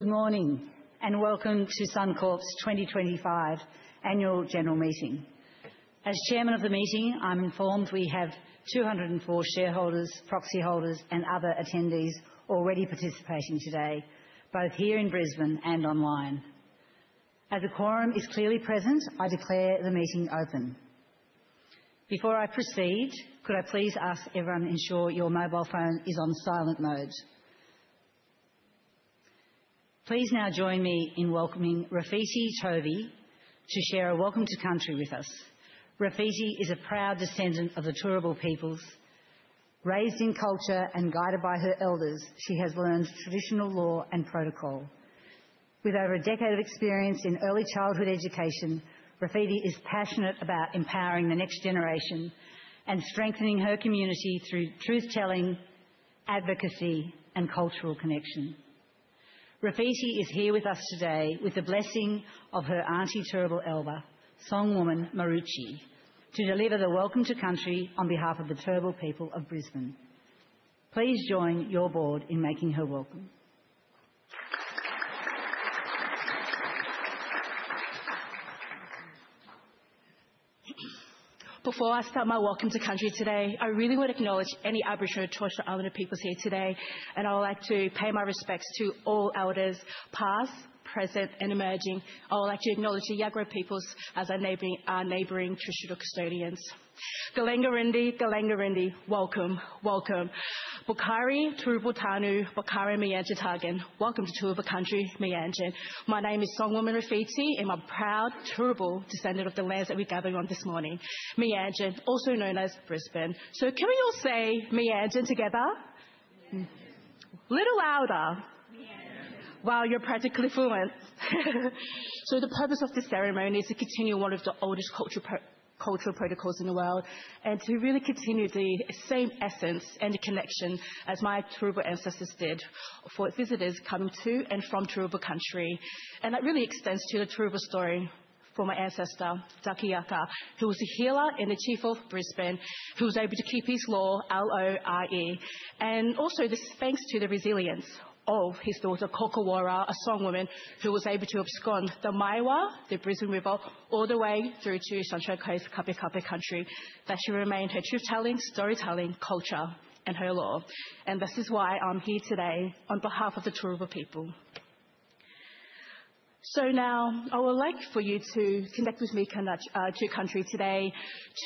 Good morning and welcome to Suncorp's 2025 Annual General Meeting. As Chairman of the Meeting, I'm informed we have 204 shareholders, proxy holders, and other attendees already participating today, both here in Brisbane and online. As the quorum is clearly present, I declare the meeting open. Before I proceed, could I please ask everyone to ensure your mobile phone is on silent mode? Please now join me in welcoming Rafiki Tovi to share a Welcome to Country with us. Rafiki is a proud descendant of the Turrbal peoples. Raised in culture and guided by her elders, she has learned traditional law and protocol. With over a decade of experience in early childhood education, Rafiki is passionate about empowering the next generation and strengthening her community through truth-telling, advocacy, and cultural connection. Rafiki is here with us today with the blessing of her Auntie Turrbal Elder, Songwoman Maroochy, to deliver the Welcome to Country on behalf of the Turrbal people of Brisbane. Please join your board in making her welcome. Before I start my welcome to country today, I really want to acknowledge any Aboriginal, Torres Strait Islander peoples here today, and I would like to pay my respects to all Elders, past, present, and emerging. I would like to acknowledge the Yuggera peoples as our neighboring traditional custodians. Galang nguruindh, Galang nguruindh, welcome, welcome. Bukhari Turrbal Tannu, Bukhari Meanjiin-jagun, welcome to Turrbal country, Meanjin. My name is Songwoman Rafiki, and I'm a proud Turrbal descendant of the lands that we're gathering on this morning, Meanjin, also known as Brisbane. So can we all say Meanjin together? A little louder. Meanjin. Wow, you're practically fluent. So the purpose of this ceremony is to continue one of the oldest cultural protocols in the world and to really continue the same essence and connection as my Turrbal ancestors did for visitors coming to and from Turrbal Country. And that really extends to the Turrbal story for my ancestor, Daki Yakka, who was a healer and the chief of Brisbane, who was able to keep his law, L-O-R-E. And also this is thanks to the resilience of his daughter, Kokawarra, a songwoman who was able to abscond the Maiwar, the Brisbane River, all the way through to Sunshine Coast, Kabi Kabi Country, that she remained her truth-telling, storytelling culture and her law. And this is why I'm here today on behalf of the Turrbal people. So now I would like for you to connect with me to Country today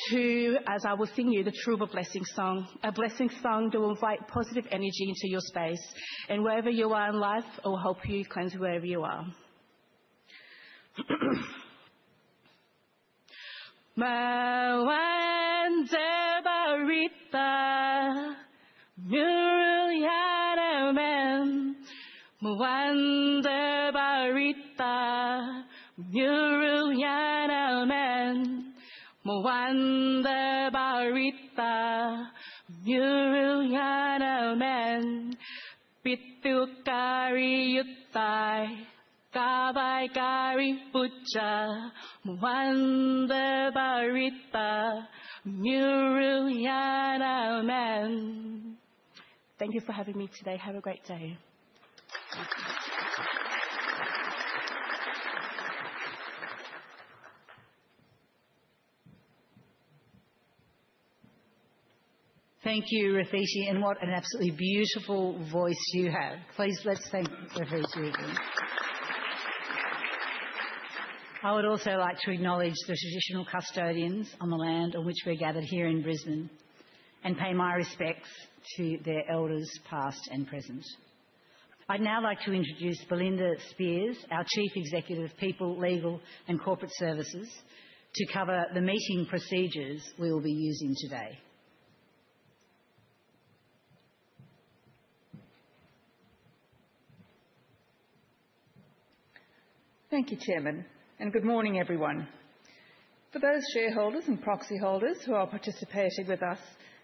to, as I will sing you, the Turrbal Blessing Song, a blessing song that will invite positive energy into your space and wherever you are in life or help you cleanse wherever you are. Thank you for having me today. Have a great day. Thank you, Rafiki, and what an absolutely beautiful voice you have. Please let's thank Rafiki. I would also like to acknowledge the traditional custodians on the land on which we're gathered here in Brisbane and pay my respects to their Elders, past and present. I'd now like to introduce Belinda Speirs, our Chief Executive of People, Legal and Corporate Services, to cover the meeting procedures we will be using today. Thank you, Chairman, and good morning, everyone. For those shareholders and proxy holders who are participating with us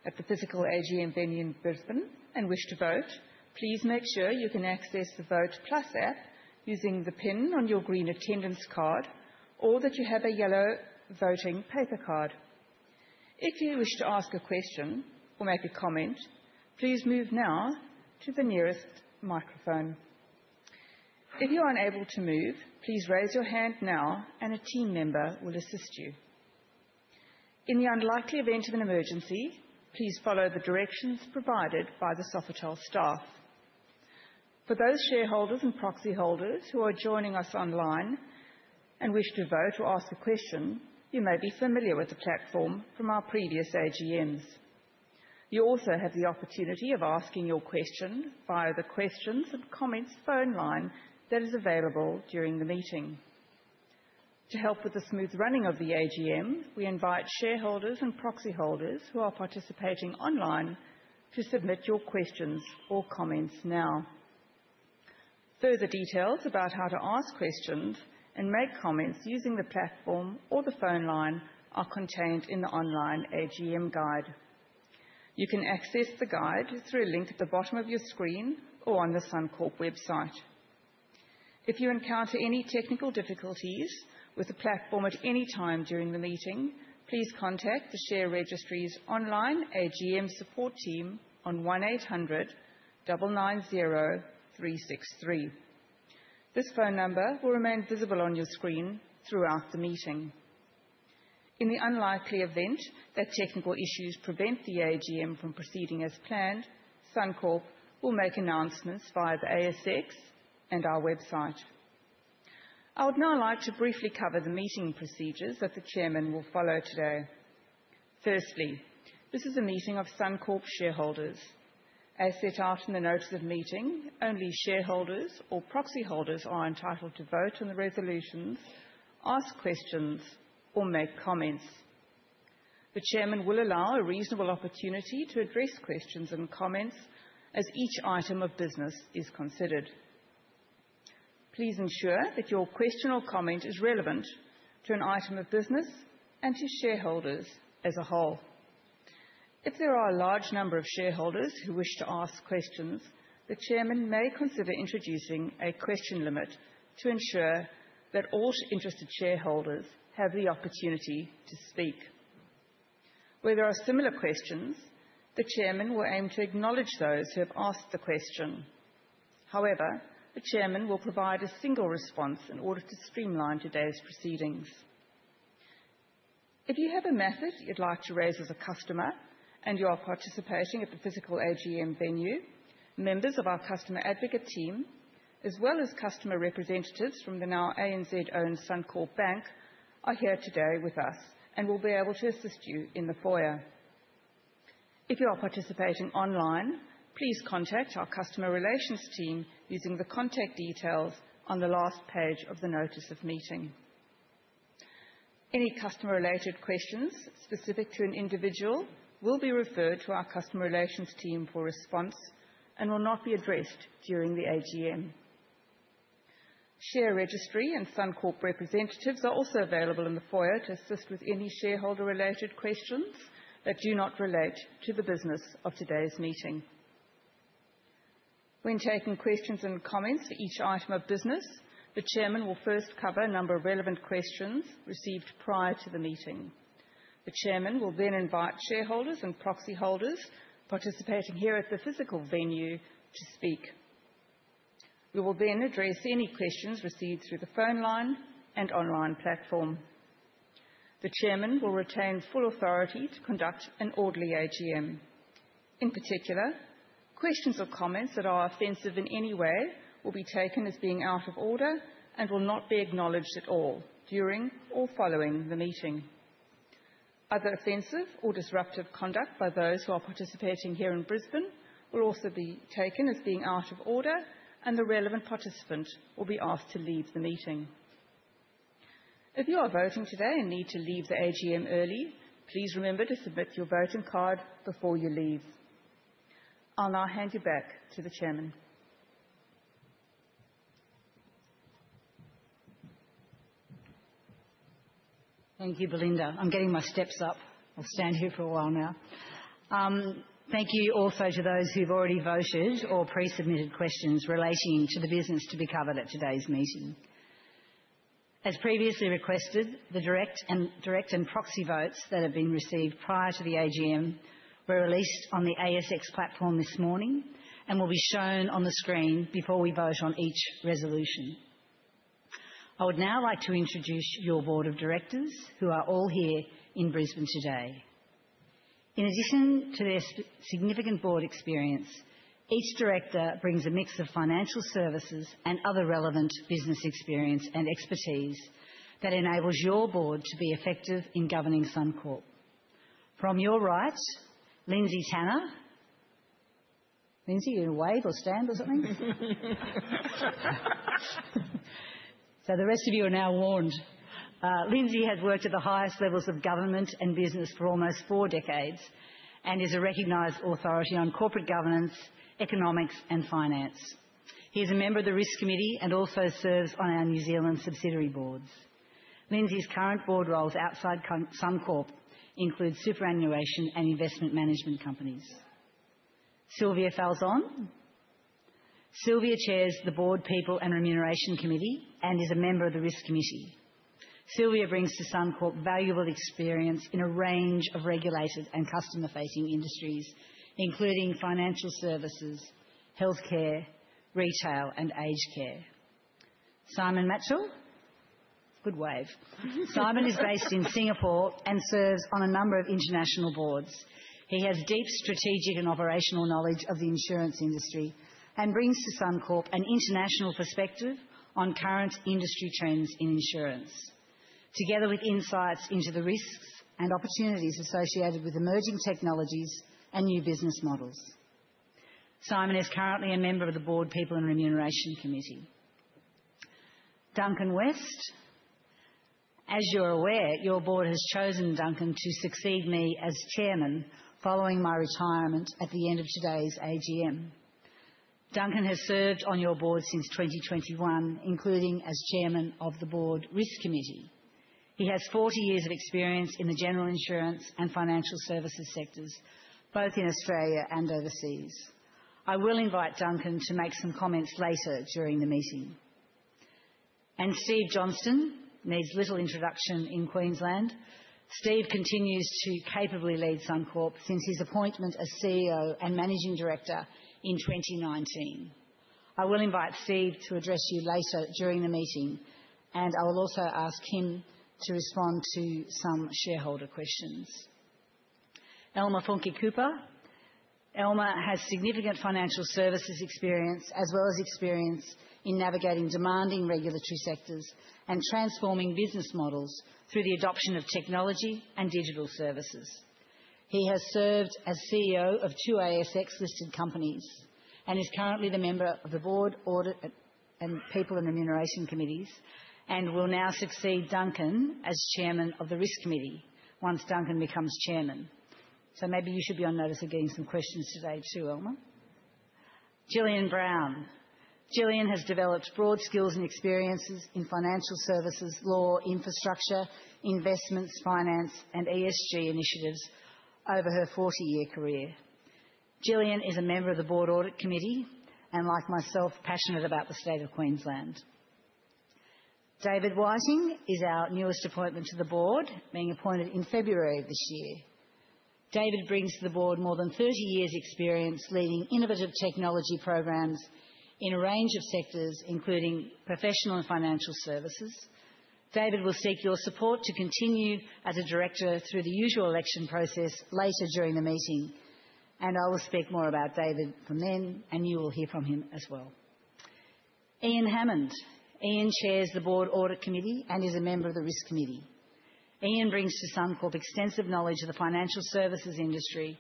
at the physical AGM venue in Brisbane and wish to vote, please make sure you can access the Vote+ app using the PIN on your green attendance card or that you have a yellow voting paper card. If you wish to ask a question or make a comment, please move now to the nearest microphone. If you are unable to move, please raise your hand now and a team member will assist you. In the unlikely event of an emergency, please follow the directions provided by the Sofitel staff. For those shareholders and proxy holders who are joining us online and wish to vote or ask a question, you may be familiar with the platform from our previous AGMs. You also have the opportunity of asking your question via the questions and comments phone line that is available during the meeting. To help with the smooth running of the AGM, we invite shareholders and proxy holders who are participating online to submit your questions or comments now. Further details about how to ask questions and make comments using the platform or the phone line are contained in the online AGM guide. You can access the guide through a link at the bottom of your screen or on the Suncorp website. If you encounter any technical difficulties with the platform at any time during the meeting, please contact the Share Registry's Online AGM Support Team on 1-800-990-363. This phone number will remain visible on your screen throughout the meeting. In the unlikely event that technical issues prevent the AGM from proceeding as planned, Suncorp will make announcements via the ASX and our website. I would now like to briefly cover the meeting procedures that the Chairman will follow today. Firstly, this is a meeting of Suncorp shareholders. As set out in the notice of meeting, only shareholders or proxy holders are entitled to vote on the resolutions, ask questions, or make comments. The Chairman will allow a reasonable opportunity to address questions and comments as each item of business is considered. Please ensure that your question or comment is relevant to an item of business and to shareholders as a whole. If there are a large number of shareholders who wish to ask questions, the Chairman may consider introducing a question limit to ensure that all interested shareholders have the opportunity to speak. Where there are similar questions, the Chairman will aim to acknowledge those who have asked the question. However, the Chairman will provide a single response in order to streamline today's proceedings. If you have a matter that you'd like to raise as a customer and you are participating at the physical AGM venue, members of our customer advocate team, as well as customer representatives from the now ANZ-owned Suncorp Bank, are here today with us and will be able to assist you in the foyer. If you are participating online, please contact our customer relations team using the contact details on the last page of the notice of meeting. Any customer-related questions specific to an individual will be referred to our customer relations team for response and will not be addressed during the AGM. Share registry and Suncorp representatives are also available in the foyer to assist with any shareholder-related questions that do not relate to the business of today's meeting. When taking questions and comments for each item of business, the Chairman will first cover a number of relevant questions received prior to the meeting. The Chairman will then invite shareholders and proxy holders participating here at the physical venue to speak. We will then address any questions received through the phone line and online platform. The Chairman will retain full authority to conduct an orderly AGM. In particular, questions or comments that are offensive in any way will be taken as being out of order and will not be acknowledged at all during or following the meeting. Other offensive or disruptive conduct by those who are participating here in Brisbane will also be taken as being out of order, and the relevant participant will be asked to leave the meeting. If you are voting today and need to leave the AGM early, please remember to submit your voting card before you leave. I'll now hand you back to the Chairman. Thank you, Belinda. I'm getting my steps up. I'll stand here for a while now. Thank you also to those who've already voted or pre-submitted questions relating to the business to be covered at today's meeting. As previously requested, the direct and proxy votes that have been received prior to the AGM were released on the ASX platform this morning and will be shown on the screen before we vote on each resolution. I would now like to introduce your board of directors who are all here in Brisbane today. In addition to their significant board experience, each director brings a mix of financial services and other relevant business experience and expertise that enables your board to be effective in governing Suncorp. From your right, Lindsay Tanner. Lindsay, you're going to wave or stand or something? So the rest of you are now warned. Lindsay has worked at the highest levels of government and business for almost four decades and is a recognized authority on corporate governance, economics, and finance. He is a member of the Risk Committee and also serves on our New Zealand subsidiary boards. Lindsay's current board roles outside Suncorp include superannuation and investment management companies. Sylvia Falzon. Sylvia chairs the People and Remuneration Committee and is a member of the Risk Committee. Sylvia brings to Suncorp valuable experience in a range of regulated and customer-facing industries, including financial services, healthcare, retail, and aged care. Simon Machell. Good wave. Simon is based in Singapore and serves on a number of international boards. He has deep strategic and operational knowledge of the insurance industry and brings to Suncorp an international perspective on current industry trends in insurance, together with insights into the risks and opportunities associated with emerging technologies and new business models. Simon is currently a member of the Board, People and Remuneration Committee. Duncan West. As you're aware, your board has chosen Duncan to succeed me as chairman following my retirement at the end of today's AGM. Duncan has served on your board since 2021, including as chairman of the Board Risk Committee. He has 40 years of experience in the general insurance and financial services sectors, both in Australia and overseas. I will invite Duncan to make some comments later during the meeting, and Steve Johnston needs little introduction in Queensland. Steve continues to capably lead Suncorp since his appointment as CEO and Managing Director in 2019. I will invite Steve to address you later during the meeting, and I will also ask him to respond to some shareholder questions. Elmer Funke Kupper. Elmer has significant financial services experience as well as experience in navigating demanding regulatory sectors and transforming business models through the adoption of technology and digital services. He has served as CEO of two ASX-listed companies and is currently the member of the Board, Audit, and People, and Remuneration Committees and will now succeed Duncan as chairman of the Risk Committee once Duncan becomes chairman, so maybe you should be on notice of getting some questions today too, Elmer. Gillian Brown. Gillian has developed broad skills and experiences in financial services, law, infrastructure, investments, finance, and ESG initiatives over her 40-year career. Gillian is a member of the Board, Audit Committee, and like myself, passionate about the state of Queensland. David Whiting is our newest appointment to the board, being appointed in February of this year. David brings to the board more than 30 years' experience leading innovative technology programs in a range of sectors, including professional and financial services. David will seek your support to continue as a director through the usual election process later during the meeting, and I will speak more about David from then, and you will hear from him as well. Ian Hammond. Ian chairs the Board, Audit Committee, and is a member of the Risk Committee. Ian brings to Suncorp extensive knowledge of the financial services industry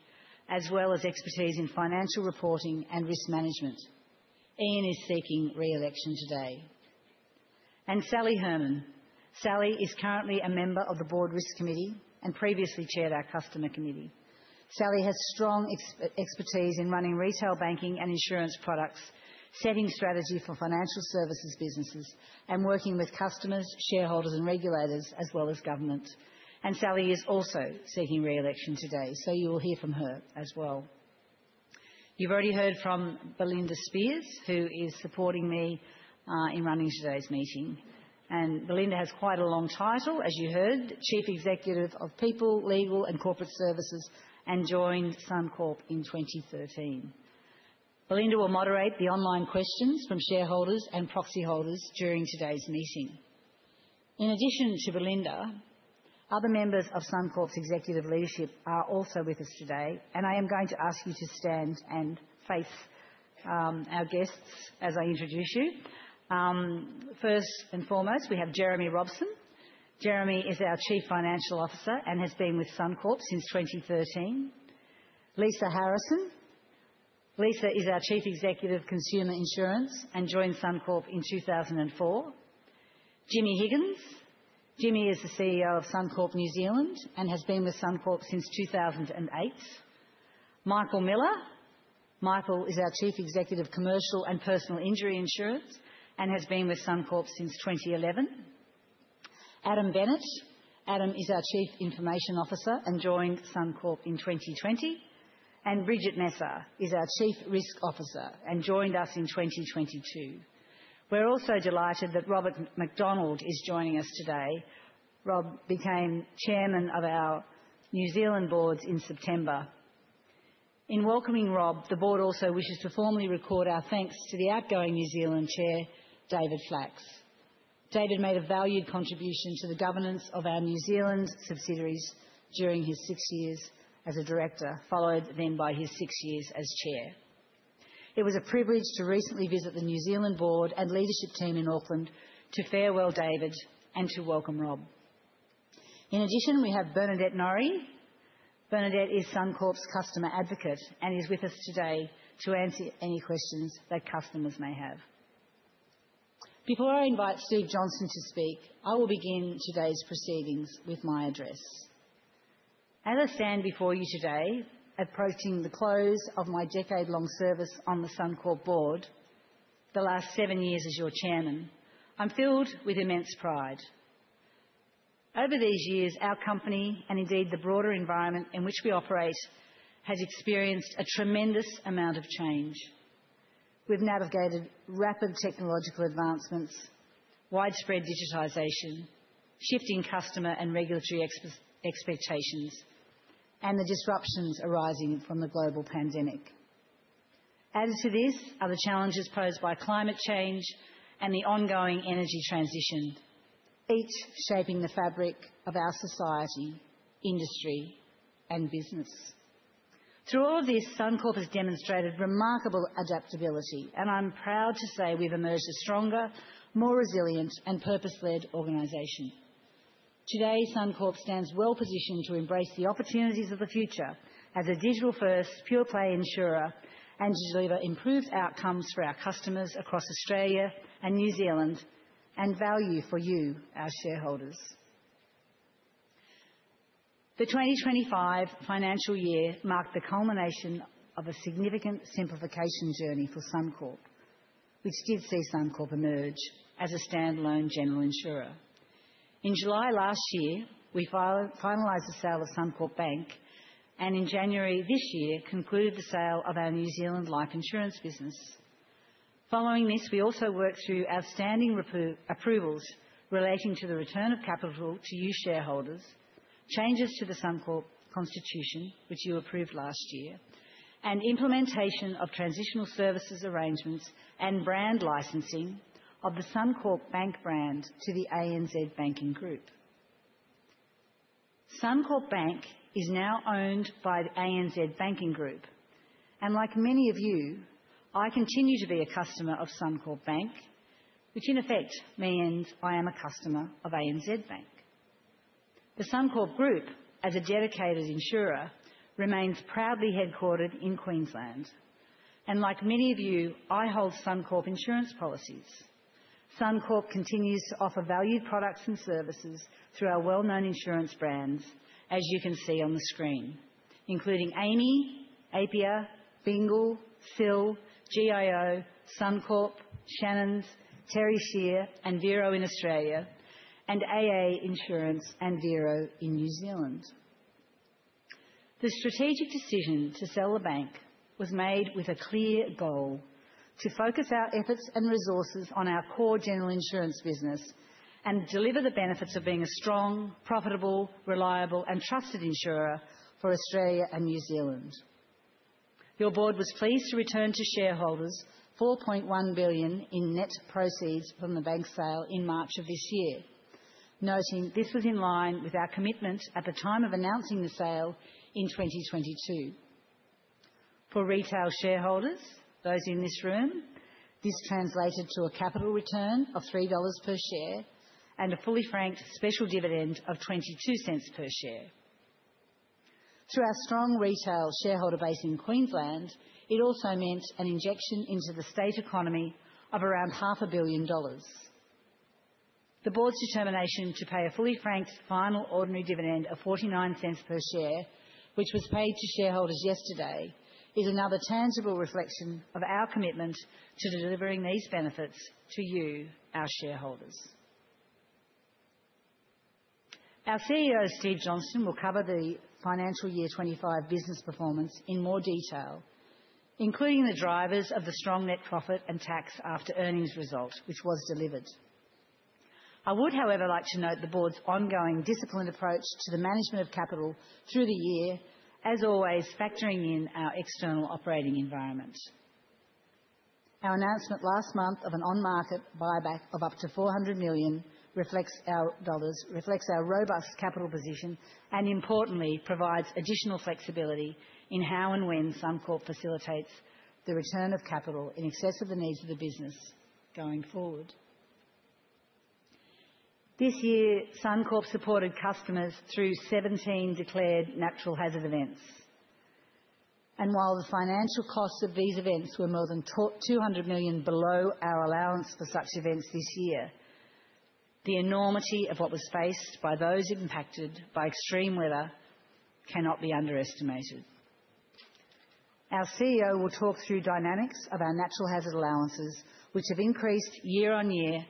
as well as expertise in financial reporting and risk management. Ian is seeking re-election today, and Sally Herman. Sally is currently a member of the Board, Risk Committee, and previously chaired our Customer Committee. Sally has strong expertise in running retail banking and insurance products, setting strategy for financial services businesses, and working with customers, shareholders, and regulators as well as government. And Sally is also seeking re-election today, so you will hear from her as well. You've already heard from Belinda Speirs, who is supporting me in running today's meeting. And Belinda has quite a long title, as you heard, Chief Executive of People, Legal, and Corporate Services, and joined Suncorp in 2013. Belinda will moderate the online questions from shareholders and proxy holders during today's meeting. In addition to Belinda, other members of Suncorp's executive leadership are also with us today, and I am going to ask you to stand and face our guests as I introduce you. First and foremost, we have Jeremy Robson. Jeremy is our Chief Financial Officer and has been with Suncorp since 2013. Lisa Harrison. Lisa is our Chief Executive of Consumer Insurance and joined Suncorp in 2004. Jimmy Higgins. Jimmy is the CEO of Suncorp New Zealand and has been with Suncorp since 2008. Michael Miller. Michael is our Chief Executive of Commercial and Personal Injury Insurance and has been with Suncorp since 2011. Adam Bennett. Adam is our Chief Information Officer and joined Suncorp in 2020, and Bridget Messer is our Chief Risk Officer and joined us in 2022. We're also delighted that Robert McDonald is joining us today. Rob became chairman of our New Zealand boards in September. In welcoming Rob, the board also wishes to formally record our thanks to the outgoing New Zealand chair, David Flacks. David made a valued contribution to the governance of our New Zealand subsidiaries during his six years as a director, followed then by his six years as chair. It was a privilege to recently visit the New Zealand board and leadership team in Auckland to farewell David and to welcome Rob. In addition, we have Bernadette Norrie. Bernadette is Suncorp's customer advocate and is with us today to answer any questions that customers may have. Before I invite Steve Johnston to speak, I will begin today's proceedings with my address. As I stand before you today, approaching the close of my decade-long service on the Suncorp board, the last seven years as your Chairman, I'm filled with immense pride. Over these years, our company and indeed the broader environment in which we operate has experienced a tremendous amount of change. We've navigated rapid technological advancements, widespread digitization, shifting customer and regulatory expectations, and the disruptions arising from the global pandemic. Added to this are the challenges posed by climate change and the ongoing energy transition, each shaping the fabric of our society, industry, and business. Through all of this, Suncorp has demonstrated remarkable adaptability, and I'm proud to say we've emerged a stronger, more resilient, and purpose-led organization. Today, Suncorp stands well positioned to embrace the opportunities of the future as a digital-first, pure-play insurer and to deliver improved outcomes for our customers across Australia and New Zealand and value for you, our shareholders. The 2025 financial year marked the culmination of a significant simplification journey for Suncorp, which did see Suncorp emerge as a standalone general insurer. In July last year, we finalised the sale of Suncorp Bank, and in January this year, concluded the sale of our New Zealand life insurance business. Following this, we also worked through outstanding approvals relating to the return of capital to you shareholders, changes to the Suncorp constitution, which you approved last year, and implementation of transitional services arrangements and brand licensing of the Suncorp Bank brand to the ANZ Banking Group. Suncorp Bank is now owned by the ANZ Banking Group, and like many of you, I continue to be a customer of Suncorp Bank, which in effect means I am a customer of ANZ Bank. The Suncorp Group, as a dedicated insurer, remains proudly headquartered in Queensland. Like many of you, I hold Suncorp insurance policies. Suncorp continues to offer valued products and services through our well-known insurance brands, as you can see on the screen, including AMI, Apia, Bingle, CIL, GIO, Suncorp, Shannons, Terri Scheer, and Vero in Australia, and AA Insurance and Vero in New Zealand. The strategic decision to sell the bank was made with a clear goal to focus our efforts and resources on our core general insurance business and deliver the benefits of being a strong, profitable, reliable, and trusted insurer for Australia and New Zealand. Your board was pleased to return to shareholders 4.1 billion in net proceeds from the bank sale in March of this year, noting this was in line with our commitment at the time of announcing the sale in 2022. For retail shareholders, those in this room, this translated to a capital return of 3 dollars per share and a fully franked special dividend of 0.22 per share. Through our strong retail shareholder base in Queensland, it also meant an injection into the state economy of around 500 million dollars. The board's determination to pay a fully franked final ordinary dividend of 0.49 per share, which was paid to shareholders yesterday, is another tangible reflection of our commitment to delivering these benefits to you, our shareholders. Our CEO, Steve Johnston, will cover the financial year 2025 business performance in more detail, including the drivers of the strong net profit and tax after earnings result, which was delivered. I would, however, like to note the board's ongoing disciplined approach to the management of capital through the year, as always, factoring in our external operating environment. Our announcement last month of an on-market buyback of up to 400 million reflects our robust capital position and, importantly, provides additional flexibility in how and when Suncorp facilitates the return of capital in excess of the needs of the business going forward. This year, Suncorp supported customers through 17 declared natural hazard events. While the financial costs of these events were more than 200 million below our allowance for such events this year, the enormity of what was faced by those impacted by extreme weather cannot be underestimated. Our CEO will talk through dynamics of our natural hazard allowances, which have increased year on year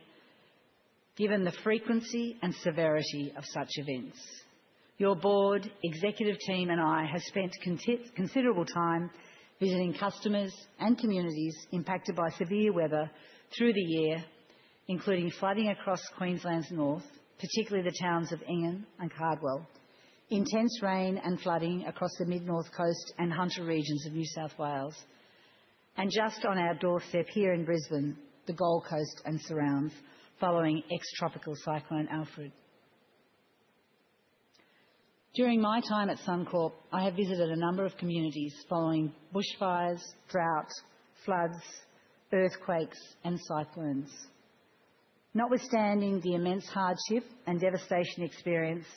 given the frequency and severity of such events. Your board, executive team, and I have spent considerable time visiting customers and communities impacted by severe weather through the year, including flooding across Queensland's north, particularly the towns of Ingham and Cardwell, intense rain and flooding across the Mid North Coast and Hunter regions of New South Wales, and just on our doorstep here in Brisbane, the Gold Coast and surrounds following Ex-Tropical Cyclone Alfred. During my time at Suncorp, I have visited a number of communities following bushfires, drought, floods, earthquakes, and cyclones. Notwithstanding the immense hardship and devastation experienced,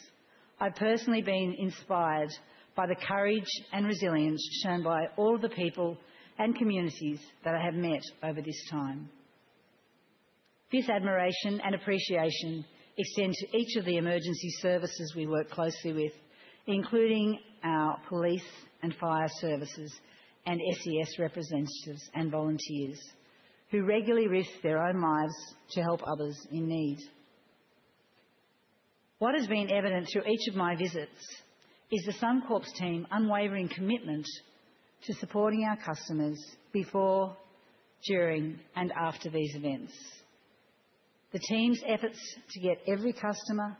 I've personally been inspired by the courage and resilience shown by all of the people and communities that I have met over this time. This admiration and appreciation extend to each of the emergency services we work closely with, including our police and fire services and SES representatives and volunteers who regularly risk their own lives to help others in need. What has been evident through each of my visits is the Suncorp team's unwavering commitment to supporting our customers before, during, and after these events. The team's efforts to get every customer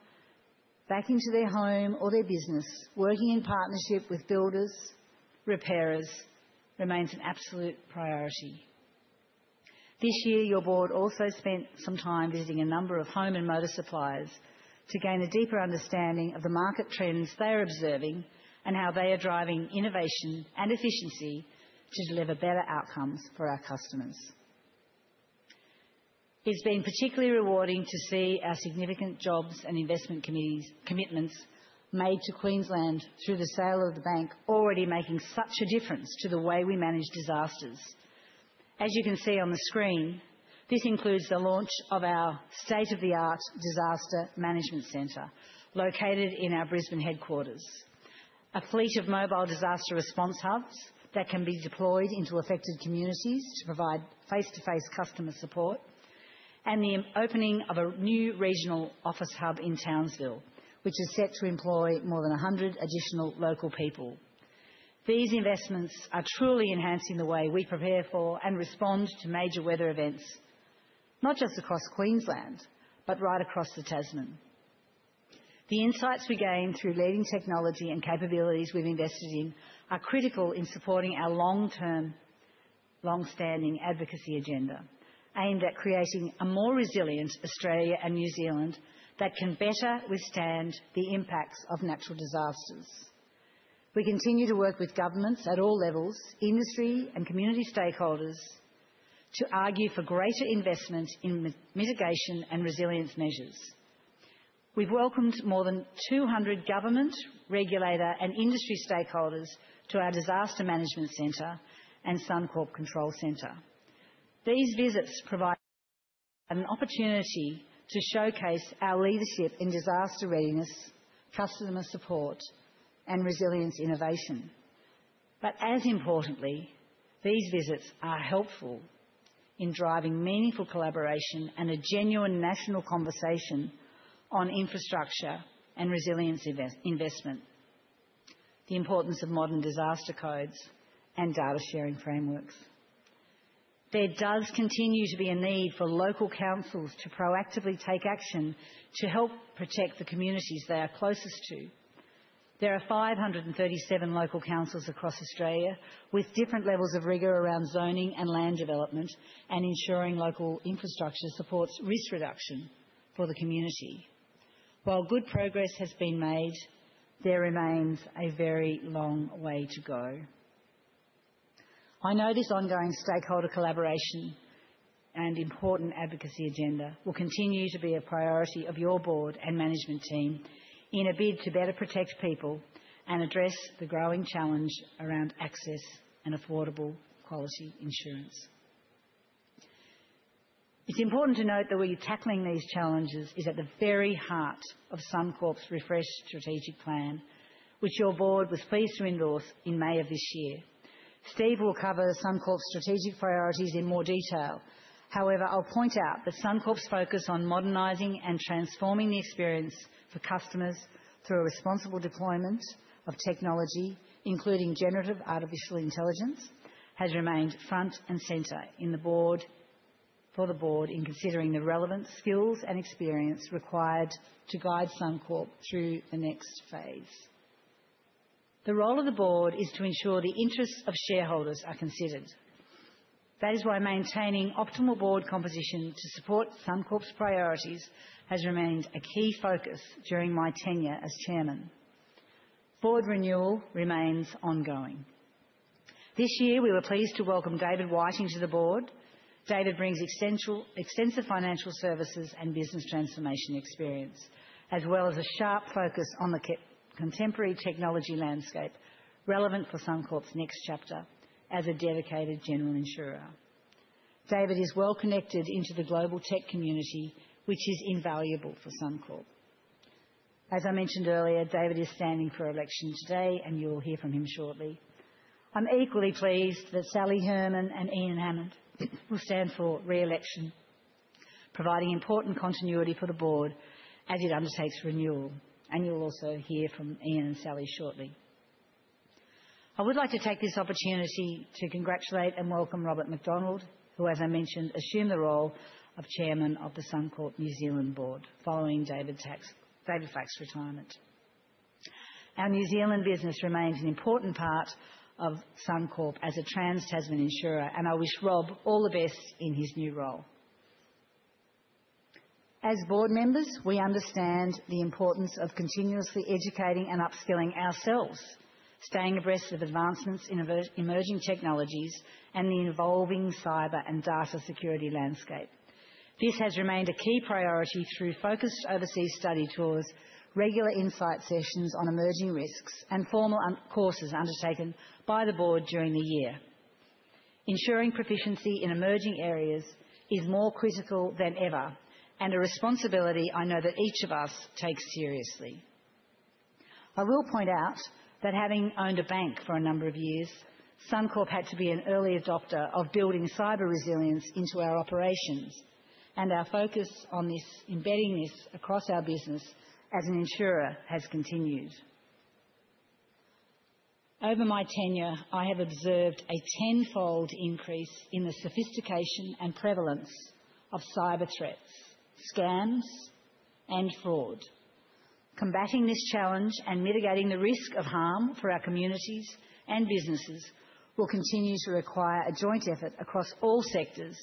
back into their home or their business, working in partnership with builders, repairers, remain an absolute priority. This year, your board also spent some time visiting a number of home and motor suppliers to gain a deeper understanding of the market trends they are observing and how they are driving innovation and efficiency to deliver better outcomes for our customers. It's been particularly rewarding to see our significant jobs and investment commitments made to Queensland through the sale of the bank already making such a difference to the way we manage disasters. As you can see on the screen, this includes the launch of our state-of-the-art disaster management center located in our Brisbane headquarters, a fleet of mobile disaster response hubs that can be deployed into affected communities to provide face-to-face customer support, and the opening of a new regional office hub in Townsville, which is set to employ more than 100 additional local people. These investments are truly enhancing the way we prepare for and respond to major weather events, not just across Queensland, but right across the Tasman. The insights we gain through leading technology and capabilities we've invested in are critical in supporting our long-standing advocacy agenda aimed at creating a more resilient Australia and New Zealand that can better withstand the impacts of natural disasters. We continue to work with governments at all levels, industry, and community stakeholders to argue for greater investment in mitigation and resilience measures. We've welcomed more than 200 government, regulator, and industry stakeholders to our disaster management center and Suncorp control center. These visits provide an opportunity to showcase our leadership in disaster readiness, customer support, and resilience innovation. But as importantly, these visits are helpful in driving meaningful collaboration and a genuine national conversation on infrastructure and resilience investment, the importance of modern disaster codes and data sharing frameworks. There does continue to be a need for local councils to proactively take action to help protect the communities they are closest to. There are 537 local councils across Australia with different levels of rigor around zoning and land development and ensuring local infrastructure supports risk reduction for the community. While good progress has been made, there remains a very long way to go. I know this ongoing stakeholder collaboration and important advocacy agenda will continue to be a priority of your board and management team in a bid to better protect people and address the growing challenge around access and affordable quality insurance. It's important to note that we're tackling these challenges at the very heart of Suncorp's refreshed strategic plan, which your board was pleased to endorse in May of this year. Steve will cover Suncorp's strategic priorities in more detail. However, I'll point out that Suncorp's focus on modernizing and transforming the experience for customers through a responsible deployment of technology, including generative artificial intelligence, has remained front and center for the board in considering the relevant skills and experience required to guide Suncorp through the next phase. The role of the board is to ensure the interests of shareholders are considered. That is why maintaining optimal board composition to support Suncorp's priorities has remained a key focus during my tenure as chairman. Board renewal remains ongoing. This year, we were pleased to welcome David Whiting to the board. David brings extensive financial services and business transformation experience, as well as a sharp focus on the contemporary technology landscape relevant for Suncorp's next chapter as a dedicated general insurer. David is well connected into the global tech community, which is invaluable for Suncorp. As I mentioned earlier, David is standing for election today, and you'll hear from him shortly. I'm equally pleased that Sally Herman and Ian Hammond will stand for re-election, providing important continuity for the board as it undertakes renewal. And you'll also hear from Ian and Sally shortly. I would like to take this opportunity to congratulate and welcome Robert MacDonald, who, as I mentioned, assumed the role of chairman of the Suncorp New Zealand board following David Flacks's retirement. Our New Zealand business remains an important part of Suncorp as a trans-Tasman insurer, and I wish Rob all the best in his new role. As board members, we understand the importance of continuously educating and upskilling ourselves, staying abreast of advancements in emerging technologies and the evolving cyber and data security landscape. This has remained a key priority through focused overseas study tours, regular insight sessions on emerging risks, and formal courses undertaken by the board during the year. Ensuring proficiency in emerging areas is more critical than ever and a responsibility I know that each of us takes seriously. I will point out that having owned a bank for a number of years, Suncorp had to be an early adopter of building cyber resilience into our operations, and our focus on embedding this across our business as an insurer has continued. Over my tenure, I have observed a tenfold increase in the sophistication and prevalence of cyber threats, scams, and fraud. Combating this challenge and mitigating the risk of harm for our communities and businesses will continue to require a joint effort across all sectors,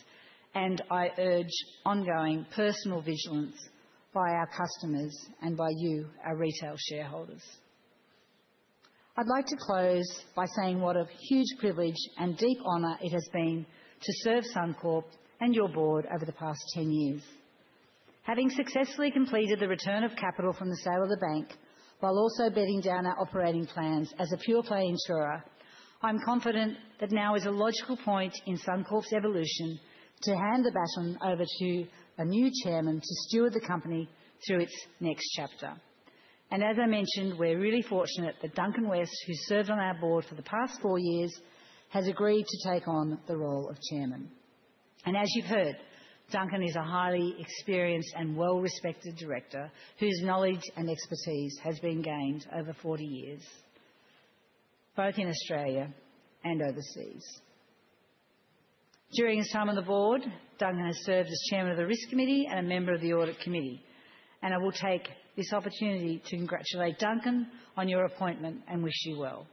and I urge ongoing personal vigilance by our customers and by you, our retail shareholders. I'd like to close by saying what a huge privilege and deep honor it has been to serve Suncorp and your board over the past 10 years. Having successfully completed the return of capital from the sale of the bank while also bedding down our operating plans as a pure-play insurer, I'm confident that now is a logical point in Suncorp's evolution to hand the baton over to a new chairman to steward the company through its next chapter. And as I mentioned, we're really fortunate that Duncan West, who served on our board for the past four years, has agreed to take on the role of chairman. As you've heard, Duncan is a highly experienced and well-respected director whose knowledge and expertise have been gained over 40 years, both in Australia and overseas. During his time on the board, Duncan has served as chairman of the risk committee and a member of the Audit Committee. I will take this opportunity to congratulate Duncan on your appointment and wish you well.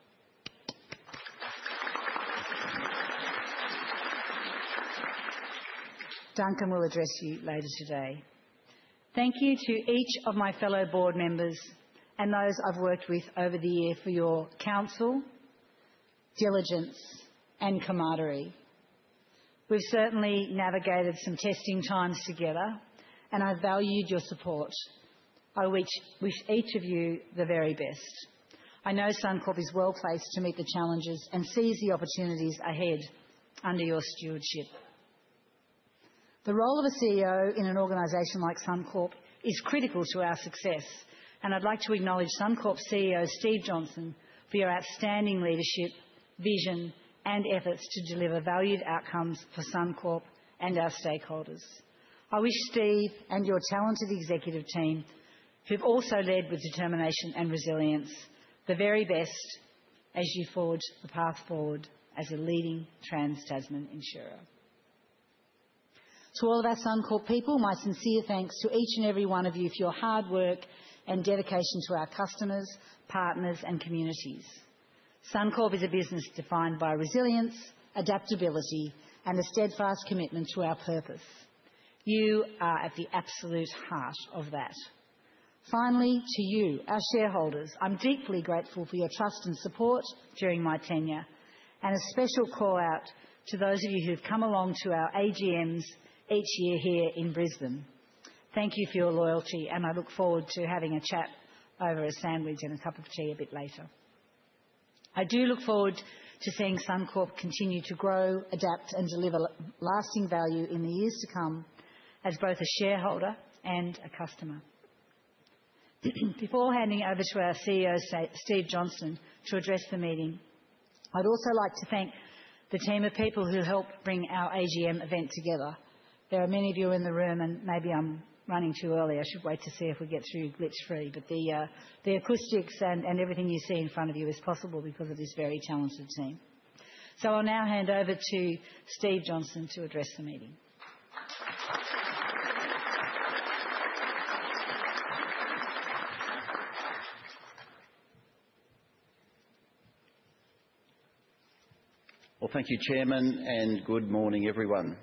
Duncan will address you later today. Thank you to each of my fellow board members and those I've worked with over the year for your counsel, diligence, and camaraderie. We've certainly navigated some testing times together, and I've valued your support. I wish each of you the very best. I know Suncorp is well placed to meet the challenges and sees the opportunities ahead under your stewardship. The role of a CEO in an organization like Suncorp is critical to our success, and I'd like to acknowledge Suncorp CEO Steve Johnston for your outstanding leadership, vision, and efforts to deliver valued outcomes for Suncorp and our stakeholders. I wish Steve and your talented executive team, who have also led with determination and resilience, the very best as you forge the path forward as a leading trans-Tasman insurer. To all of our Suncorp people, my sincere thanks to each and every one of you for your hard work and dedication to our customers, partners, and communities. Suncorp is a business defined by resilience, adaptability, and a steadfast commitment to our purpose. You are at the absolute heart of that. Finally, to you, our shareholders, I'm deeply grateful for your trust and support during my tenure, and a special call out to those of you who have come along to our AGMs each year here in Brisbane. Thank you for your loyalty, and I look forward to having a chat over a sandwich and a cup of tea a bit later. I do look forward to seeing Suncorp continue to grow, adapt, and deliver lasting value in the years to come as both a shareholder and a customer. Before handing over to our CEO, Steve Johnston, to address the meeting, I'd also like to thank the team of people who helped bring our AGM event together. There are many of you in the room, and maybe I'm running too early. I should wait to see if we get through glitch-free, but the acoustics and everything you see in front of you is possible because of this very talented team. I'll now hand over to Steve Johnston to address the meeting. Thank you, Chairman, and good morning, everyone.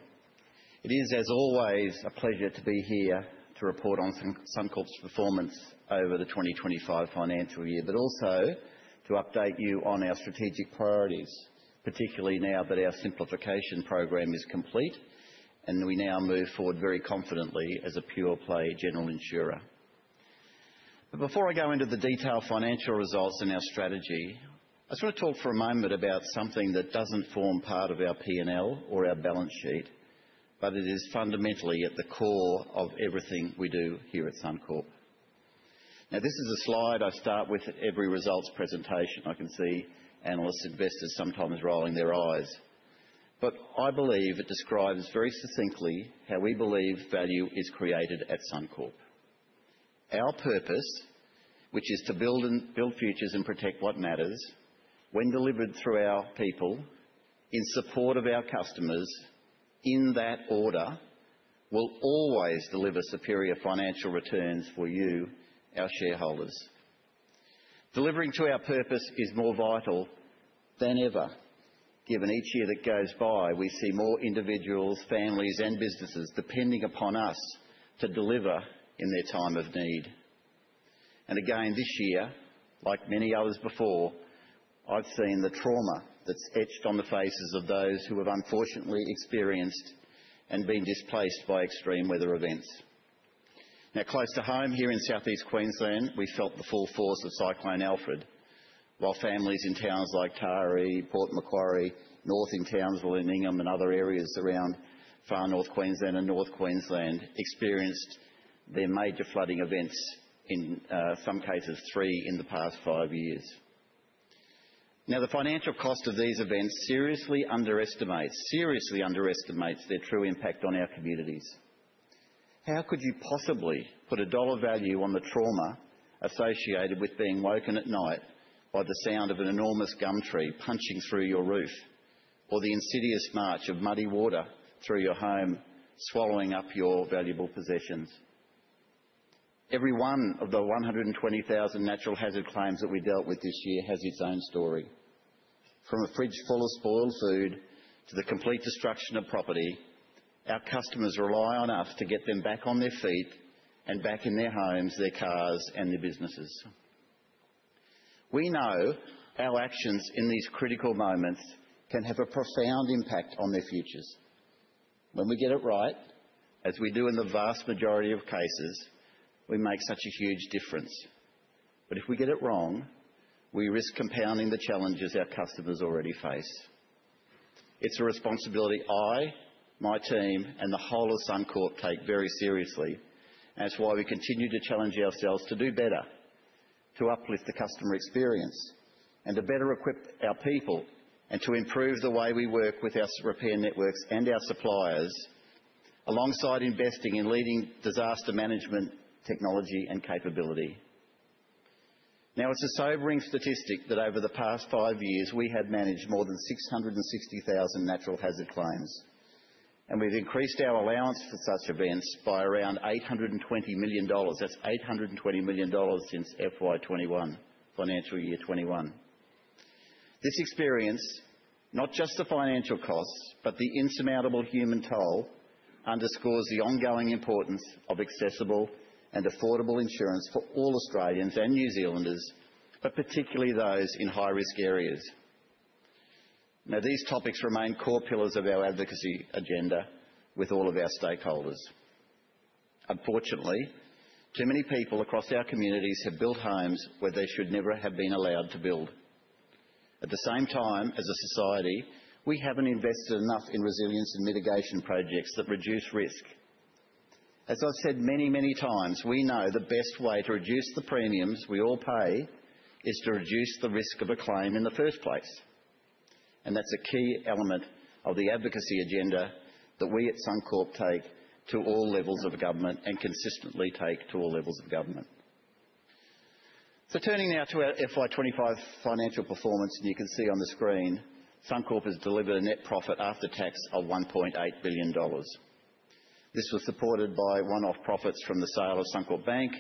It is, as always, a pleasure to be here to report on Suncorp's performance over the 2025 financial year, but also to update you on our strategic priorities, particularly now that our simplification program is complete and we now move forward very confidently as a pure-play general insurer. But before I go into the detailed financial results and our strategy, I just want to talk for a moment about something that doesn't form part of our P&L or our balance sheet, but it is fundamentally at the core of everything we do here at Suncorp. Now, this is a slide I start with every results presentation. I can see analysts and investors sometimes rolling their eyes. But I believe it describes very succinctly how we believe value is created at Suncorp. Our purpose, which is to build futures and protect what matters, when delivered through our people in support of our customers, in that order, will always deliver superior financial returns for you, our shareholders. Delivering to our purpose is more vital than ever, given each year that goes by, we see more individuals, families, and businesses depending upon us to deliver in their time of need. And again, this year, like many others before, I've seen the trauma that's etched on the faces of those who have unfortunately experienced and been displaced by extreme weather events. Now, close to home here in southeast Queensland, we felt the full force of Cyclone Alfred, while families in towns like Taree, Port Macquarie, north in Townsville and Ingham, and other areas around far north Queensland and north Queensland experienced their major flooding events, in some cases three, in the past five years. Now, the financial cost of these events seriously underestimates their true impact on our communities. How could you possibly put a dollar value on the trauma associated with being woken at night by the sound of an enormous gum tree punching through your roof, or the insidious march of muddy water through your home, swallowing up your valuable possessions? Every one of the 120,000 natural hazard claims that we dealt with this year has its own story. From a fridge full of spoiled food to the complete destruction of property, our customers rely on us to get them back on their feet and back in their homes, their cars, and their businesses. We know our actions in these critical moments can have a profound impact on their futures. When we get it right, as we do in the vast majority of cases, we make such a huge difference. But if we get it wrong, we risk compounding the challenges our customers already face. It's a responsibility I, my team, and the whole of Suncorp take very seriously, and it's why we continue to challenge ourselves to do better, to uplift the customer experience, and to better equip our people, and to improve the way we work with our repair networks and our suppliers, alongside investing in leading disaster management technology and capability. Now, it's a sobering statistic that over the past five years, we have managed more than 660,000 natural hazard claims, and we've increased our allowance for such events by around 820 million dollars. That's 820 million dollars since FY21, financial year 2021. This experience, not just the financial costs, but the insurmountable human toll, underscores the ongoing importance of accessible and affordable insurance for all Australians and New Zealanders, but particularly those in high-risk areas. Now, these topics remain core pillars of our advocacy agenda with all of our stakeholders. Unfortunately, too many people across our communities have built homes where they should never have been allowed to build. At the same time, as a society, we haven't invested enough in resilience and mitigation projects that reduce risk. As I've said many, many times, we know the best way to reduce the premiums we all pay is to reduce the risk of a claim in the first place, and that's a key element of the advocacy agenda that we at Suncorp take to all levels of government and consistently take to all levels of government, so turning now to our FY25 financial performance, and you can see on the screen, Suncorp has delivered a net profit after tax of 1.8 billion dollars. This was supported by one-off profits from the sale of Suncorp Bank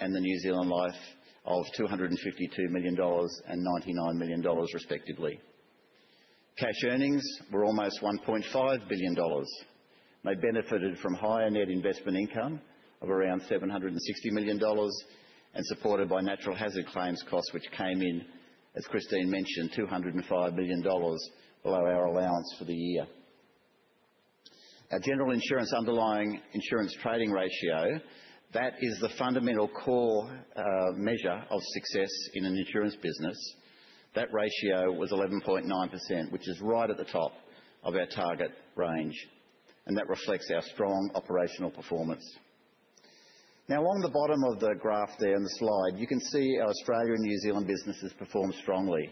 and the New Zealand Life of 252 million dollars and 99 million dollars, respectively. Cash earnings were almost 1.5 billion dollars. They benefited from higher net investment income of around 760 million dollars and supported by natural hazard claims costs, which came in, as Christine mentioned, 205 million dollars below our allowance for the year. Our general insurance underlying insurance trading ratio, that is the fundamental core measure of success in an insurance business. That ratio was 11.9%, which is right at the top of our target range, and that reflects our strong operational performance. Now, along the bottom of the graph there in the slide, you can see our Australia and New Zealand businesses perform strongly,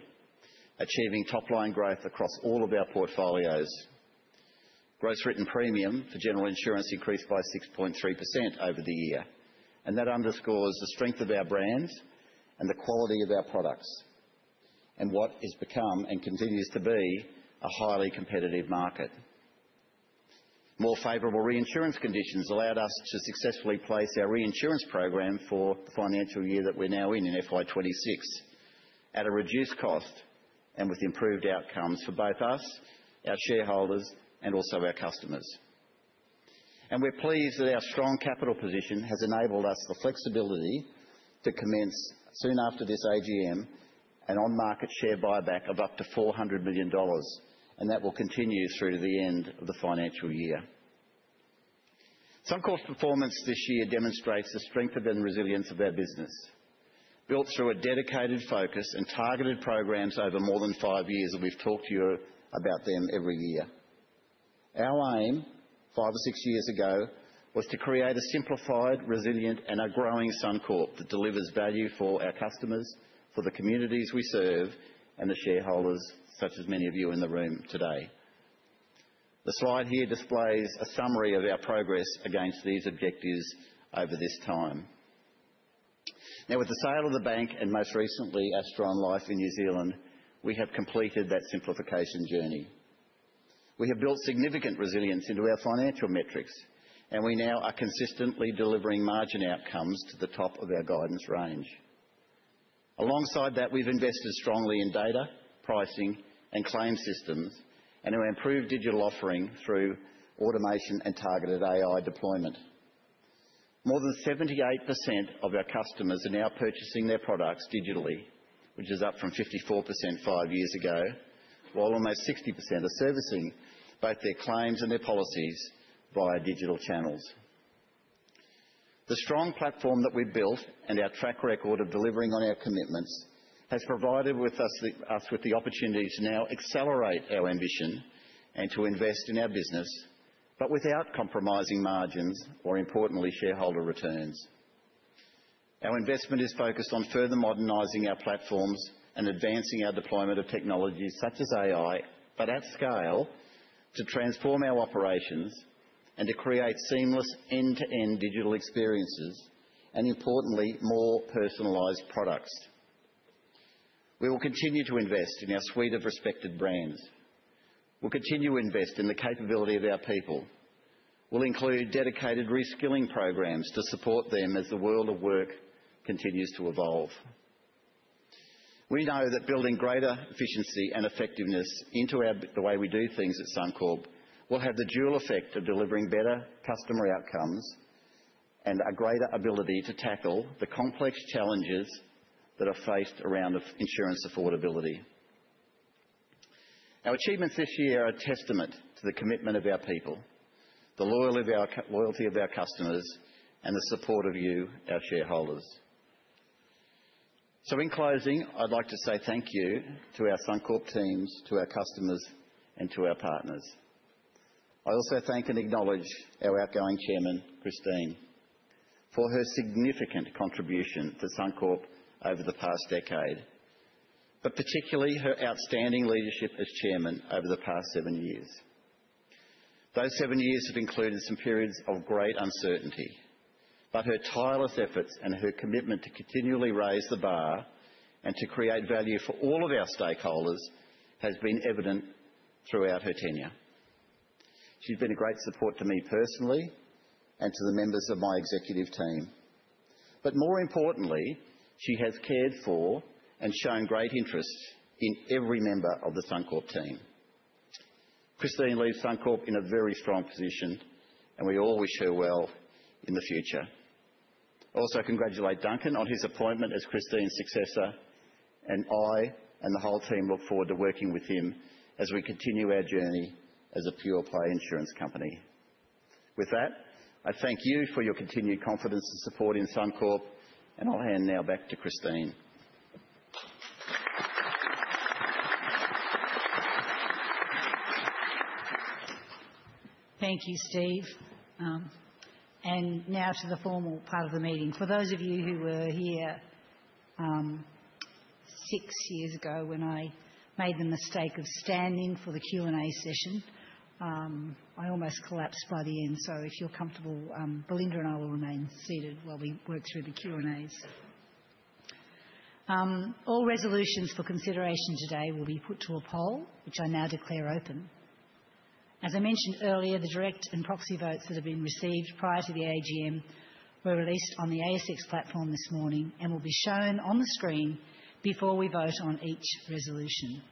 achieving top-line growth across all of our portfolios. Gross written premium for general insurance increased by 6.3% over the year, and that underscores the strength of our brand and the quality of our products and what has become and continues to be a highly competitive market. More favorable reinsurance conditions allowed us to successfully place our reinsurance program for the financial year that we're now in, in FY26, at a reduced cost and with improved outcomes for both us, our shareholders, and also our customers. We’re pleased that our strong capital position has enabled us the flexibility to commence soon after this AGM an on-market share buyback of up to 400 million dollars, and that will continue through to the end of the financial year. Suncorp’s performance this year demonstrates the strength and resilience of our business built through a dedicated focus and targeted programs over more than five years, and we’ve talked to you about them every year. Our aim five or six years ago was to create a simplified, resilient, and a growing Suncorp that delivers value for our customers, for the communities we serve, and the shareholders, such as many of you in the room today. The slide here displays a summary of our progress against these objectives over this time. Now, with the sale of the bank and most recently Asteron Life in New Zealand, we have completed that simplification journey. We have built significant resilience into our financial metrics, and we now are consistently delivering margin outcomes to the top of our guidance range. Alongside that, we've invested strongly in data, pricing, and claim systems, and our improved digital offering through automation and targeted AI deployment. More than 78% of our customers are now purchasing their products digitally, which is up from 54% five years ago, while almost 60% are servicing both their claims and their policies via digital channels. The strong platform that we've built and our track record of delivering on our commitments has provided us with the opportunity to now accelerate our ambition and to invest in our business, but without compromising margins or, importantly, shareholder returns. Our investment is focused on further modernizing our platforms and advancing our deployment of technologies such as AI, but at scale, to transform our operations and to create seamless end-to-end digital experiences and, importantly, more personalized products. We will continue to invest in our suite of respected brands. We'll continue to invest in the capability of our people. We'll include dedicated reskilling programs to support them as the world of work continues to evolve. We know that building greater efficiency and effectiveness into the way we do things at Suncorp will have the dual effect of delivering better customer outcomes and a greater ability to tackle the complex challenges that are faced around insurance affordability. Our achievements this year are a testament to the commitment of our people, the loyalty of our customers, and the support of you, our shareholders. So, in closing, I'd like to say thank you to our Suncorp teams, to our customers, and to our partners. I also thank and acknowledge our outgoing Chairman, Christine, for her significant contribution to Suncorp over the past decade, but particularly her outstanding leadership as Chairman over the past seven years. Those seven years have included some periods of great uncertainty, but her tireless efforts and her commitment to continually raise the bar and to create value for all of our stakeholders has been evident throughout her tenure. She's been a great support to me personally and to the members of my executive team. But more importantly, she has cared for and shown great interest in every member of the Suncorp team. Christine leaves Suncorp in a very strong position, and we all wish her well in the future. I also congratulate Duncan on his appointment as Christine's successor, and I and the whole team look forward to working with him as we continue our journey as a pure-play insurance company. With that, I thank you for your continued confidence and support in Suncorp, and I'll hand now back to Christine. Thank you, Steve, and now to the formal part of the meeting. For those of you who were here six years ago when I made the mistake of standing for the Q&A session, I almost collapsed by the end. So, if you're comfortable, Belinda and I will remain seated while we work through the Q&As. All resolutions for consideration today will be put to a poll, which I now declare open. As I mentioned earlier, the direct and proxy votes that have been received prior to the AGM were released on the ASX platform this morning and will be shown on the screen before we vote on each resolution.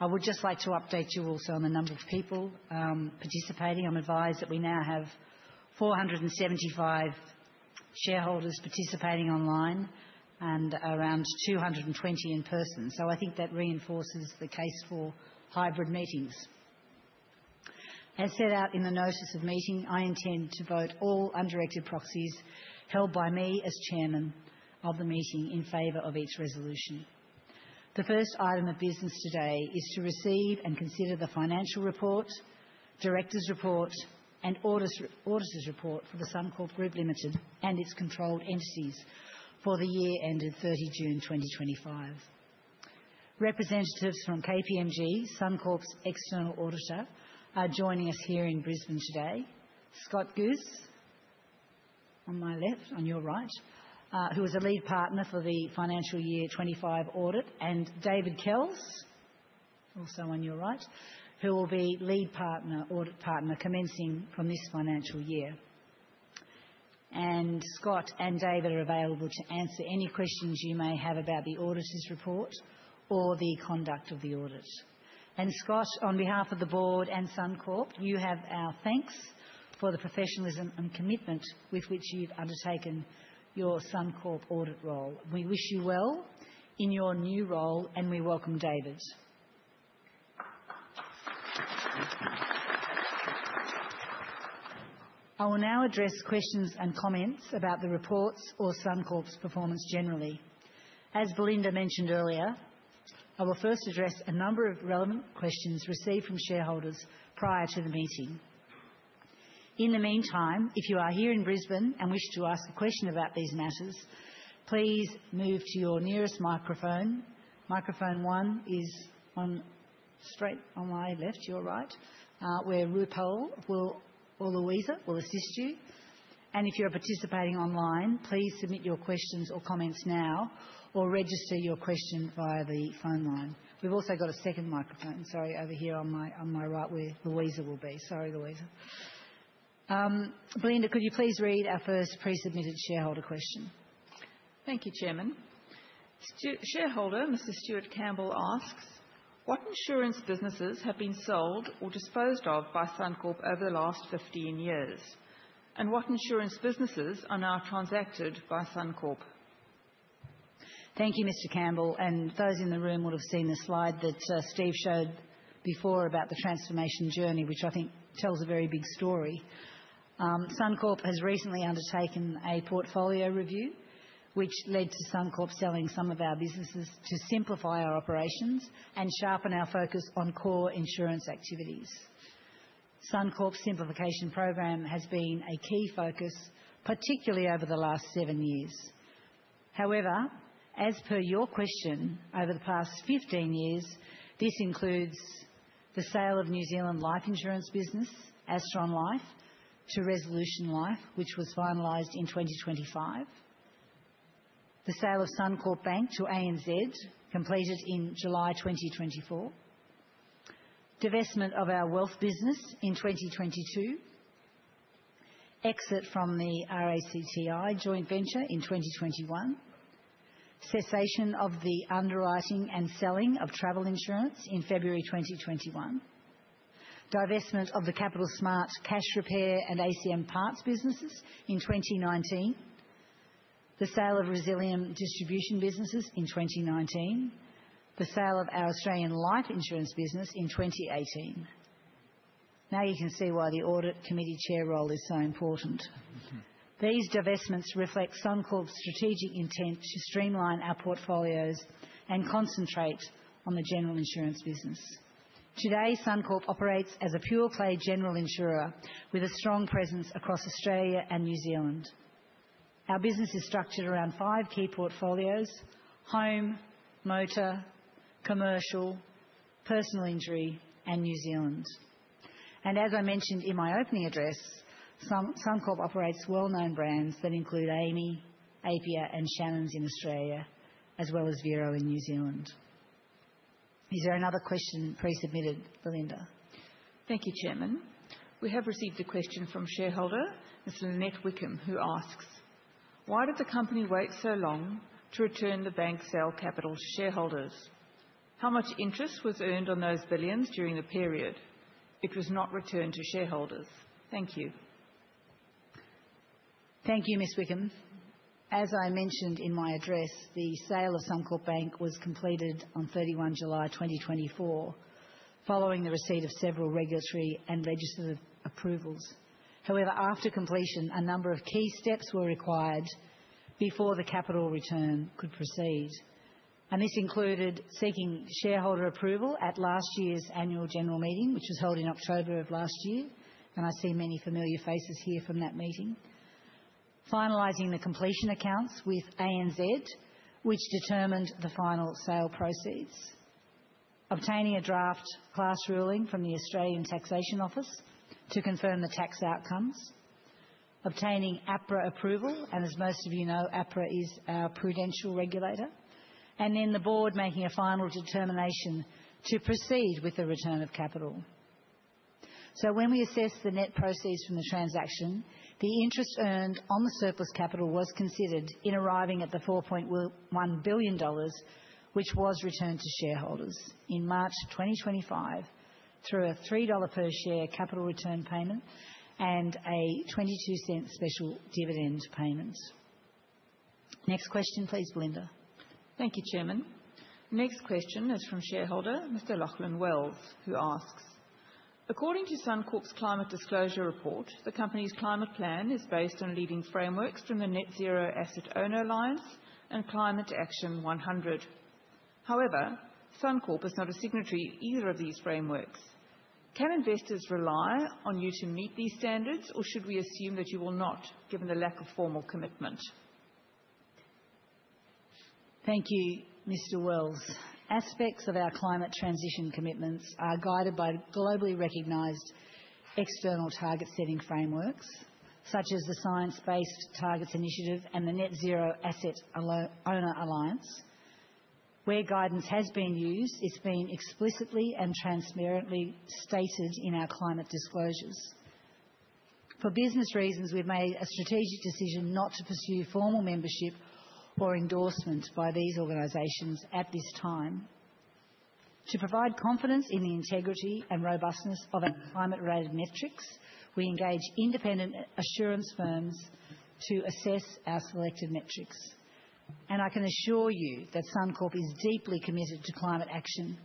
I would just like to update you also on the number of people participating. I'm advised that we now have 475 shareholders participating online and around 220 in person. So, I think that reinforces the case for hybrid meetings. As set out in the notice of meeting, I intend to vote all undirected proxies held by me as Chairman of the meeting in favor of each resolution. The first item of business today is to receive and consider the financial report, director's report, and auditor's report for the Suncorp Group Limited and its controlled entities for the year ended 30 June 2025. Representatives from KPMG, Suncorp's external auditor, are joining us here in Brisbane today. Scott Guse, on my left, on your right, who is a lead partner for the financial year 25 audit, and David Kells, also on your right, who will be lead audit partner commencing from this financial year, and Scott and David are available to answer any questions you may have about the auditor's report or the conduct of the audit, and Scott, on behalf of the board and Suncorp, you have our thanks for the professionalism and commitment with which you've undertaken your Suncorp audit role. We wish you well in your new role, and we welcome David. I will now address questions and comments about the reports or Suncorp's performance generally. As Belinda mentioned earlier, I will first address a number of relevant questions received from shareholders prior to the meeting. In the meantime, if you are here in Brisbane and wish to ask a question about these matters, please move to your nearest microphone. Microphone one is straight on my left, your right, where Rupal or Louisa will assist you. And if you're participating online, please submit your questions or comments now or register your question via the phone line. We've also got a second microphone, sorry, over here on my right where Louisa will be. Sorry, Louisa. Belinda, could you please read our first pre-submitted shareholder question? Thank you, Chairman. Shareholder Mr. Stuart Campbell asks, "What insurance businesses have been sold or disposed of by Suncorp over the last 15 years? And what insurance businesses are now transacted by Suncorp?" Thank you, Mr. Campbell. Those in the room will have seen the slide that Steve showed before about the transformation journey, which I think tells a very big story. Suncorp has recently undertaken a portfolio review, which led to Suncorp selling some of our businesses to simplify our operations and sharpen our focus on core insurance activities. Suncorp's simplification program has been a key focus, particularly over the last seven years. However, as per your question, over the past 15 years, this includes the sale of New Zealand Life Insurance business, Asteron Life, to Resolution Life, which was finalized in 2025. The sale of Suncorp Bank to ANZ, completed in July 2024. Divestment of our wealth business in 2022. Exit from the RACT Insurance joint venture in 2021. Cessation of the underwriting and selling of travel insurance in February 2021. Divestment of the Capital S.M.A.R.T. Repairs and ACM Parts businesses in 2019. The sale of Resilium Distribution businesses in 2019. The sale of our Australian Life Insurance business in 2018. Now you can see why the Audit Committee chair role is so important. These divestments reflect Suncorp's strategic intent to streamline our portfolios and concentrate on the general insurance business. Today, Suncorp operates as a pure-play general insurer with a strong presence across Australia and New Zealand. Our business is structured around five key portfolios: home, motor, commercial, personal injury, and New Zealand, and as I mentioned in my opening address, Suncorp operates well-known brands that include AMI, Apia, and Shannons in Australia, as well as Vero in New Zealand. Is there another question pre-submitted, Belinda? Thank you, Chairman. We have received a question from shareholder Ms. Lynette Wickham, who asks, "Why did the company wait so long to return the bank's sale capital to shareholders? How much interest was earned on those billions during the period? It was not returned to shareholders." Thank you. Thank you, Ms. Wickham. As I mentioned in my address, the sale of Suncorp Bank was completed on 31 July 2024, following the receipt of several regulatory and legislative approvals. However, after completion, a number of key steps were required before the capital return could proceed. This included seeking shareholder approval at last year's annual general meeting, which was held in October of last year, and I see many familiar faces here from that meeting. Finalizing the completion accounts with ANZ, which determined the final sale proceeds. Obtaining a draft class ruling from the Australian Taxation Office to confirm the tax outcomes. Obtaining APRA approval, and as most of you know, APRA is our prudential regulator. And then the board making a final determination to proceed with the return of capital. When we assessed the net proceeds from the transaction, the interest earned on the surplus capital was considered in arriving at the 4.1 billion dollars, which was returned to shareholders in March 2025 through a 3 dollar per share capital return payment and a 0.22 special dividend payment. Next question, please, Belinda. Thank you, Chairman. Next question is from shareholder Mr. Lachlan Wells, who asks, "According to Suncorp's climate disclosure report, the company's climate plan is based on leading frameworks from the Net Zero Asset Owner Alliance and Climate Action 100. However, Suncorp is not a signatory to either of these frameworks. Can investors rely on you to meet these standards, or should we assume that you will not, given the lack of formal commitment?" Thank you, Mr. Wells. Aspects of our climate transition commitments are guided by globally recognized external target-setting frameworks, such as the Science-Based Targets Initiative and the Net Zero Asset Owner Alliance. Where guidance has been used, it's been explicitly and transparently stated in our climate disclosures. For business reasons, we've made a strategic decision not to pursue formal membership or endorsement by these organizations at this time. To provide confidence in the integrity and robustness of our climate-related metrics, we engage independent assurance firms to assess our selected metrics, and I can assure you that Suncorp is deeply committed to climate action,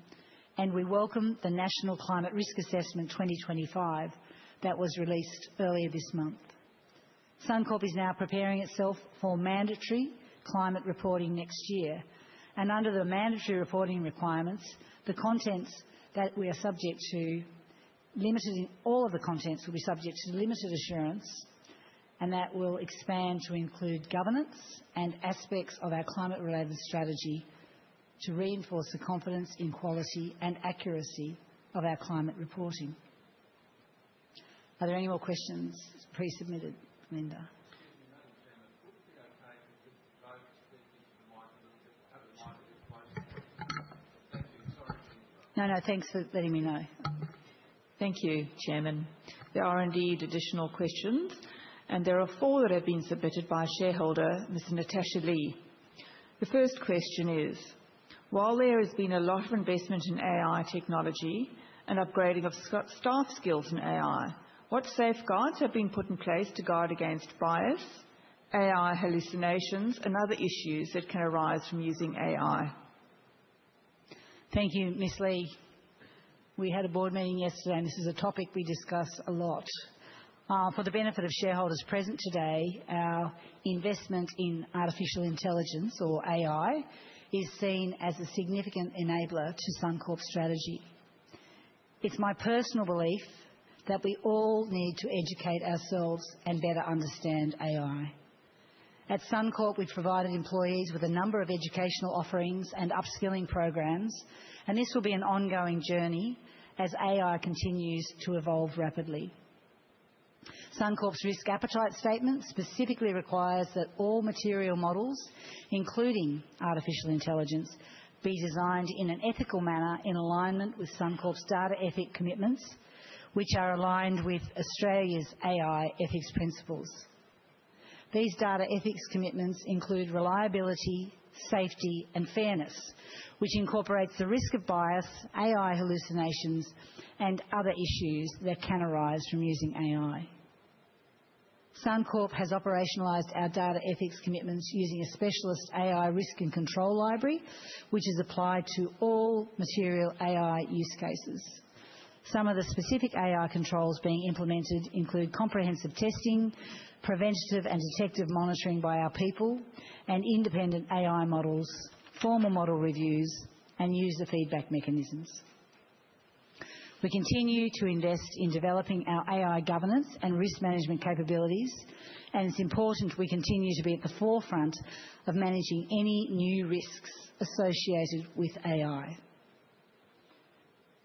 and we welcome the National Climate Risk Assessment 2025 that was released earlier this month. Suncorp is now preparing itself for mandatory climate reporting next year, and under the mandatory reporting requirements, the contents that we are subject to, all of the contents will be subject to limited assurance, and that will expand to include governance and aspects of our climate-related strategy to reinforce the confidence in quality and accuracy of our climate reporting. Are there any more questions pre-submitted, Belinda? If you're not, Chairman, wouldn't it be okay to just go to speak into the mic a little bit? Have a microphone closer. Thank you. Sorry. No, no. Thanks for letting me know. Thank you, Chairman. There are indeed additional questions, and there are four that have been submitted by shareholder Ms. Natasha Lee. The first question is, "While there has been a lot of investment in AI technology and upgrading of staff skills in AI, what safeguards have been put in place to guard against bias, AI hallucinations, and other issues that can arise from using AI?" Thank you, Ms. Lee. We had a board meeting yesterday, and this is a topic we discuss a lot. For the benefit of shareholders present today, our investment in artificial intelligence, or AI, is seen as a significant enabler to Suncorp's strategy. It's my personal belief that we all need to educate ourselves and better understand AI. At Suncorp, we've provided employees with a number of educational offerings and upskilling programs, and this will be an ongoing journey as AI continues to evolve rapidly. Suncorp's risk appetite statement specifically requires that all material models, including artificial intelligence, be designed in an ethical manner in alignment with Suncorp's data ethics commitments, which are aligned with Australia's AI ethics principles. These data ethics commitments include reliability, safety, and fairness, which incorporates the risk of bias, AI hallucinations, and other issues that can arise from using AI. Suncorp has operationalized our data ethics commitments using a specialist AI risk and control library, which is applied to all material AI use cases. Some of the specific AI controls being implemented include comprehensive testing, preventive and detective monitoring by our people, and independent AI models, formal model reviews, and user feedback mechanisms. We continue to invest in developing our AI governance and risk management capabilities, and it's important we continue to be at the forefront of managing any new risks associated with AI.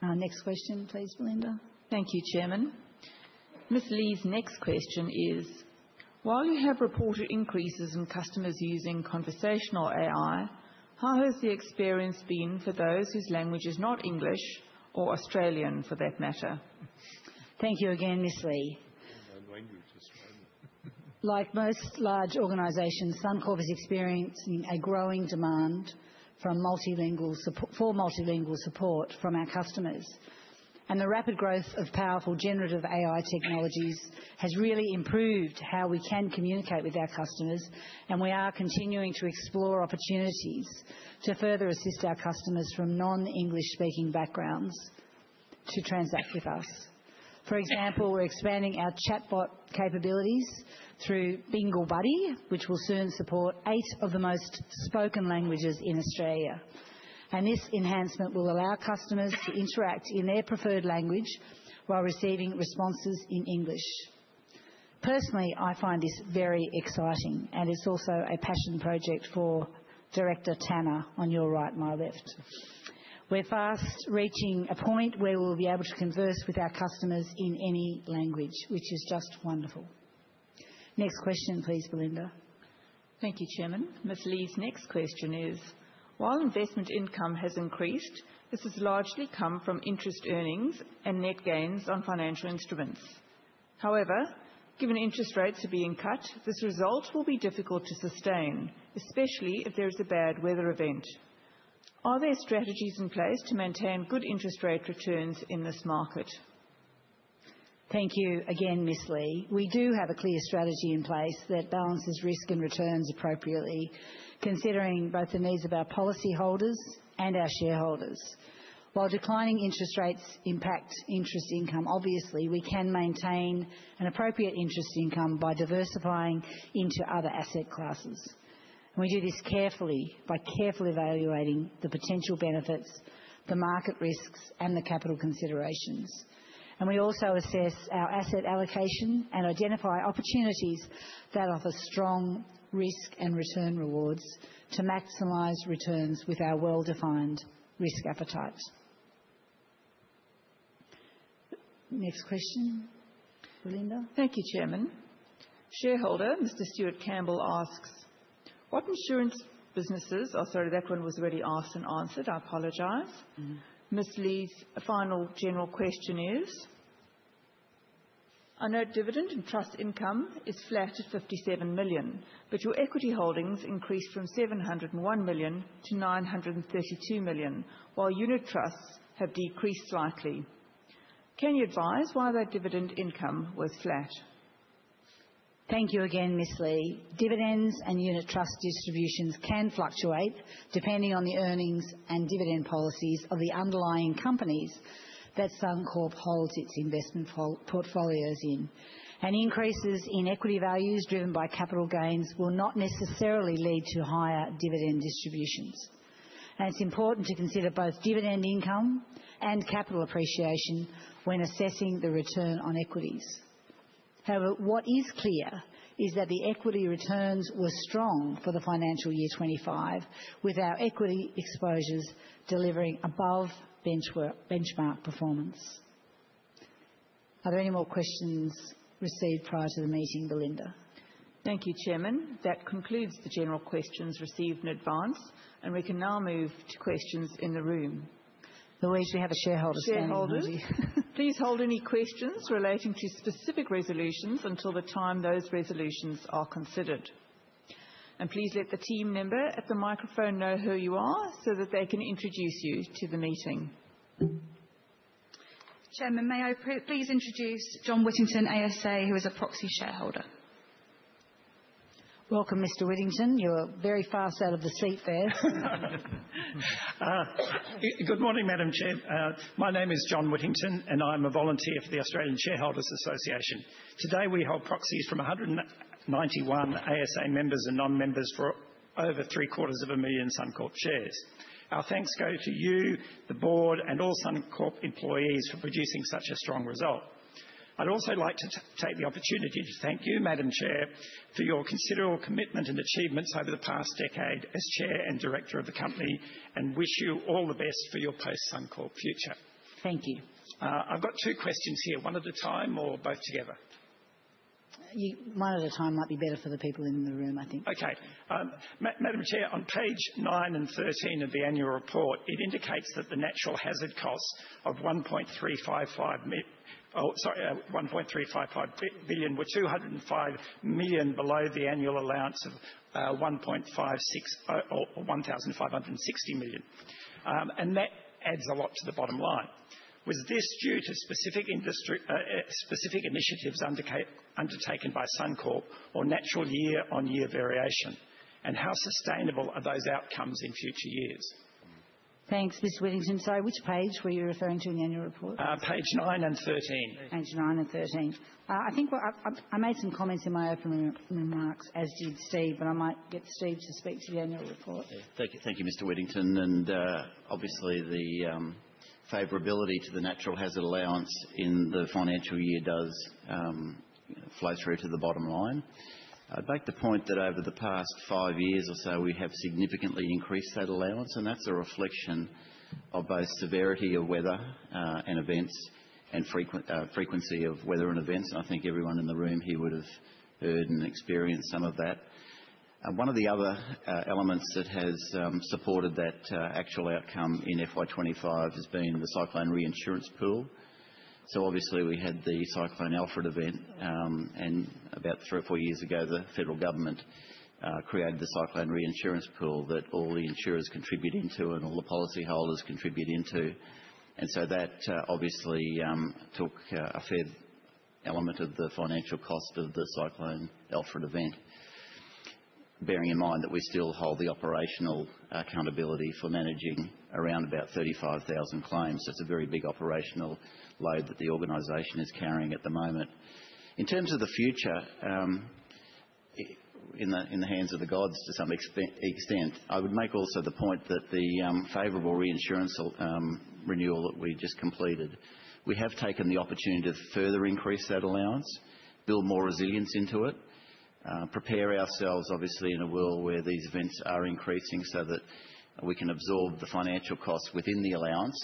Next question, please, Belinda. Thank you, Chairman. Ms. Lee's next question is, "While you have reported increases in customers using conversational AI, how has the experience been for those whose language is not English or Australian, for that matter?" Thank you again, Ms. Lee. Like most large organizations, Suncorp is experiencing a growing demand for multilingual support from our customers, and the rapid growth of powerful generative AI technologies has really improved how we can communicate with our customers, and we are continuing to explore opportunities to further assist our customers from non-English speaking backgrounds to transact with us. For example, we're expanding our chatbot capabilities through Bingle Buddy, which will soon support eight of the most spoken languages in Australia, and this enhancement will allow customers to interact in their preferred language while receiving responses in English. Personally, I find this very exciting, and it's also a passion project for Director Tanner on your right, my left. We're fast reaching a point where we'll be able to converse with our customers in any language, which is just wonderful. Next question, please, Belinda. Thank you, Chairman. Ms. Lee's next question is, "While investment income has increased, this has largely come from interest earnings and net gains on financial instruments. However, given interest rates are being cut, this result will be difficult to sustain, especially if there is a bad weather event. Are there strategies in place to maintain good interest rate returns in this market?" Thank you again, Ms. Lee. We do have a clear strategy in place that balances risk and returns appropriately, considering both the needs of our policyholders and our shareholders. While declining interest rates impact interest income, obviously, we can maintain an appropriate interest income by diversifying into other asset classes. And we do this carefully by carefully evaluating the potential benefits, the market risks, and the capital considerations. And we also assess our asset allocation and identify opportunities that offer strong risk and return rewards to maximize returns with our well-defined risk appetite. Next question, Belinda. Thank you, Chairman. Shareholder Mr. Stuart Campbell asks, "What insurance businesses?" Oh, sorry, that one was already asked and answered. I apologize. Ms. Lee's final general question is, "I know dividend and trust income is flat at 57 million, but your equity holdings increased from 701 million to 932 million, while unit trusts have decreased slightly. Can you advise why that dividend income was flat?" Thank you again, Ms. Lee. Dividends and unit trust distributions can fluctuate depending on the earnings and dividend policies of the underlying companies that Suncorp holds its investment portfolios in. And increases in equity values driven by capital gains will not necessarily lead to higher dividend distributions. And it's important to consider both dividend income and capital appreciation when assessing the return on equities. However, what is clear is that the equity returns were strong for the financial year 2025, with our equity exposures delivering above benchmark performance. Are there any more questions received prior to the meeting, Belinda? Thank you, Chairman. That concludes the general questions received in advance, and we can now move to questions in the room. We usually have a shareholder standing. Shareholders. Please hold any questions relating to specific resolutions until the time those resolutions are considered. Please let the team member at the microphone know who you are so that they can introduce you to the meeting. Chairman, may I please introduce John Whittington, ASA, who is a proxy shareholder? Welcome, Mr. Whittington. You're very fast out of the seat there. Good morning, Madam Chair. My name is John Whittington, and I'm a volunteer for the Australian Shareholders' Association. Today, we hold proxies from 191 ASA members and non-members for over 750,000 Suncorp shares. Our thanks go to you, the board, and all Suncorp employees for producing such a strong result. I'd also like to take the opportunity to thank you, Madam Chair, for your considerable commitment and achievements over the past decade as Chair and Director of the company, and wish you all the best for your post-Suncorp future. Thank you. I've got two questions here. One at a time or both together? One at a time might be better for the people in the room, I think. Okay. Madam Chair, on page 9 and 13 of the annual report, it indicates that the natural hazard costs of 1.355 billion were 205 million below the annual allowance of 1,560 million. And that adds a lot to the bottom line. Was this due to specific initiatives undertaken by Suncorp or natural year-on-year variation? And how sustainable are those outcomes in future years? Thanks, Mr. Whittington. Sorry, which page were you referring to in the annual report? Page 9 and 13. Page 9 and 13. I think I made some comments in my opening remarks, as did Steve, but I might get Steve to speak to the annual report. Thank you, Mr. Whittington. And obviously, the favorability to the natural hazard allowance in the financial year does flow through to the bottom line. I'd make the point that over the past five years or so, we have significantly increased that allowance, and that's a reflection of both severity of weather and events and frequency of weather and events. And I think everyone in the room here would have heard and experienced some of that. One of the other elements that has supported that actual outcome in FY25 has been the Cyclone Reinsurance Pool. So obviously, we had the Cyclone Alfred event, and about three or four years ago, the federal government created the Cyclone Reinsurance Pool that all the insurers contribute into and all the policyholders contribute into. And so that obviously took a fair element of the financial cost of the Cyclone Alfred event, bearing in mind that we still hold the operational accountability for managing around about 35,000 claims. That's a very big operational load that the organization is carrying at the moment. In terms of the future, in the hands of the gods to some extent, I would make also the point that the favorable reinsurance renewal that we just completed, we have taken the opportunity to further increase that allowance, build more resilience into it, prepare ourselves, obviously, in a world where these events are increasing so that we can absorb the financial costs within the allowance,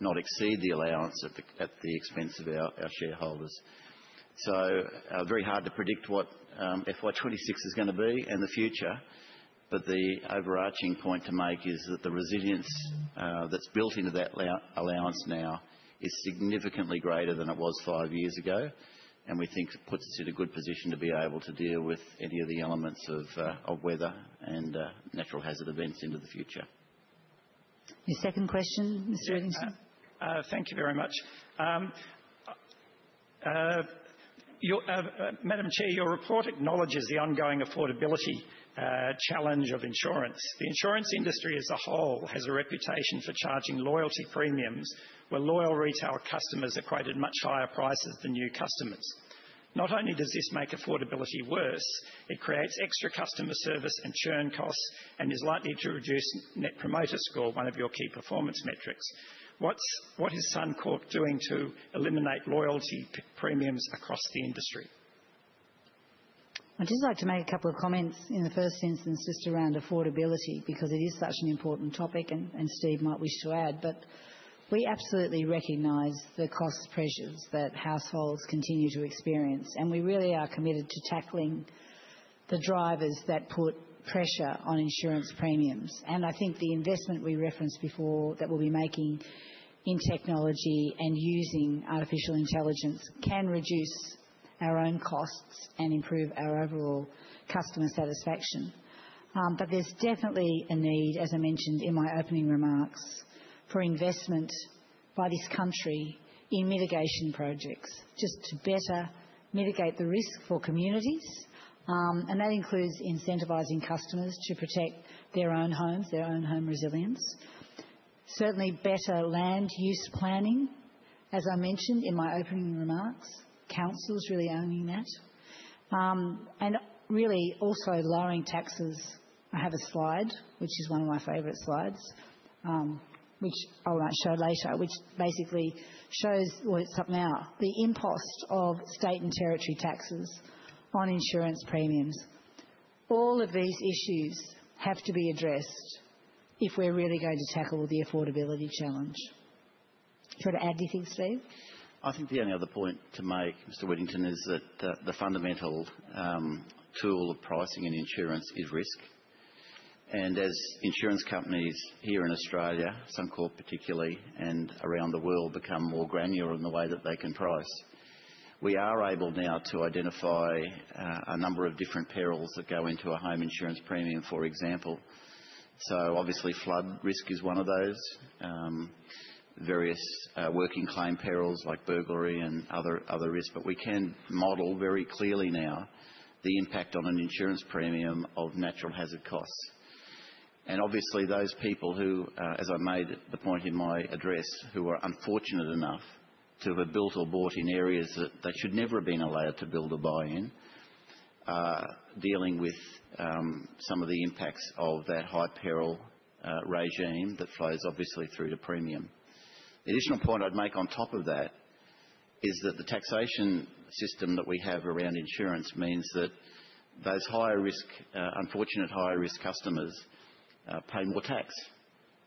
not exceed the allowance at the expense of our shareholders. is very hard to predict what FY 2026 is going to be and the future, but the overarching point to make is that the resilience that's built into that allowance now is significantly greater than it was five years ago, and we think puts us in a good position to be able to deal with any of the elements of weather and natural hazard events into the future. Your second question, Mr. Whittington. Thank you very much. Madam Chair, your report acknowledges the ongoing affordability challenge of insurance. The insurance industry as a whole has a reputation for charging loyalty premiums where loyal retail customers are charged much higher prices than new customers. Not only does this make affordability worse, it creates extra customer service and churn costs and is likely to reduce Net Promoter Score, one of your key performance metrics. What is Suncorp doing to eliminate loyalty premiums across the industry? I'd just like to make a couple of comments in the first instance just around affordability because it is such an important topic, and Steve might wish to add, but we absolutely recognize the cost pressures that households continue to experience, and we really are committed to tackling the drivers that put pressure on insurance premiums, and I think the investment we referenced before that we'll be making in technology and using artificial intelligence can reduce our own costs and improve our overall customer satisfaction, but there's definitely a need, as I mentioned in my opening remarks, for investment by this country in mitigation projects just to better mitigate the risk for communities, and that includes incentivizing customers to protect their own homes, their own home resilience. Certainly, better land use planning, as I mentioned in my opening remarks, councils really owning that, and really also lowering taxes. I have a slide, which is one of my favorite slides, which I'll show later, which basically shows, well, it's up now, the impost of state and territory taxes on insurance premiums. All of these issues have to be addressed if we're really going to tackle the affordability challenge. Do you want to add anything, Steve? I think the only other point to make, Mr. Whittington, is that the fundamental tool of pricing in insurance is risk. And as insurance companies here in Australia, Suncorp particularly, and around the world become more granular in the way that they can price, we are able now to identify a number of different perils that go into a home insurance premium, for example. So obviously, flood risk is one of those various working claim perils like burglary and other risks. But we can model very clearly now the impact on an insurance premium of natural hazard costs. And obviously, those people who, as I made the point in my address, who were unfortunate enough to have built or bought in areas that they should never have been allowed to build or buy in, dealing with some of the impacts of that high peril regime that flows obviously through to premium. The additional point I'd make on top of that is that the taxation system that we have around insurance means that those higher risk, unfortunate higher risk customers pay more tax.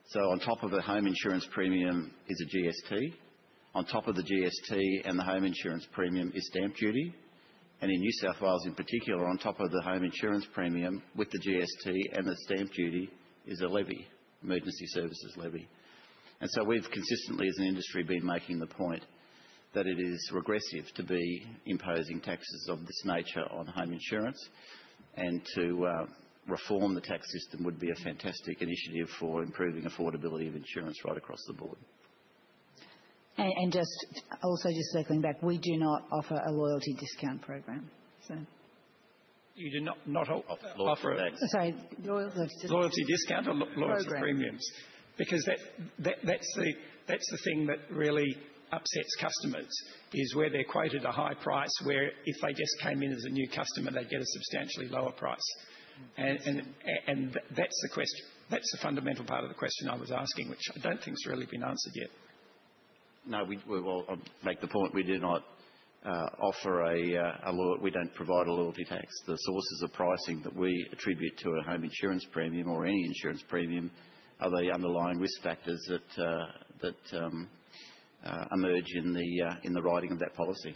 So on top of the home insurance premium is a GST. On top of the GST and the home insurance premium is stamp duty. And in New South Wales in particular, on top of the home insurance premium with the GST and the stamp duty is a levy, Emergency Services Levy. And so we've consistently, as an industry, been making the point that it is regressive to be imposing taxes of this nature on home insurance, and to reform the tax system would be a fantastic initiative for improving affordability of insurance right across the board. And just also just circling back, we do not offer a loyalty discount program, so. You do not offer that. Sorry. Loyalty discount or loyalty premiums? Because that's the thing that really upsets customers, is where they're credited a high price, where if they just came in as a new customer, they'd get a substantially lower price. And that's the fundamental part of the question I was asking, which I don't think has really been answered yet. No, I'll make the point. We do not offer a—we don't provide a loyalty tax. The sources of pricing that we attribute to a home insurance premium or any insurance premium are the underlying risk factors that emerge in the writing of that policy.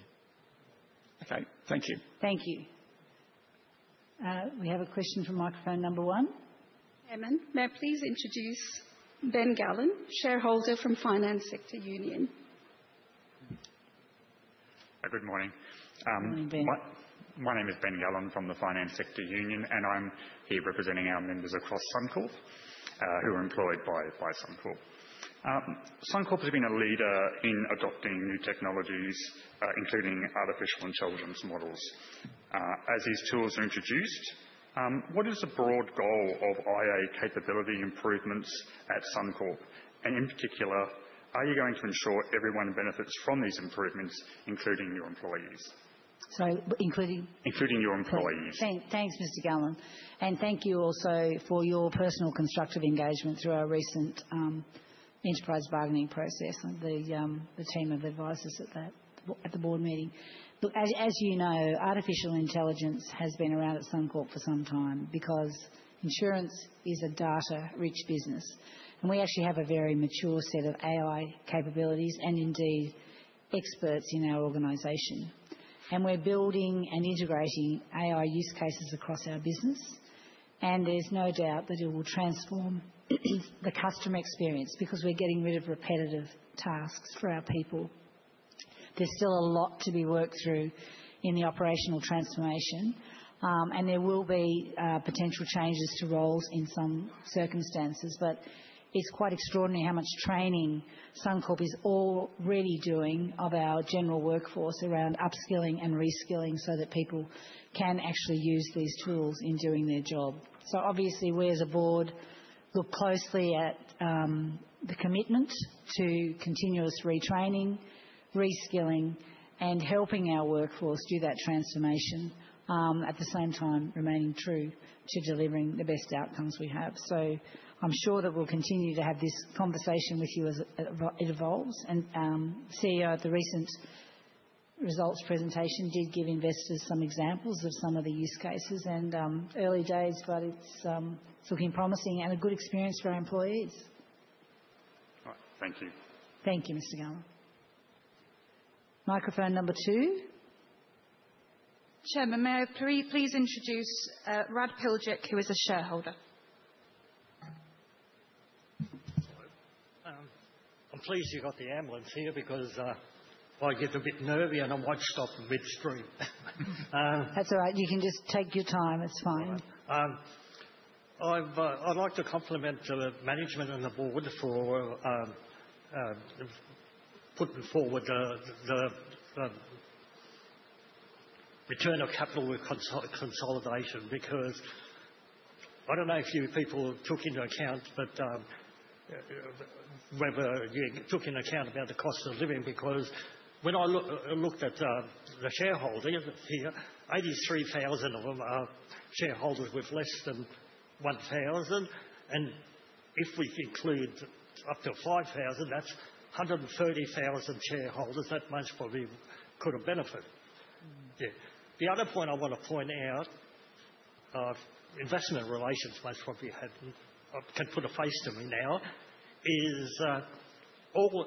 Okay. Thank you. Thank you. We have a question from microphone number one. Chairman, may I please introduce Ben Gallen, shareholder from Finance Sector Union? Good morning. My name is Ben Gallen from the Finance Sector Union, and I'm here representing our members across Suncorp who are employed by Suncorp. Suncorp has been a leader in adopting new technologies, including artificial intelligence models. As these tools are introduced, what is the broad goal of AI capability improvements at Suncorp? And in particular, are you going to ensure everyone benefits from these improvements, including your employees? Sorry, including? Including your employees. Thanks, Mr. Gallen. Thank you also for your personal constructive engagement through our recent enterprise bargaining process with the team of advisors at the board meeting. Look, as you know, artificial intelligence has been around at Suncorp for some time because insurance is a data-rich business. We actually have a very mature set of AI capabilities and indeed experts in our organization. We're building and integrating AI use cases across our business, and there's no doubt that it will transform the customer experience because we're getting rid of repetitive tasks for our people. There's still a lot to be worked through in the operational transformation, and there will be potential changes to roles in some circumstances. It is quite extraordinary how much training Suncorp is already doing of our general workforce around upskilling and reskilling so that people can actually use these tools in doing their job. So obviously, we as a board look closely at the commitment to continuous retraining, reskilling, and helping our workforce do that transformation at the same time remaining true to delivering the best outcomes we have. So I'm sure that we'll continue to have this conversation with you as it evolves. And the CEO at the recent results presentation did give investors some examples of some of the use cases and early days, but it's looking promising and a good experience for our employees. All right. Thank you. Thank you, Mr. Gallen. Microphone number two. Chairman, may I please introduce Rudolf Plijter, who is a shareholder? I'm pleased you got the ambulance here because I get a bit nervy and I might stop midstream. That's all right. You can just take your time. It's fine. I'd like to compliment the management and the board for putting forward the return of capital consolidation because I don't know if you people took into account, but whether you took into account about the cost of living because when I looked at the shareholders here, 83,000 of them are shareholders with less than 1,000, and if we include up to 5,000, that's 130,000 shareholders that most probably could have benefited. The other point I want to point out, Investor Relations most probably can put a face to me now, is all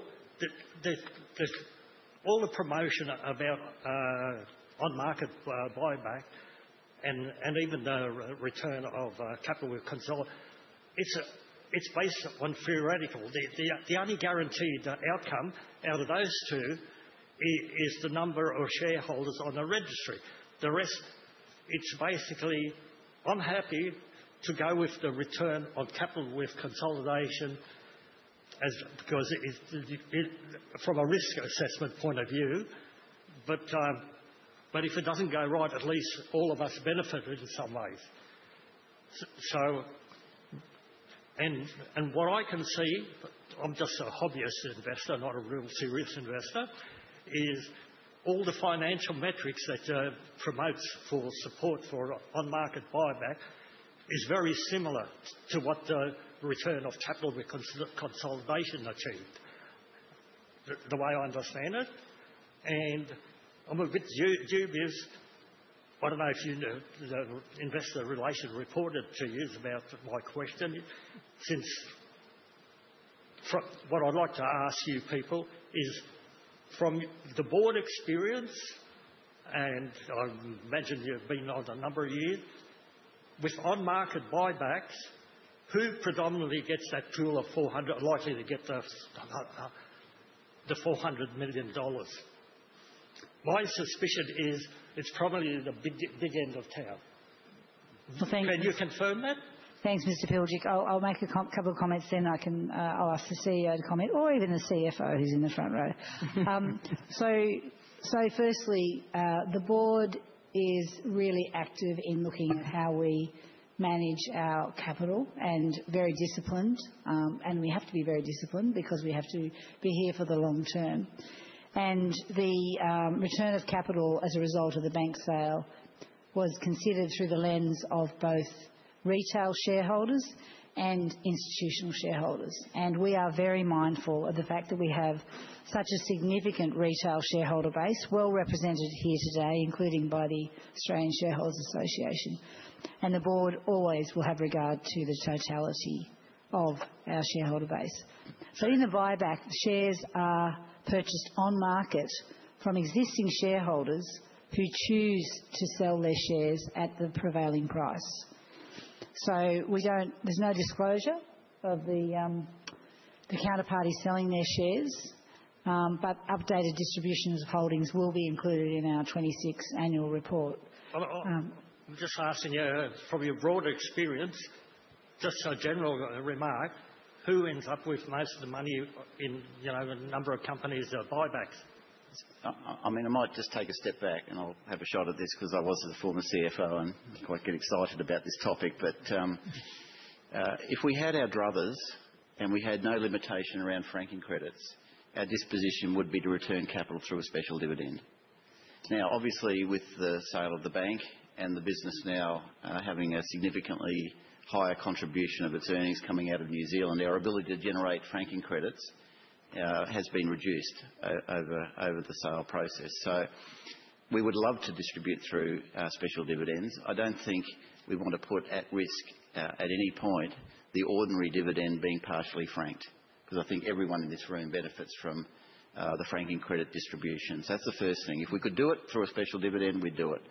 the promotion about on-market buyback and even the return of capital consolidation. It's based on theoretical. The only guaranteed outcome out of those two is the number of shareholders on the registry. The rest, it's basically I'm happy to go with the return of capital with consolidation because from a risk assessment point of view, but if it doesn't go right, at least all of us benefited in some ways. And what I can see, I'm just a hobbyist investor, not a real serious investor, is all the financial metrics that promotes support for on-market buyback is very similar to what the return of capital with consolidation achieved, the way I understand it. And my dubious, I don't know if you know the investor relation reported to you about my question. What I'd like to ask you people is, from the board experience, and I imagine you've been on a number of years, with on-market buybacks, who predominantly gets that pool of 400, likely to get the 400 million dollars? My suspicion is it's probably the big end of town. Can you confirm that? Thanks, Mr. Plijter. I'll make a couple of comments then. I'll ask the CEO to comment or even the CFO who's in the front row. So firstly, the board is really active in looking at how we manage our capital and very disciplined. And we have to be very disciplined because we have to be here for the long term. And the return of capital as a result of the bank sale was considered through the lens of both retail shareholders and institutional shareholders. And we are very mindful of the fact that we have such a significant retail shareholder base well represented here today, including by the Australian Shareholders' Association. And the board always will have regard to the totality of our shareholder base. So in the buyback, shares are purchased on market from existing shareholders who choose to sell their shares at the prevailing price. So there's no disclosure of the counterparty selling their shares, but updated distributions of holdings will be included in our 26th annual report. I'm just asking you from your broader experience, just a general remark, who ends up with most of the money in the number of companies that are buybacks? I mean, I might just take a step back and I'll have a shot at this because I was the former CFO and I quite get excited about this topic. But if we had our druthers and we had no limitation around franking credits, our disposition would be to return capital through a special dividend. Now, obviously, with the sale of the bank and the business now having a significantly higher contribution of its earnings coming out of New Zealand, our ability to generate franking credits has been reduced over the sale process. So we would love to distribute through special dividends. I don't think we want to put at risk at any point the ordinary dividend being partially franked because I think everyone in this room benefits from the franking credit distributions. That's the first thing. If we could do it through a special dividend, we'd do it.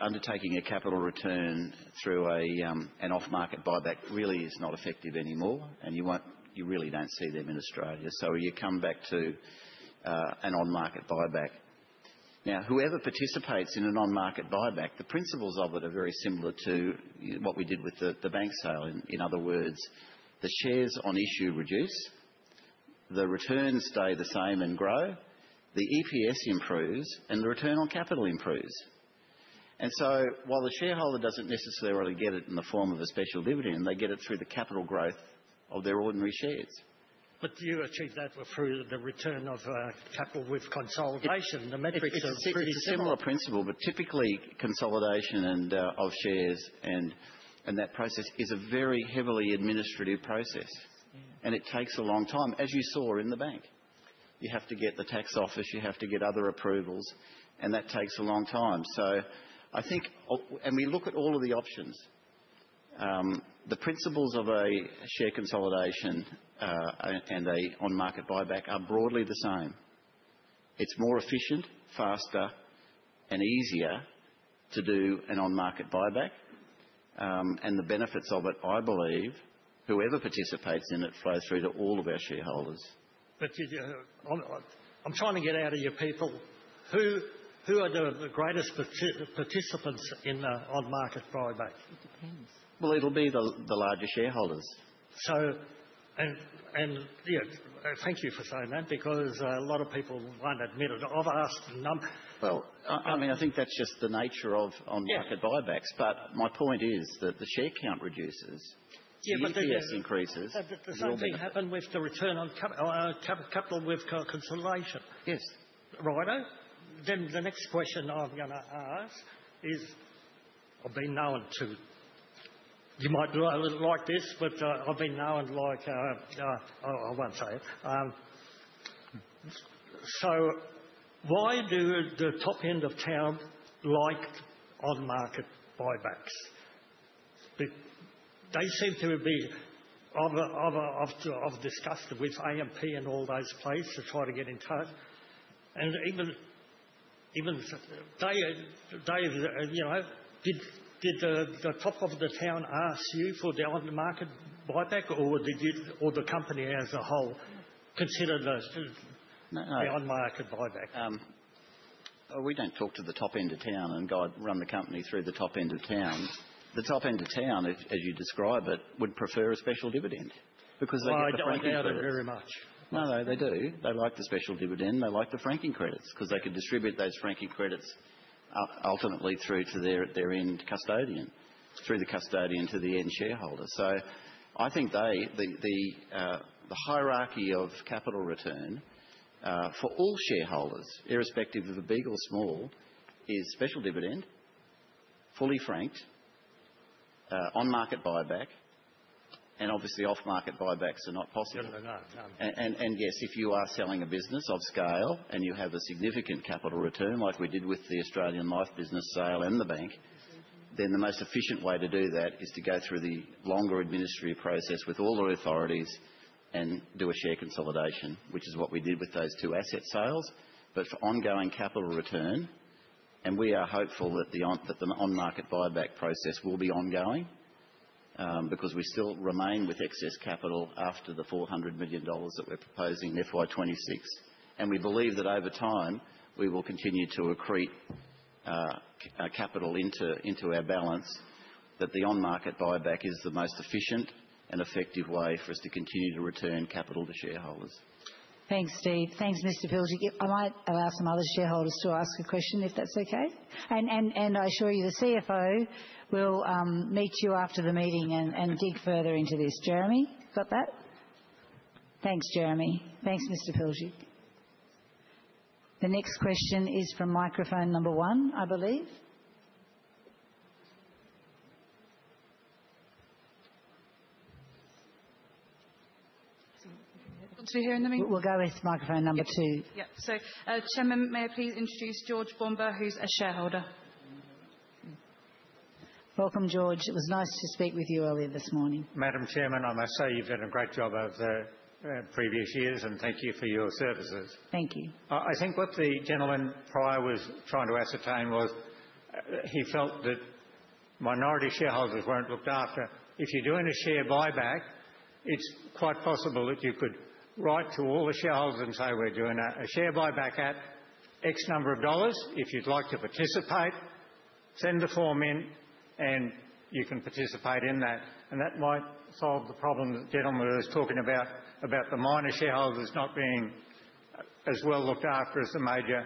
Undertaking a capital return through an off-market buyback really is not effective anymore, and you really don't see them in Australia. So you come back to an on-market buyback. Now, whoever participates in an on-market buyback, the principles of it are very similar to what we did with the bank sale. In other words, the shares on issue reduce, the returns stay the same and grow, the EPS improves, and the return on capital improves. And so while the shareholder doesn't necessarily get it in the form of a special dividend, they get it through the capital growth of their ordinary shares. But do you achieve that through the return of capital with consolidation? The metrics are pretty similar. Similar principle, but typically consolidation of shares and that process is a very heavily administrative process. And it takes a long time, as you saw in the bank. You have to get the tax office, you have to get other approvals, and that takes a long time. And we look at all of the options. The principles of a share consolidation and an on-market buyback are broadly the same. It's more efficient, faster, and easier to do an on-market buyback. And the benefits of it, I believe, whoever participates in it flows through to all of our shareholders. But I'm trying to get out of your people, who are the greatest participants in the on-market buyback? It depends. Well, it'll be the larger shareholders. And thank you for saying that because a lot of people won't admit it. I've asked a number. Well, I mean, I think that's just the nature of on-market buybacks. But my point is that the share count reduces, the EPS increases. Does that thing happen with the return on capital with consolidation? Yes. Right. Then the next question I'm going to ask is, I've been known to, you might not like this, but I've been known like, I won't say it. So why do the top end of town like on-market buybacks? They seem to be. I've discussed with A&P and all those places to try to get in touch. And even they. Did the top of the town ask you for the on-market buyback, or did the company as a whole consider the on-market buyback? We don't talk to the top end of town and go run the company through the top end of town. The top end of town, as you describe it, would prefer a special dividend because they get. I don't doubt it very much. No, they do. They like the special dividend. They like the franking credits because they could distribute those franking credits ultimately through to their end custodian, through the custodian to the end shareholder. So I think the hierarchy of capital return for all shareholders, irrespective of big or small, is special dividend, fully franked, on-market buyback, and obviously off-market buybacks are not possible. And yes, if you are selling a business of scale and you have a significant capital return like we did with the Australian life business sale and the bank, then the most efficient way to do that is to go through the longer administrative process with all the authorities and do a share consolidation, which is what we did with those two asset sales. But for ongoing capital return, and we are hopeful that the on-market buyback process will be ongoing because we still remain with excess capital after the 400 million dollars that we're proposing in FY 2026. And we believe that over time we will continue to accrete capital into our balance, that the on-market buyback is the most efficient and effective way for us to continue to return capital to shareholders. Thanks, Steve. Thanks, Mr. Plijter. I might allow some other shareholders to ask a question if that's okay. I assure you the CFO will meet you after the meeting and dig further into this. Jeremy, got that? Thanks, Jeremy. Thanks, Mr. Plijter. The next question is from microphone number one, I believe. Want to be hearing the meeting? We'll go with microphone number two. Yep. So, Chairman, may I please introduce George Boumba, who's a shareholder? Welcome, George. It was nice to speak with you earlier this morning. Madam Chairman, I must say you've done a great job over the previous years, and thank you for your services. Thank you. I think what the gentleman prior was trying to ascertain was he felt that minority shareholders weren't looked after. If you're doing a share buyback, it's quite possible that you could write to all the shareholders and say, "We're doing a share buyback at X number of dollars. If you'd like to participate, send the form in and you can participate in that," and that might solve the problem the gentleman was talking about, about the minor shareholders not being as well looked after as the major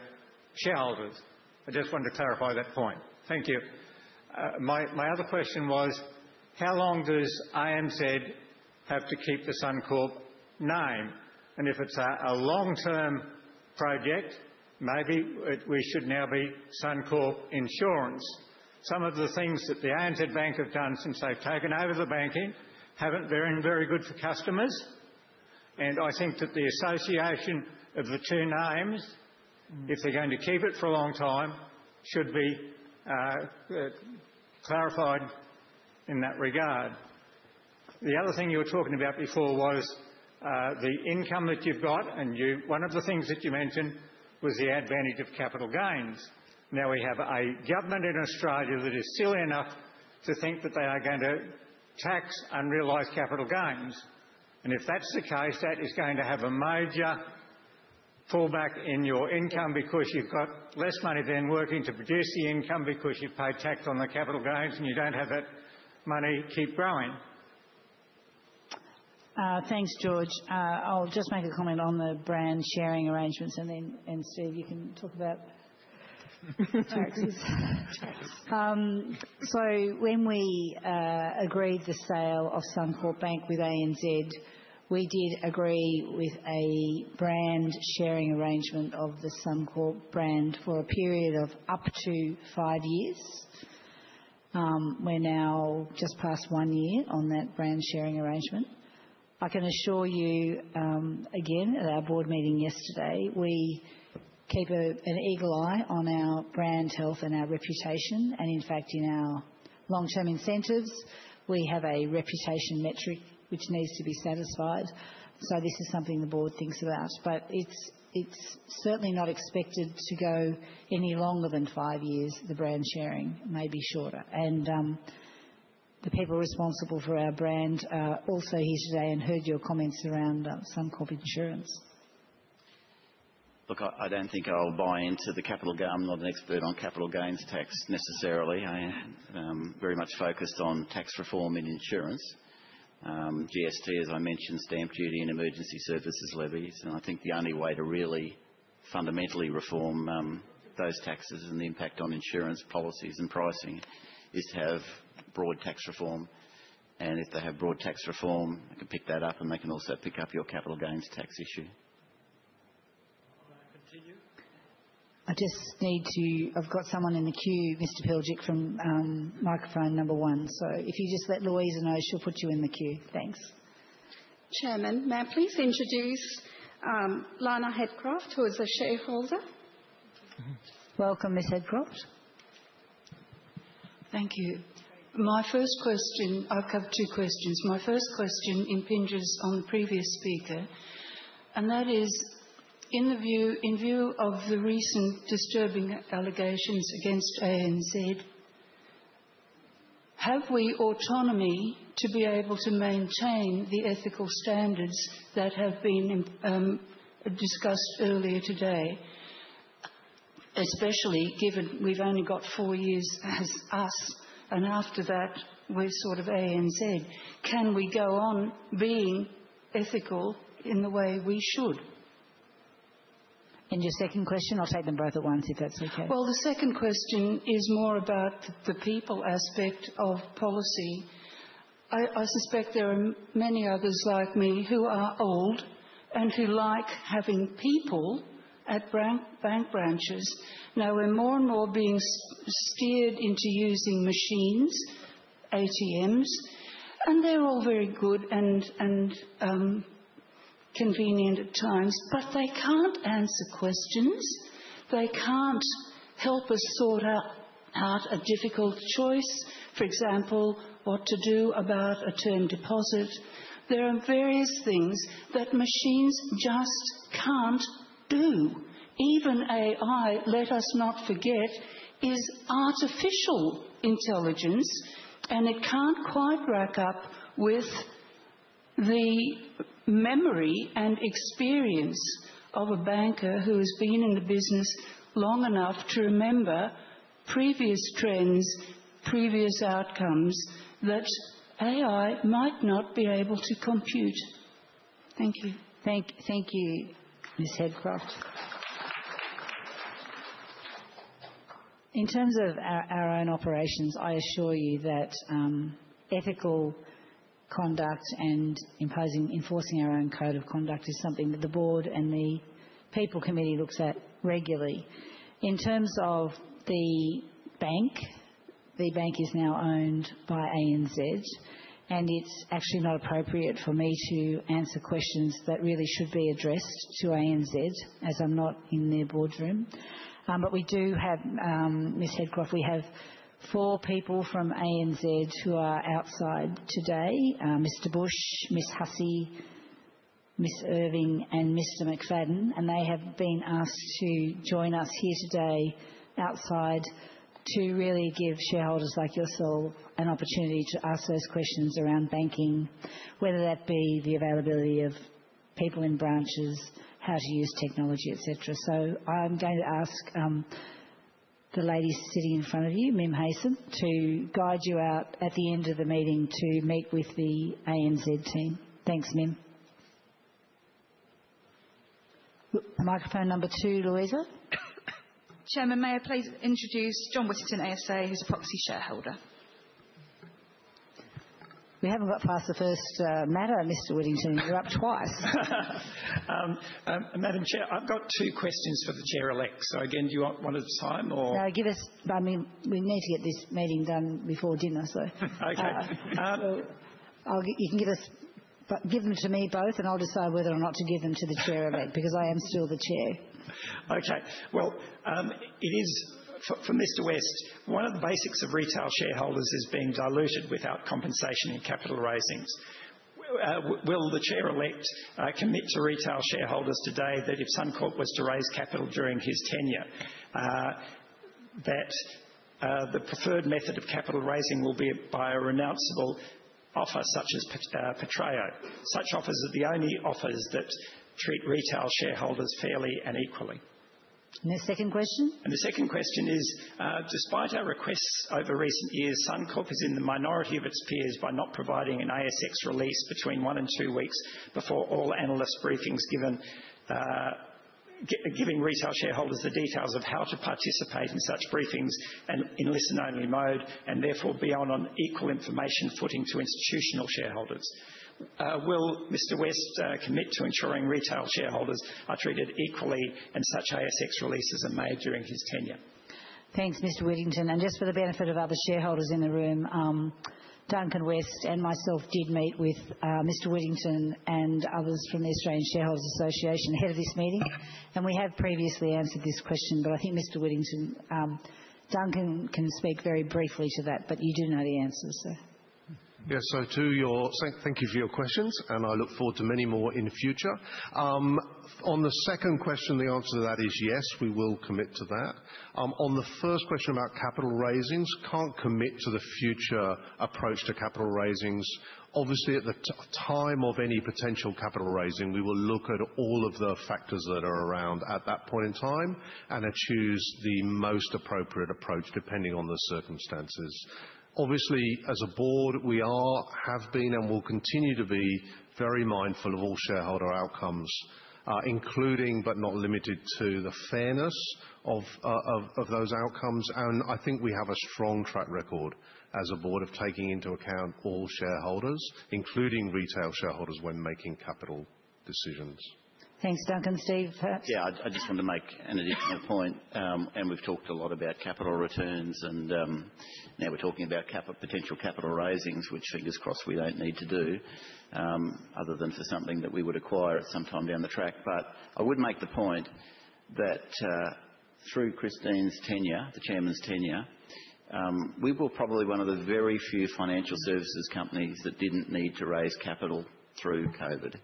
shareholders. I just wanted to clarify that point. Thank you. My other question was, how long does ANZ have to keep the Suncorp name? And if it's a long-term project, maybe we should now be Suncorp Insurance. Some of the things that the ANZ Bank have done since they've taken over the banking haven't been very good for customers, and I think that the association of the two names, if they're going to keep it for a long time, should be clarified in that regard. The other thing you were talking about before was the income that you've got, and one of the things that you mentioned was the advantage of capital gains. Now we have a government in Australia that is silly enough to think that they are going to tax unrealized capital gains, and if that's the case, that is going to have a major fallback in your income because you've got less money than working to produce the income because you've paid tax on the capital gains and you don't have that money keep growing. Thanks, George. I'll just make a comment on the brand sharing arrangements, and then, Steve, you can talk about taxes. When we agreed the sale of Suncorp Bank with ANZ, we did agree with a brand sharing arrangement of the Suncorp brand for a period of up to five years. We're now just past one year on that brand sharing arrangement. I can assure you again at our board meeting yesterday, we keep an eagle eye on our brand health and our reputation. And in fact, in our long-term incentives, we have a reputation metric which needs to be satisfied. So this is something the board thinks about. But it's certainly not expected to go any longer than five years. The brand sharing may be shorter. And the people responsible for our brand are also here today and heard your comments around Suncorp Insurance. Look, I don't think I'll buy into the capital gain. I'm not an expert on capital gains tax necessarily. I'm very much focused on tax reform in insurance, GST, as I mentioned, stamp duty and emergency services levies. And I think the only way to really fundamentally reform those taxes and the impact on insurance policies and pricing is to have broad tax reform. And if they have broad tax reform, I can pick that up and they can also pick up your capital gains tax issue. I just need to, I've got someone in the queue, Mr. Plijter, from microphone number one. So if you just let Louisa know, she'll put you in the queue. Thanks. Chairman, may I please introduce Lana Hadcroft, who is a shareholder? Welcome, Ms. Hadcroft. Thank you. My first question, I've got two questions. My first question impinges on the previous speaker. That is, in view of the recent disturbing allegations against ANZ, have we autonomy to be able to maintain the ethical standards that have been discussed earlier today, especially given we've only got four years as us and after that we're sort of ANZ? Can we go on being ethical in the way we should? And your second question, I'll take them both at once if that's okay. Well, the second question is more about the people aspect of policy. I suspect there are many others like me who are old and who like having people at bank branches. Now we're more and more being steered into using machines, ATMs, and they're all very good and convenient at times, but they can't answer questions. They can't help us sort out a difficult choice, for example, what to do about a term deposit. There are various things that machines just can't do. Even AI, let us not forget, is artificial intelligence, and it can't quite stack up with the memory and experience of a banker who has been in the business long enough to remember previous trends, previous outcomes that AI might not be able to compute. Thank you. Thank you, Ms. Hadcroft. In terms of our own operations, I assure you that ethical conduct and enforcing our own code of conduct is something that the board and the people committee looks at regularly. In terms of the bank, the bank is now owned by ANZ, and it's actually not appropriate for me to answer questions that really should be addressed to ANZ as I'm not in their boardroom. But we do have, Ms. Hadcroft, we have four people from ANZ who are outside today: Mr. Bush, Ms. Hussey, Ms. Irving, and Mr. McFadden. They have been asked to join us here today outside to really give shareholders like yourself an opportunity to ask those questions around banking, whether that be the availability of people in branches, how to use technology, etc. So I'm going to ask the lady sitting in front of you, Mim Haysom, to guide you out at the end of the meeting to meet with the ANZ team. Thanks, Mim. Microphone number two, Louisa. Chairman, may I please introduce John Whittington ASA, who's a proxy shareholder? We haven't got past the first matter, Mr. Whittington. You're up twice. Madam Chair, I've got two questions for the chair elect. So again, do you want one at a time or? No, give us—I mean, we need to get this meeting done before dinner, so. Okay. You can give them to me both, and I'll decide whether or not to give them to the chair-elect because I am still the chair. Okay, well, it is from Mr. West. One of the basics of retail shareholders is being diluted without compensation in capital raisings. Will the chair-elect commit to retail shareholders today that if Suncorp was to raise capital during his tenure, that the preferred method of capital raising will be by a renounceable offer such as pro rata? Such offers are the only offers that treat retail shareholders fairly and equally. And the second question? And the second question is, despite our requests over recent years, Suncorp is in the minority of its peers by not providing an ASX release between one and two weeks before all analyst briefings giving retail shareholders the details of how to participate in such briefings and in listen-only mode and therefore not on equal information footing with institutional shareholders. Will Mr. West commit to ensuring retail shareholders are treated equally and such ASX releases are made during his tenure? Thanks, Mr. Whittington. And just for the benefit of other shareholders in the room, Duncan West and myself did meet with Mr. Whittington and others from the Australian Shareholders' Association ahead of this meeting. And we have previously answered this question, but I think Mr. Whittington, Duncan can speak very briefly to that, but you do know the answer, so. Yes, so to your, thank you for your questions, and I look forward to many more in the future. On the second question, the answer to that is yes, we will commit to that. On the first question about capital raisings, can't commit to the future approach to capital raisings. Obviously, at the time of any potential capital raising, we will look at all of the factors that are around at that point in time and choose the most appropriate approach depending on the circumstances. Obviously, as a board, we are, have been, and will continue to be very mindful of all shareholder outcomes, including but not limited to the fairness of those outcomes, and I think we have a strong track record as a board of taking into account all shareholders, including retail shareholders, when making capital decisions. Thanks, Duncan. Steve, perhaps? Yeah, I just want to make an additional point. And we've talked a lot about capital returns, and now we're talking about potential capital raisings, which, fingers crossed, we don't need to do other than for something that we would acquire at some time down the track. But I would make the point that through Christine's tenure, the chairman's tenure, we were probably one of the very few financial services companies that didn't need to raise capital through COVID.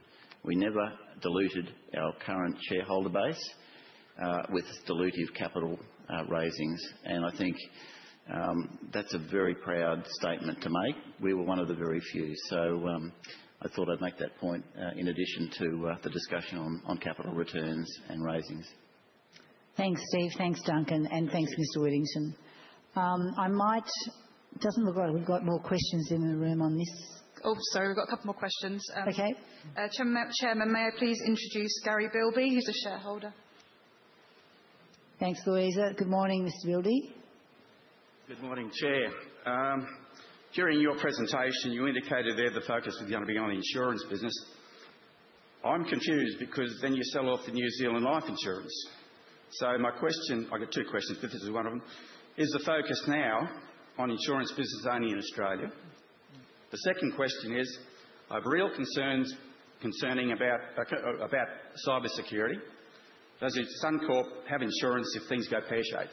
We never diluted our current shareholder base with dilutive capital raisings. And I think that's a very proud statement to make. We were one of the very few. So I thought I'd make that point in addition to the discussion on capital returns and raisings. Thanks, Steve. Thanks, Duncan. And thanks, Mr. Whittington. I might, it doesn't look like we've got more questions in the room on this. Oh, sorry, we've got a couple more questions. Okay. Chairman, may I please introduce Gary Filby, who's a shareholder? Thanks, Louisa. Good morning, Mr. Filby. Good morning, Chair. During your presentation, you indicated there the focus was going to be on the insurance business. I'm confused because then you sell off the New Zealand Life Insurance. So my question—I've got two questions. This is one of them. Is the focus now on insurance business only in Australia? The second question is, I have real concerns concerning about cybersecurity. Does Suncorp have insurance if things go pear-shaped?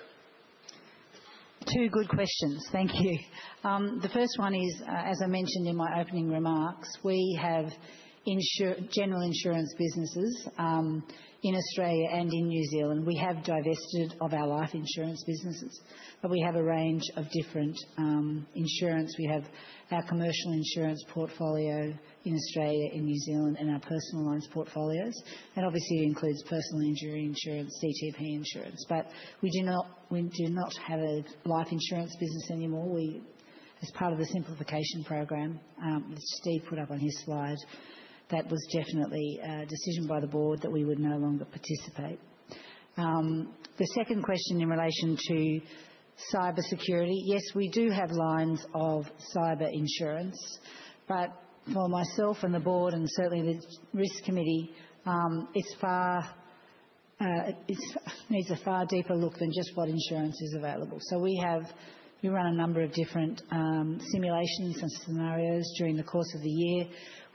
Two good questions. Thank you. The first one is, as I mentioned in my opening remarks, we have general insurance businesses in Australia and in New Zealand. We have divested of our life insurance businesses, but we have a range of different insurance. We have our commercial insurance portfolio in Australia, in New Zealand, and our personal loans portfolios, and obviously it includes personal injury insurance, CTP insurance, but we do not have a life insurance business anymore. As part of the simplification program, which Steve put up on his slide, that was definitely a decision by the board that we would no longer participate. The second question in relation to cybersecurity, yes, we do have lines of cyber insurance, but for myself and the board and certainly the risk committee, it needs a far deeper look than just what insurance is available, so we run a number of different simulations and scenarios during the course of the year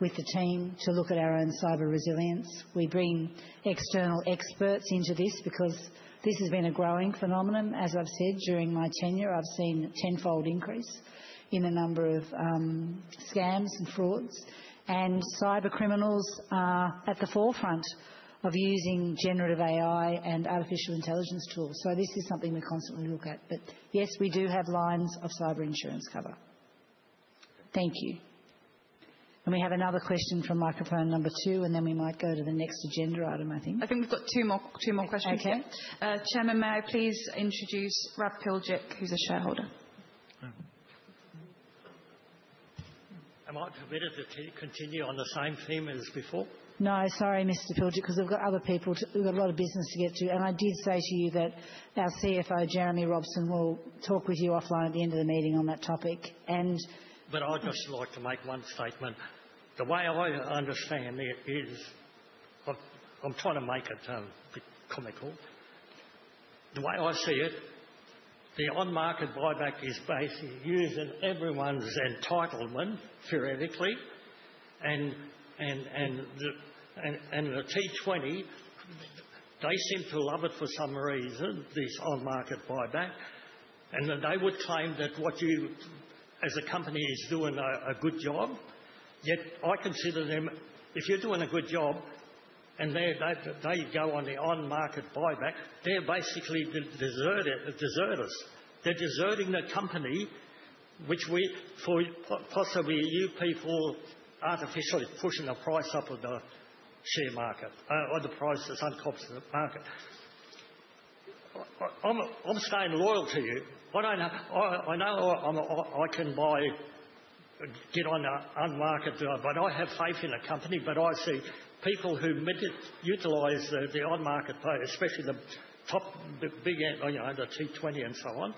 with the team to look at our own cyber resilience. We bring external experts into this because this has been a growing phenomenon. As I've said, during my tenure, I've seen a tenfold increase in the number of scams and frauds, and cyber criminals are at the forefront of using generative AI and artificial intelligence tools. This is something we constantly look at. But yes, we do have lines of cyber insurance cover. Thank you. We have another question from microphone number two, and then we might go to the next agenda item, I think. I think we've got two more questions. Okay. Chairman, may I please introduce Rudolf Plijter, who's a shareholder? Am I permitted to continue on the same theme as before? No, sorry, Mr. Plijter, because we've got other people. We've got a lot of business to get to. I did say to you that our CFO, Jeremy Robson, will talk with you offline at the end of the meeting on that topic. And. But I'd just like to make one statement. The way I understand it is, I'm trying to make it comical. The way I see it, the on-market buyback is basically using everyone's entitlement, theoretically. And the T20, they seem to love it for some reason, this on-market buyback. And then they would claim that what you, as a company, is doing a good job. Yet I consider them, if you're doing a good job and they go on the on-market buyback, they're basically the deserters. They're deserting the company, which would possibly you people artificially pushing the price up of the share market or the price of Suncorp's market. I'm staying loyal to you. I know I can get on the on-market, but I have faith in the company. But I see people who utilize the on-market play, especially the top, the big end, the T20 and so on.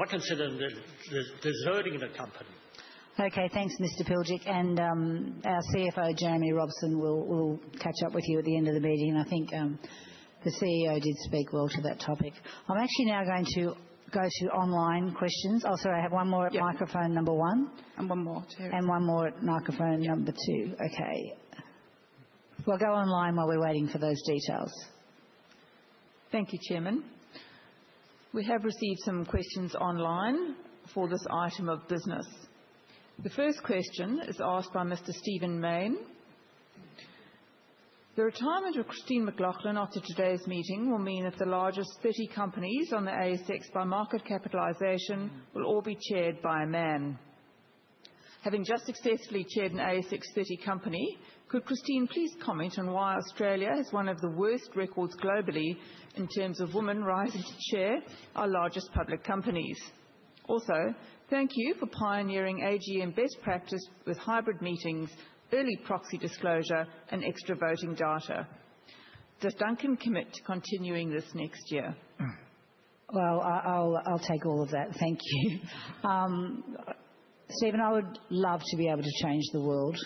I consider them deserting the company. Okay, thanks, Mr. Plijter. And our CFO, Jeremy Robson, will catch up with you at the end of the meeting. And I think the CEO did speak well to that topic. I'm actually now going to go to online questions. Oh, sorry, I have one more at microphone number one. And one more too. And one more at microphone number two. Okay. We'll go online while we're waiting for those details. Thank you, Chairman. We have received some questions online for this item of business. The first question is asked by Mr. Stephen Mayne. The retirement of Christine McLoughlin after today's meeting will mean that the largest 30 companies on the ASX by market capitalization will all be chaired by a man. Having just successfully chaired an ASX 30 company, could Christine please comment on why Australia has one of the worst records globally in terms of women rising to chair our largest public companies? Also, thank you for pioneering AGM best practice with hybrid meetings, early proxy disclosure, and extra voting data. Does Duncan commit to continuing this next year? I'll take all of that. Thank you, Stephen. I would love to be able to change the world.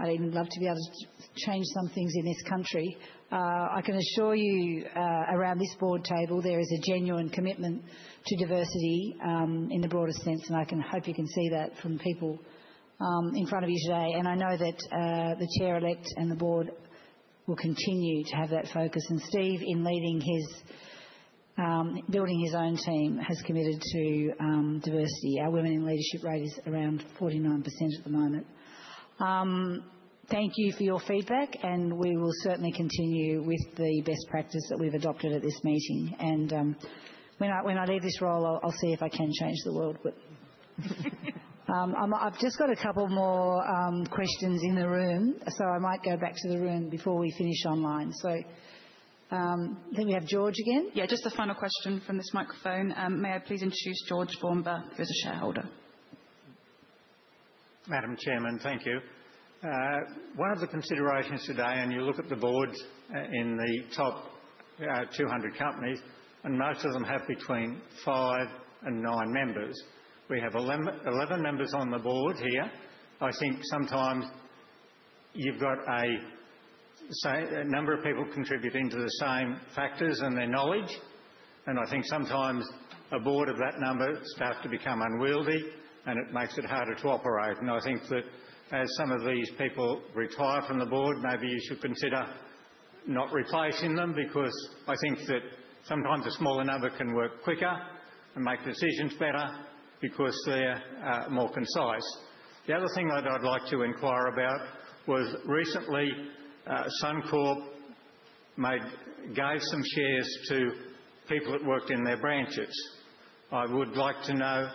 I'd even love to be able to change some things in this country. I can assure you around this board table, there is a genuine commitment to diversity in the broadest sense, and I hope you can see that from the people in front of you today. I know that the chair-elect and the board will continue to have that focus. And Steve, in leading his, building his own team, has committed to diversity. Our women in leadership rate is around 49% at the moment. Thank you for your feedback, and we will certainly continue with the best practice that we've adopted at this meeting. And when I leave this role, I'll see if I can change the world. I've just got a couple more questions in the room, so I might go back to the room before we finish online. So I think we have George again. Yeah, just a final question from this microphone. May I please introduce George Boumba, who is a shareholder? Madam Chairman, thank you. One of the considerations today, and you look at the boards in the top 200 companies, and most of them have between five and nine members. We have 11 members on the board here. I think sometimes you've got a number of people contributing to the same factors and their knowledge. And I think sometimes a board of that number starts to become unwieldy, and it makes it harder to operate. And I think that as some of these people retire from the board, maybe you should consider not replacing them because I think that sometimes a smaller number can work quicker and make decisions better because they're more concise. The other thing that I'd like to inquire about was recently Suncorp gave some shares to people that worked in their branches. I would like to know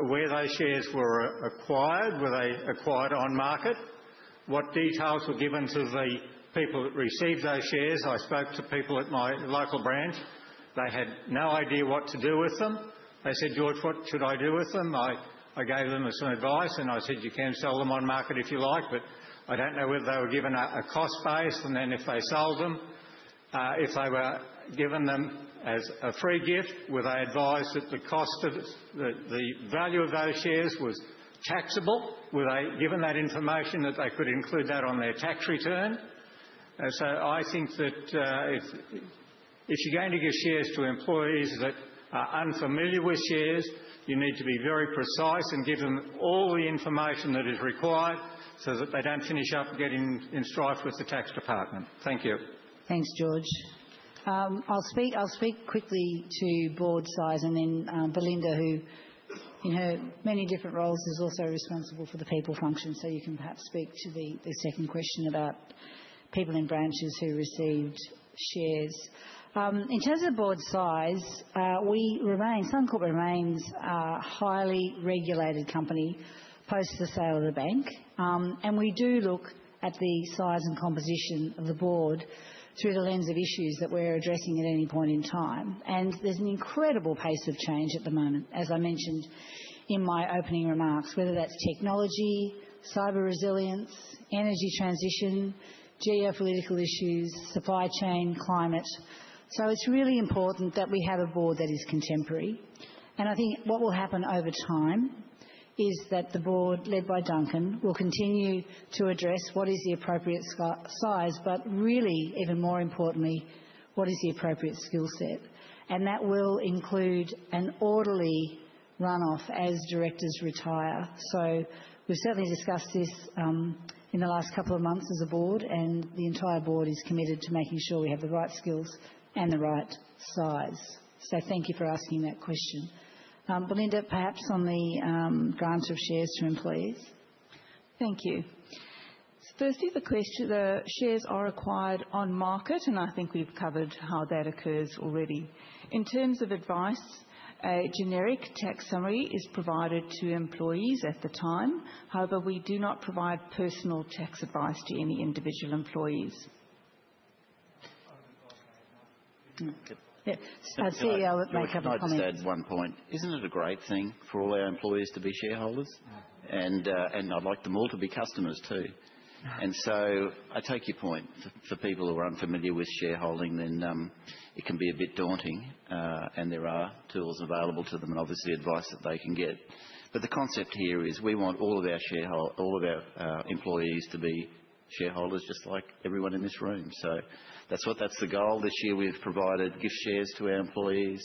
where those shares were acquired, were they acquired on-market, what details were given to the people that received those shares. I spoke to people at my local branch. They had no idea what to do with them. They said, "George, what should I do with them?" I gave them some advice, and I said, "You can sell them on market if you like, but I don't know whether they were given a cost base." And then if they sold them, if they were given them as a free gift, were they advised that the value of those shares was taxable? Were they given that information that they could include that on their tax return? And so I think that if you're going to give shares to employees that are unfamiliar with shares, you need to be very precise and give them all the information that is required so that they don't finish up getting in strife with the tax department. Thank you. Thanks, George. I'll speak quickly to board size and then Belinda, who in her many different roles is also responsible for the people function. So you can perhaps speak to the second question about people in branches who received shares. In terms of board size, Suncorp remains a highly regulated company post the sale of the bank. And we do look at the size and composition of the board through the lens of issues that we're addressing at any point in time. And there's an incredible pace of change at the moment, as I mentioned in my opening remarks, whether that's technology, cyber resilience, energy transition, geopolitical issues, supply chain, climate. So it's really important that we have a board that is contemporary. And I think what will happen over time is that the board led by Duncan will continue to address what is the appropriate size, but really, even more importantly, what is the appropriate skill set. And that will include an orderly run-off as directors retire. We've certainly discussed this in the last couple of months as a board, and the entire board is committed to making sure we have the right skills and the right size. So thank you for asking that question. Belinda, perhaps on the grant of shares to employees. Thank you. So firstly, the shares are acquired on market, and I think we've covered how that occurs already. In terms of advice, a generic tax summary is provided to employees at the time. However, we do not provide personal tax advice to any individual employees. Yeah, CEO would make a comment. I'd like to add one point. Isn't it a great thing for all our employees to be shareholders? And I'd like them all to be customers too. And so I take your point. For people who are unfamiliar with shareholding, then it can be a bit daunting. And there are tools available to them and obviously advice that they can get. But the concept here is we want all of our employees to be shareholders, just like everyone in this room. So that's the goal. This year, we've provided gift shares to our employees.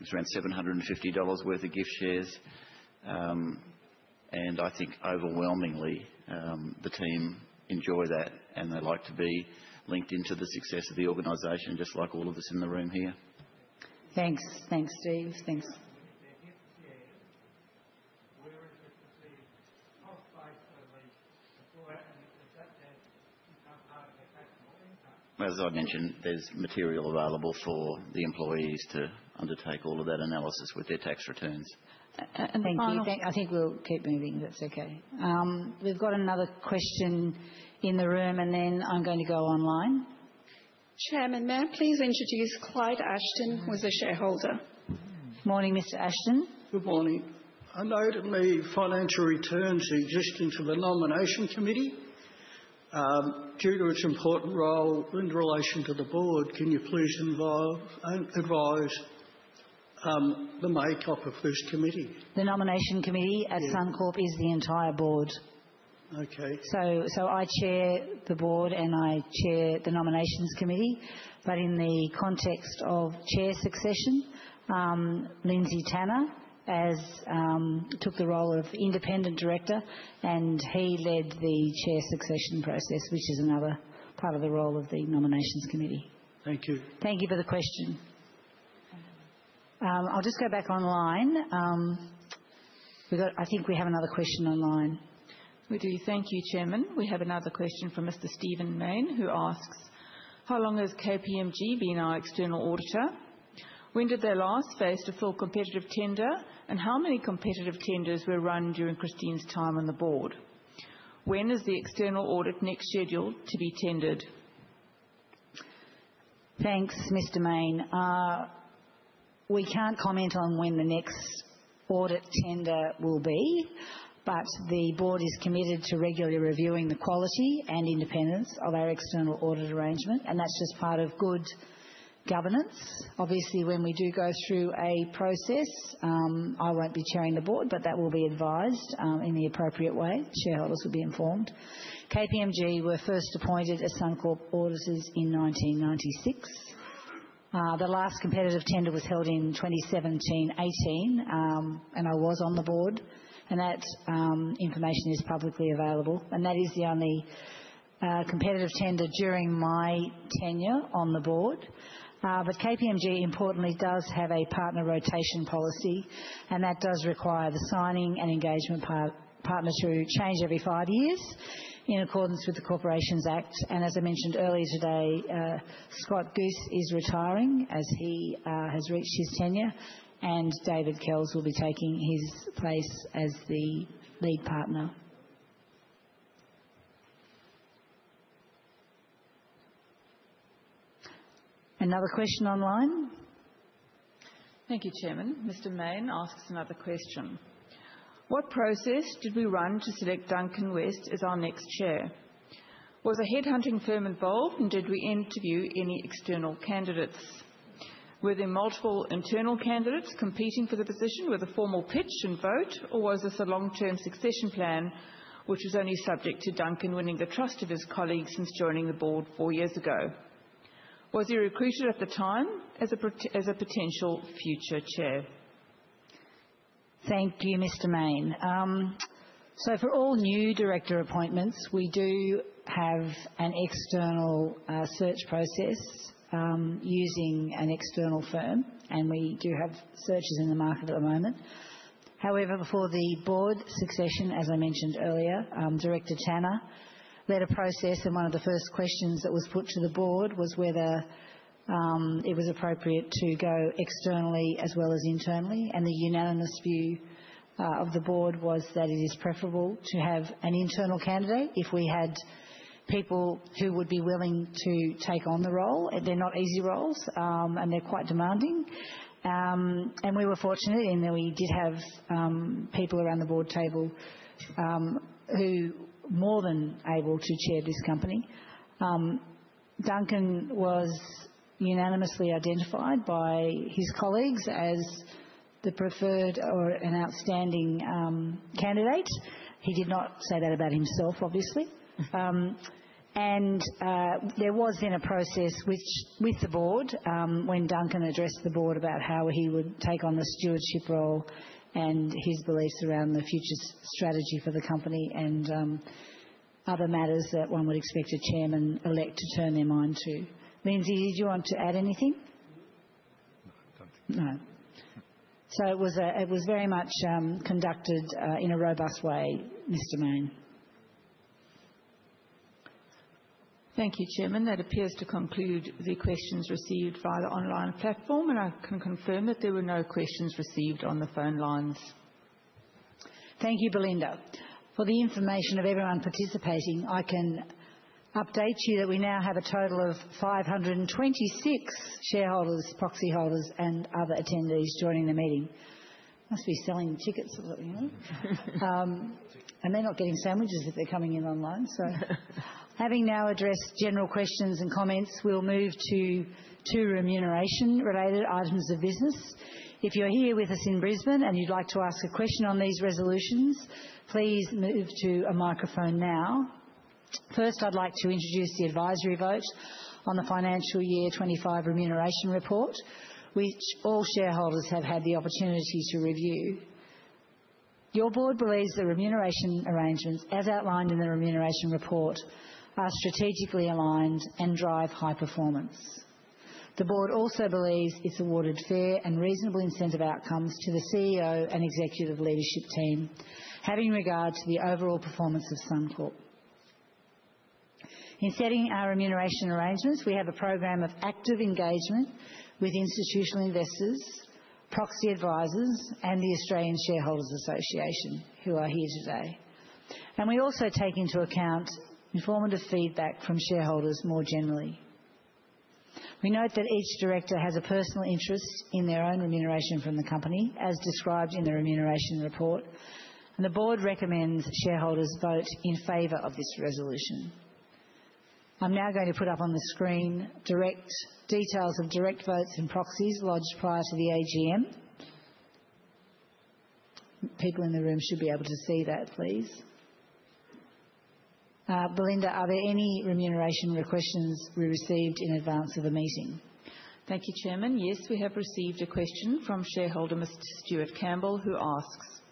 It's around 750 dollars worth of gift shares. And I think overwhelmingly, the team enjoy that, and they like to be linked into the success of the organization, just like all of us in the room here. Thanks. Thanks, Steve. Thanks. The gift shares, where is it that the tax is based on the employer and is that then part of their taxable income? As I mentioned, there's material available for the employees to undertake all of that analysis with their tax returns. Thank you. I think we'll keep moving if it's okay. We've got another question in the room, and then I'm going to go online. Chairman, may I please introduce Clyde Ashton, who is a shareholder? Good morning, Mr. Ashton. Good morning. I note in the financial report section on the Nomination Committee. Due to its important role in relation to the board, can you please advise the makeup of this committee? The Nomination Committee at Suncorp is the entire board. Okay. So I chair the board, and I chair the Nomination Committee. But in the context of chair succession, Lindsay Tanner took the role of independent director, and he led the chair succession process, which is another part of the role of the Nomination Committee. Thank you. Thank you for the question. I'll just go back online. I think we have another question online. We do. Thank you, Chairman. We have another question from Mr. Stephen Mayne, who asks, "How long has KPMG been our external auditor? When did they last go to full competitive tender, and how many competitive tenders were run during Christine's time on the board? When is the external audit next scheduled to be tendered?" Thanks, Mr. Mayne. We can't comment on when the next audit tender will be, but the board is committed to regularly reviewing the quality and independence of our external audit arrangement, and that's just part of good governance. Obviously, when we do go through a process, I won't be chairing the board, but that will be advised in the appropriate way. Shareholders will be informed. KPMG were first appointed as Suncorp auditors in 1996. The last competitive tender was held in 2017-18, and I was on the board. And that information is publicly available. That is the only competitive tender during my tenure on the board. KPMG, importantly, does have a partner rotation policy, and that does require the signing and engagement partners who change every five years in accordance with the Corporations Act. As I mentioned earlier today, Scott Guse is retiring as he has reached his tenure, and David Kells will be taking his place as the lead partner. Another question online. Thank you, Chairman. Mr. Mayne asks another question. What process did we run to select Duncan West as our next chair? Was a headhunting firm involved, and did we interview any external candidates? Were there multiple internal candidates competing for the position with a formal pitch and vote, or was this a long-term succession plan, which was only subject to Duncan winning the trust of his colleagues since joining the board four years ago? Was he recruited at the time as a potential future chair? Thank you, Mr. Mayne. So for all new director appointments, we do have an external search process using an external firm, and we do have searches in the market at the moment. However, before the board succession, as I mentioned earlier, Director Tanner led a process, and one of the first questions that was put to the board was whether it was appropriate to go externally as well as internally. And the unanimous view of the board was that it is preferable to have an internal candidate if we had people who would be willing to take on the role. They're not easy roles, and they're quite demanding. And we were fortunate in that we did have people around the board table who were more than able to chair this company. Duncan was unanimously identified by his colleagues as the preferred or an outstanding candidate. He did not say that about himself, obviously. And there was, in a process with the board, when Duncan addressed the board about how he would take on the stewardship role and his beliefs around the future strategy for the company and other matters that one would expect a chairman-elect to turn their mind to. Lindsay, did you want to add anything? No. So it was very much conducted in a robust way, Mr. Mayne. Thank you, Chairman. That appears to conclude the questions received via the online platform, and I can confirm that there were no questions received on the phone lines. Thank you, Belinda. For the information of everyone participating, I can update you that we now have a total of 526 shareholders, proxy holders, and other attendees joining the meeting. Must be selling tickets or something. And they're not getting sandwiches if they're coming in online. So having now addressed general questions and comments, we'll move to two remuneration-related items of business. If you're here with us in Brisbane and you'd like to ask a question on these resolutions, please move to a microphone now. First, I'd like to introduce the advisory vote on the financial year 2025 Remuneration Report, which all shareholders have had the opportunity to review. Your board believes the remuneration arrangements, as outlined in the Remuneration Report, are strategically aligned and drive high performance. The board also believes it's awarded fair and reasonable incentive outcomes to the CEO and executive leadership team, having regard to the overall performance of Suncorp. In setting our remuneration arrangements, we have a program of active engagement with institutional investors, proxy advisors, and the Australian Shareholders' Association, who are here today. And we also take into account informative feedback from shareholders more generally. We note that each director has a personal interest in their own remuneration from the company, as described in the remuneration report, and the board recommends shareholders vote in favor of this resolution. I'm now going to put up on the screen details of direct votes and proxies lodged prior to the AGM. People in the room should be able to see that, please. Belinda, are there any remuneration requests we received in advance of the meeting? Thank you, Chairman. Yes, we have received a question from shareholder Mr. Stuart Campbell, who asks,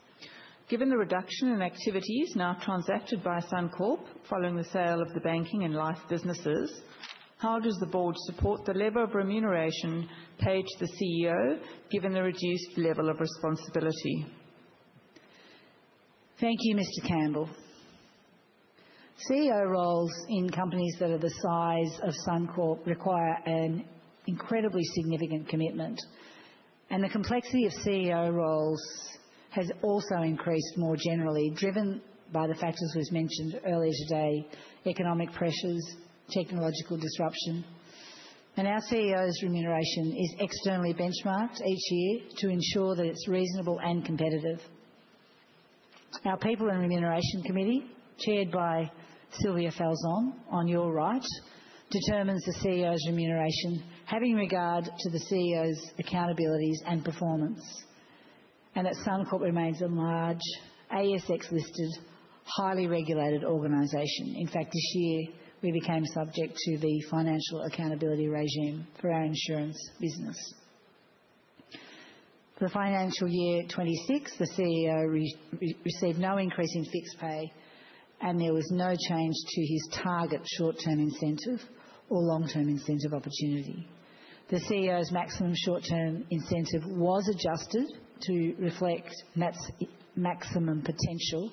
"Given the reduction in activities now transacted by Suncorp following the sale of the banking and life businesses, how does the board support the level of remuneration paid to the CEO given the reduced level of responsibility?" Thank you, Mr. Campbell. CEO roles in companies that are the size of Suncorp require an incredibly significant commitment, and the complexity of CEO roles has also increased more generally, driven by the factors we've mentioned earlier today: economic pressures, technological disruption, and our CEO's remuneration is externally benchmarked each year to ensure that it's reasonable and competitive. Our People and Remuneration Committee, chaired by Sylvia Falzon on your right, determines the CEO's remuneration, having regard to the CEO's accountabilities and performance, and that Suncorp remains a large ASX-listed, highly regulated organization. In fact, this year, we became subject to the Financial Accountability Regime for our insurance business. For the financial year 2026, the CEO received no increase in fixed pay, and there was no change to his target short-term incentive or long-term incentive opportunity. The CEO's maximum short-term incentive was adjusted to reflect maximum potential,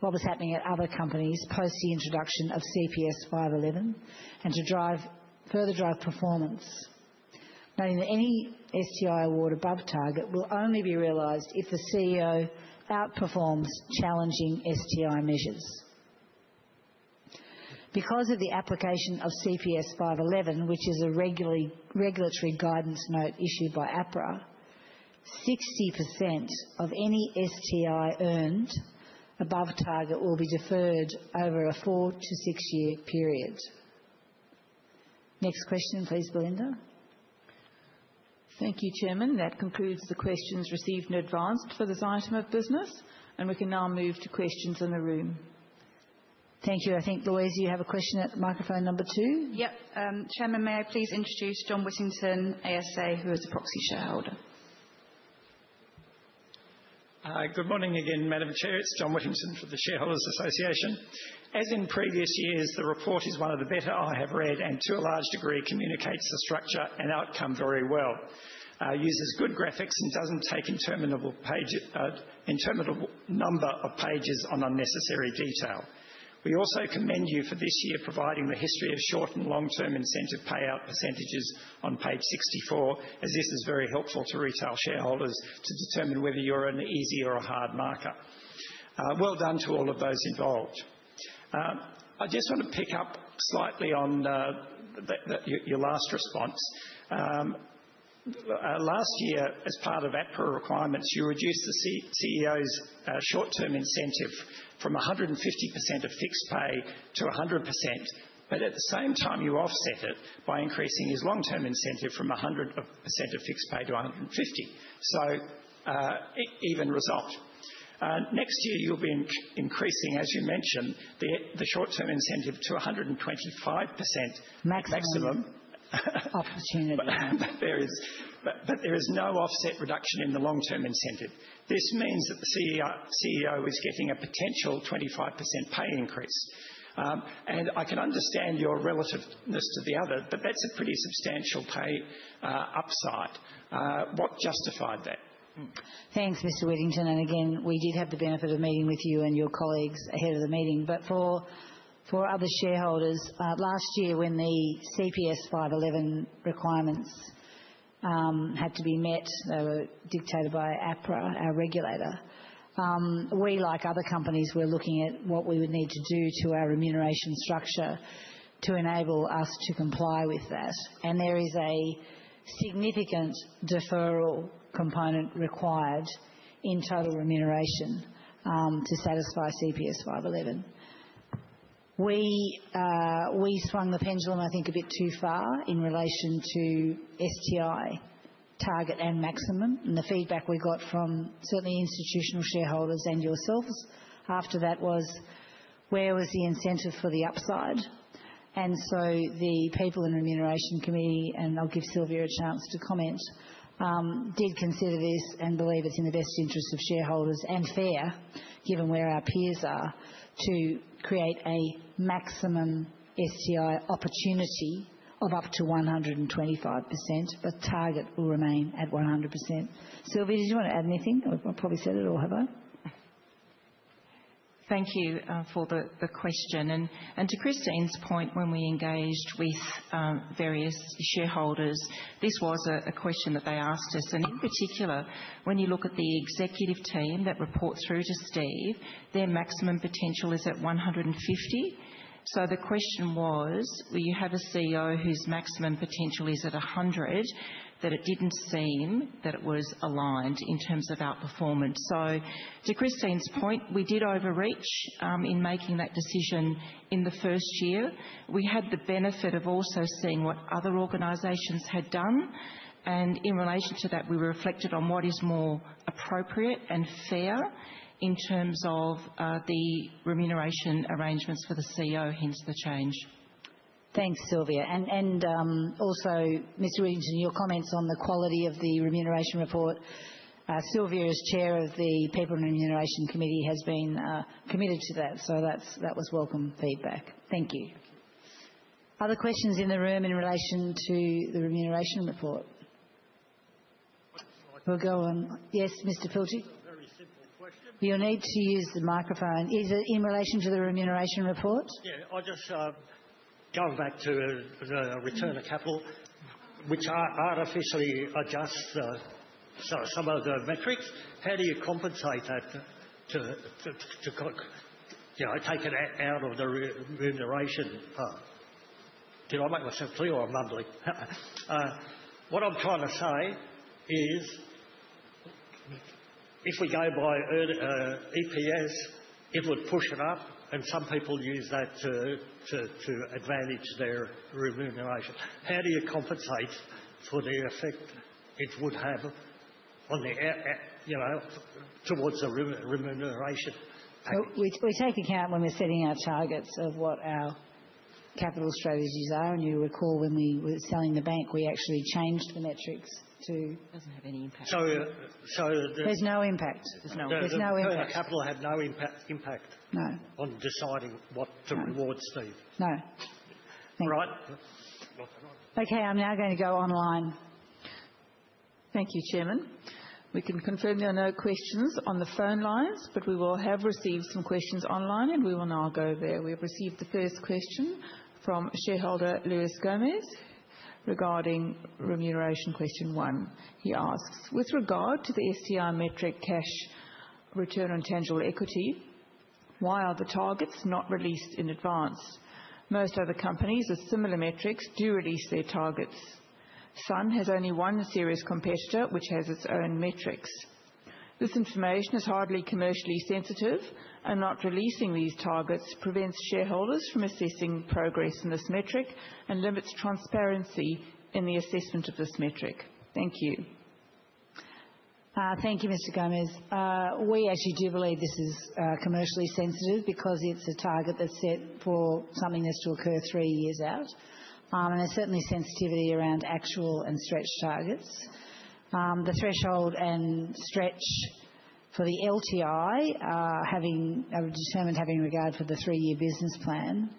what was happening at other companies post the introduction of CPS 511, and to further drive performance, noting that any STI award above target will only be realized if the CEO outperforms challenging STI measures. Because of the application of CPS 511, which is a regulatory guidance note issued by APRA, 60% of any STI earned above target will be deferred over a four- to six-year period. Next question, please, Belinda. Thank you, Chairman. That concludes the questions received and advanced for this item of business, and we can now move to questions in the room. Thank you. I think, Louisa, you have a question at microphone number two. Yep. Chairman, may I please introduce John Whittington, ASA, who is a proxy shareholder? Good morning again, Madam Chair. It's John Whittington for the Shareholders Association. As in previous years, the report is one of the better I have read and, to a large degree, communicates the structure and outcome very well. It uses good graphics and doesn't take an interminable number of pages on unnecessary detail. We also commend you for this year providing the history of short and long-term incentive payout percentages on page 64, as this is very helpful to retail shareholders to determine whether you're on an easy or a hard marker. Well done to all of those involved. I just want to pick up slightly on your last response. Last year, as part of APRA requirements, you reduced the CEO's short-term incentive from 150% of fixed pay to 100%, but at the same time, you offset it by increasing his long-term incentive from 100% of fixed pay to 150%, so even result. Next year, you'll be increasing, as you mentioned, the short-term incentive to 125% maximum opportunity. But there is no offset reduction in the long-term incentive. This means that the CEO is getting a potential 25% pay increase. And I can understand your reluctance to the other, but that's a pretty substantial pay upside. What justified that? Thanks, Mr. Whittington. And again, we did have the benefit of meeting with you and your colleagues ahead of the meeting. But for other shareholders, last year, when the CPS 511 requirements had to be met, they were dictated by APRA, our regulator. We, like other companies, were looking at what we would need to do to our remuneration structure to enable us to comply with that. And there is a significant deferral component required in total remuneration to satisfy CPS 511. We swung the pendulum, I think, a bit too far in relation to STI target and maximum. And the feedback we got from certainly institutional shareholders and yourselves after that was, where was the incentive for the upside? And so the People and Remuneration Committee, and I'll give Sylvia a chance to comment, did consider this and believe it's in the best interest of shareholders and fair, given where our peers are, to create a maximum STI opportunity of up to 125%, but target will remain at 100%. Sylvia, did you want to add anything? I've probably said it all, have I? Thank you for the question. And to Christine's point, when we engaged with various shareholders, this was a question that they asked us. And in particular, when you look at the executive team that reports through to Steve, their maximum potential is at 150. So the question was, will you have a CEO whose maximum potential is at 100? That it didn't seem that it was aligned in terms of our performance. So to Christine's point, we did overreach in making that decision in the first year. We had the benefit of also seeing what other organizations had done. And in relation to that, we were reflected on what is more appropriate and fair in terms of the remuneration arrangements for the CEO, hence the change. Thanks, Sylvia. And also, Mr. Whittington, your comments on the quality of the remuneration report, Sylvia is Chair of the People and Remuneration Committee, has been committed to that. So that was welcome feedback. Thank you. Other questions in the room in relation to the remuneration report? We'll go on. Yes, Mr. Plijter. You'll need to use the microphone. Is it in relation to the remuneration report? Yeah. I just go back to return of capital, which artificially adjusts some of the metrics. How do you compensate that to take it out of the remuneration part? Did I make myself clear or mumbly? What I'm trying to say is, if we go by EPS, it would push it up, and some people use that to advantage their remuneration. How do you compensate for the effect it would have towards the remuneration? We take account when we're setting our targets of what our capital strategies are. And you recall when we were selling the bank, we actually changed the metrics to. It doesn't have any impact. So there's no impact. There's no impact. Capital had no impact on deciding what to reward Steve. No. Right? Okay. I'm now going to go online. Thank you, Chairman. We can confirm there are no questions on the phone lines, but we will have received some questions online, and we will now go there. We have received the first question from shareholder Luis Gomez regarding remuneration question one. He asks, "With regard to the STI metric cash return on tangible equity, why are the targets not released in advance? Most other companies with similar metrics do release their targets. Suncorp has only one serious competitor, which has its own metrics. This information is hardly commercially sensitive, and not releasing these targets prevents shareholders from assessing progress in this metric and limits transparency in the assessment of this metric." Thank you. Thank you, Mr. Gomez. We actually do believe this is commercially sensitive because it's a target that's set for something that's to occur three years out. And there's certainly sensitivity around actual and stretch targets. The threshold and stretch for the LTI, having determined, having regard for the three-year business plan,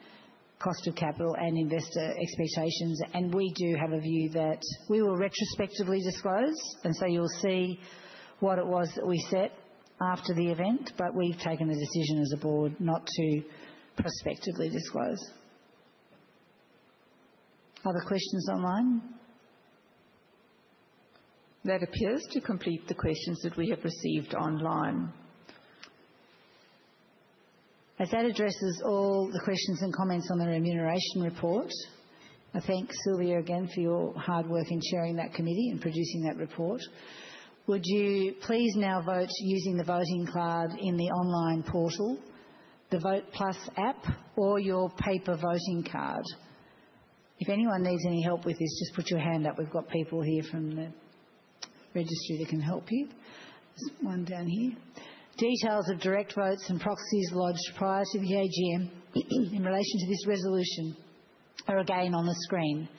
cost of capital, and investor expectations. And we do have a view that we will retrospectively disclose. And so you'll see what it was that we set after the event, but we've taken the decision as a board not to prospectively disclose. Other questions online? That appears to complete the questions that we have received online. As that addresses all the questions and comments on the remuneration report, I thank Sylvia again for your hard work in chairing that committee and producing that report. Would you please now vote using the voting card in the online portal, the Vote+ app, or your paper voting card? If anyone needs any help with this, just put your hand up. We've got people here from the registry that can help you. There's one down here. Details of direct votes and proxies lodged prior to the AGM in relation to this resolution are again on the screen.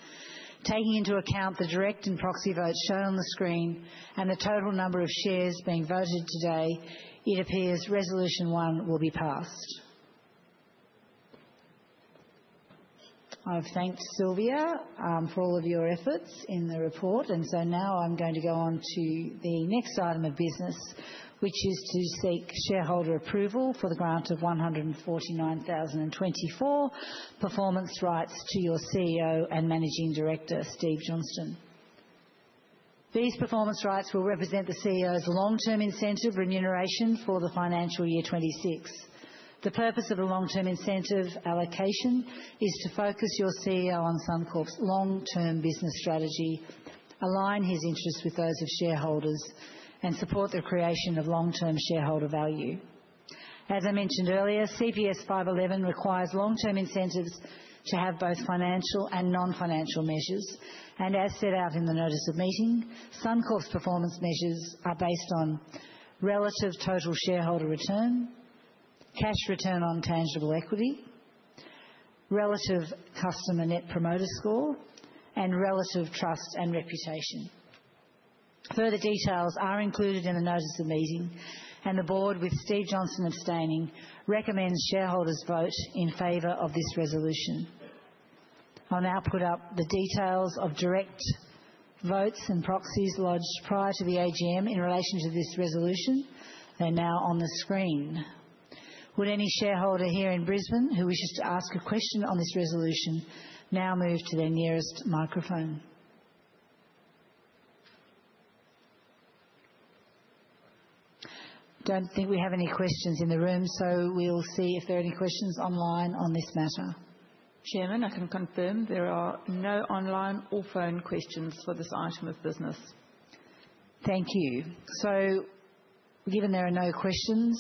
Taking into account the direct and proxy votes shown on the screen and the total number of shares being voted today, it appears resolution one will be passed. I've thanked Sylvia for all of your efforts in the report, and so now I'm going to go on to the next item of business, which is to seek shareholder approval for the grant of 149,024 performance rights to your CEO and Managing Director, Steve Johnston. These performance rights will represent the CEO's long-term incentive remuneration for the financial year '26. The purpose of the long-term incentive allocation is to focus your CEO on Suncorp's long-term business strategy, align his interests with those of shareholders, and support the creation of long-term shareholder value. As I mentioned earlier, CPS 511 requires long-term incentives to have both financial and non-financial measures. And as set out in the notice of meeting, Suncorp's performance measures are based on relative total shareholder return, cash return on tangible equity, relative customer net promoter score, and relative trust and reputation. Further details are included in the notice of meeting, and the board, with Steve Johnston abstaining, recommends shareholders vote in favor of this resolution. I'll now put up the details of direct votes and proxies lodged prior to the AGM in relation to this resolution. They're now on the screen. Would any shareholder here in Brisbane who wishes to ask a question on this resolution now move to their nearest microphone? Don't think we have any questions in the room, so we'll see if there are any questions online on this matter. Chairman, I can confirm there are no online or phone questions for this item of business. Thank you. So given there are no questions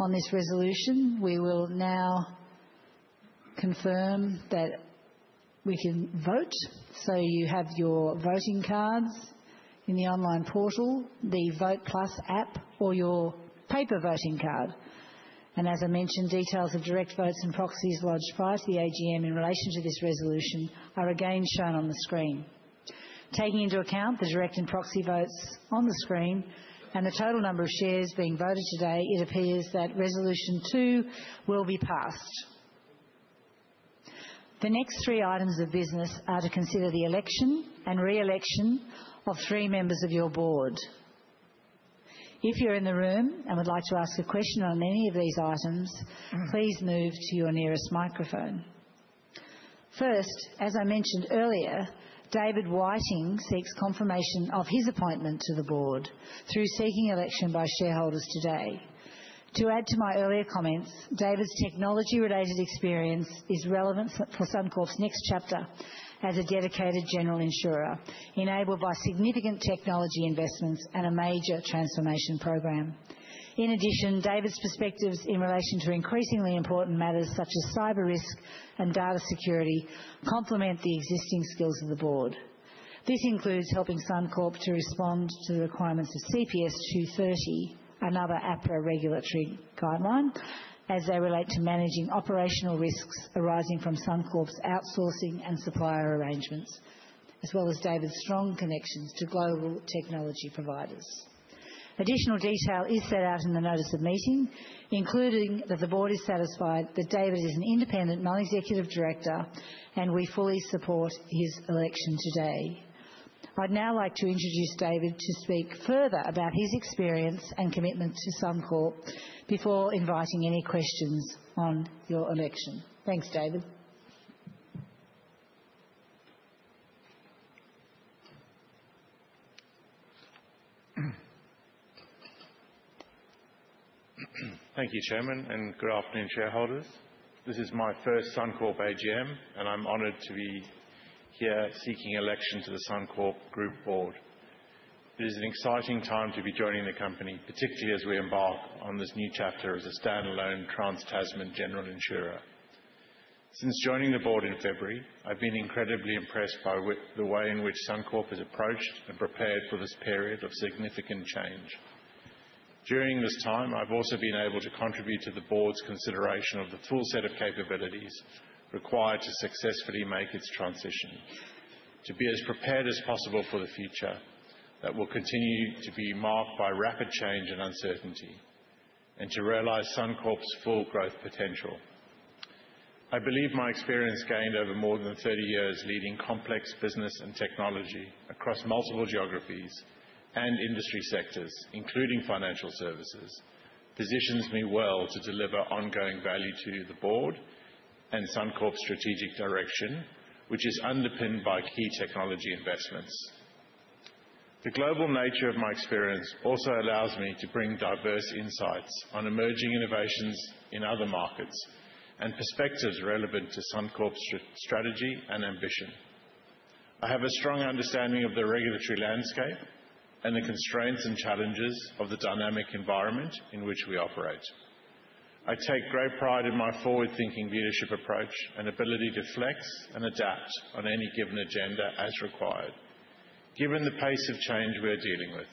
on this resolution, we will now confirm that we can vote. So you have your voting cards in the online portal, the Vote+ app, or your paper voting card. And as I mentioned, details of direct votes and proxies lodged prior to the AGM in relation to this resolution are again shown on the screen. Taking into account the direct and proxy votes on the screen and the total number of shares being voted today, it appears that resolution two will be passed. The next three items of business are to consider the election and re-election of three members of your board. If you're in the room and would like to ask a question on any of these items, please move to your nearest microphone. First, as I mentioned earlier, David Whiteing seeks confirmation of his appointment to the board through seeking election by shareholders today. To add to my earlier comments, David's technology-related experience is relevant for Suncorp's next chapter as a dedicated general insurer, enabled by significant technology investments and a major transformation program. In addition, David's perspectives in relation to increasingly important matters such as cyber risk and data security complement the existing skills of the board. This includes helping Suncorp to respond to the requirements of CPS 230, another APRA regulatory guideline, as they relate to managing operational risks arising from Suncorp's outsourcing and supplier arrangements, as well as David's strong connections to global technology providers. Additional detail is set out in the notice of meeting, including that the board is satisfied that David is an independent non-executive director and we fully support his election today. I'd now like to introduce David to speak further about his experience and commitment to Suncorp before inviting any questions on your election. Thanks, David. Thank you, Chairman, and good afternoon, shareholders. This is my first Suncorp AGM, and I'm honored to be here seeking election to the Suncorp Group Board. It is an exciting time to be joining the company, particularly as we embark on this new chapter as a standalone trans-tasman general insurer. Since joining the board in February, I've been incredibly impressed by the way in which Suncorp has approached and prepared for this period of significant change. During this time, I've also been able to contribute to the board's consideration of the full set of capabilities required to successfully make its transition, to be as prepared as possible for the future that will continue to be marked by rapid change and uncertainty, and to realize Suncorp's full growth potential. I believe my experience gained over more than 30 years leading complex business and technology across multiple geographies and industry sectors, including financial services, positions me well to deliver ongoing value to the board and Suncorp's strategic direction, which is underpinned by key technology investments. The global nature of my experience also allows me to bring diverse insights on emerging innovations in other markets and perspectives relevant to Suncorp's strategy and ambition. I have a strong understanding of the regulatory landscape and the constraints and challenges of the dynamic environment in which we operate. I take great pride in my forward-thinking leadership approach and ability to flex and adapt on any given agenda as required, given the pace of change we're dealing with.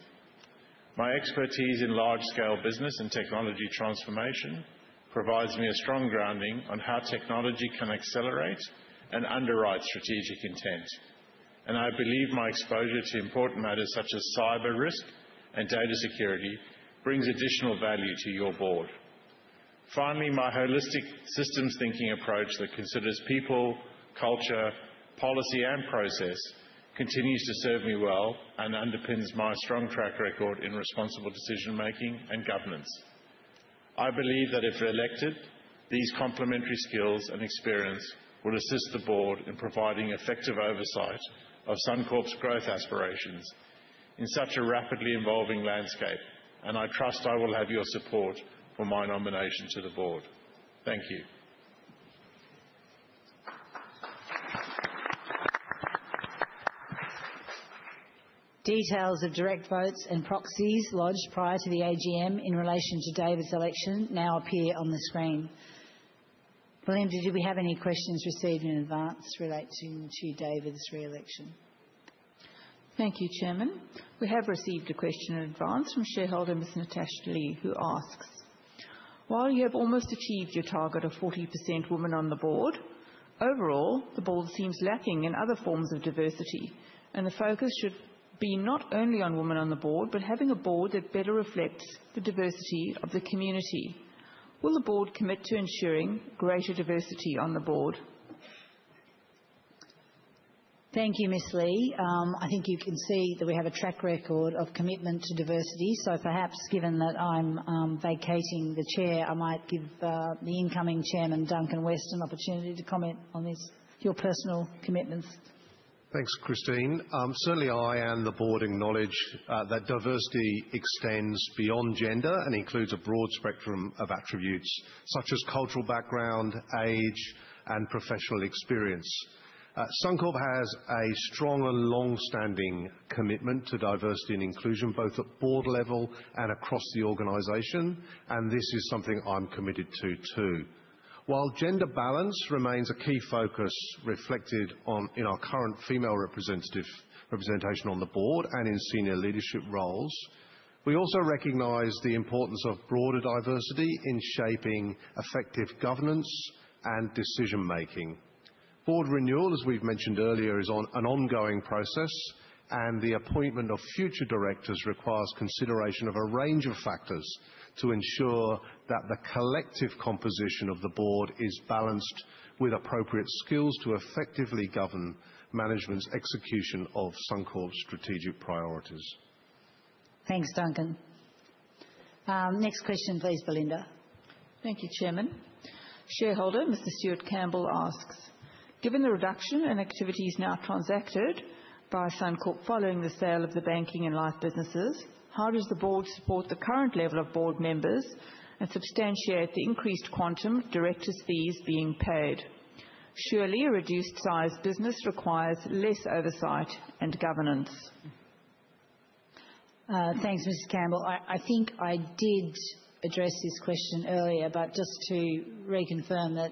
My expertise in large-scale business and technology transformation provides me a strong grounding on how technology can accelerate and underwrite strategic intent, and I believe my exposure to important matters such as cyber risk and data security brings additional value to your board. Finally, my holistic systems thinking approach that considers people, culture, policy, and process continues to serve me well and underpins my strong track record in responsible decision-making and governance. I believe that if elected, these complementary skills and experience will assist the board in providing effective oversight of Suncorp's growth aspirations in such a rapidly evolving landscape, and I trust I will have your support for my nominationto the board. Thank you. Details of direct votes and proxies lodged prior to the AGM in relation to David's election now appear on the screen. William, did we have any questions received in advance relating to David's re-election? Thank you, Chairman. We have received a question in advance from shareholder Ms.Natasha Lee, who asks, "While you have almost achieved your target of 40% women on the board, overall, the board seems lacking in other forms of diversity, and the focus should be not only on women on the board, but having a board that better reflects the diversity of the community. Will the board commit to ensuring greater diversity on the board?" Thank you, Ms. Lee. I think you can see that we have a track record of commitment to diversity. So perhaps, given that I'm vacating the chair, I might give the incoming Chairman, Duncan West, an opportunity to comment on your personal commitments. Thanks, Christine. Certainly, I and the board acknowledge that diversity extends beyond gender and includes a broad spectrum of attributes such as cultural background, age, and professional experience. Suncorp has a strong and long-standing commitment to diversity and inclusion, both at board level and across the organization, and this is something I'm committed to too. While gender balance remains a key focus reflected in our current female representation on the board and in senior leadership roles, we also recognize the importance of broader diversity in shaping effective governance and decision-making. Board renewal, as we've mentioned earlier, is an ongoing process, and the appointment of future directors requires consideration of a range of factors to ensure that the collective composition of the board is balanced with appropriate skills to effectively govern management's execution of Suncorp's strategic priorities. Thanks, Duncan. Next question, please, Belinda. Thank you, Chairman. Shareholder Mr. Stuart Campbell asks, "Given the reduction in activities now transacted by Suncorp following the sale of the banking and life businesses, how does the board support the current level of board members and substantiate the increased quantum of directors' fees being paid? Surely, a reduced-sized business requires less oversight and governance." Thanks, Ms. Campbell. I think I did address this question earlier, but just to reconfirm that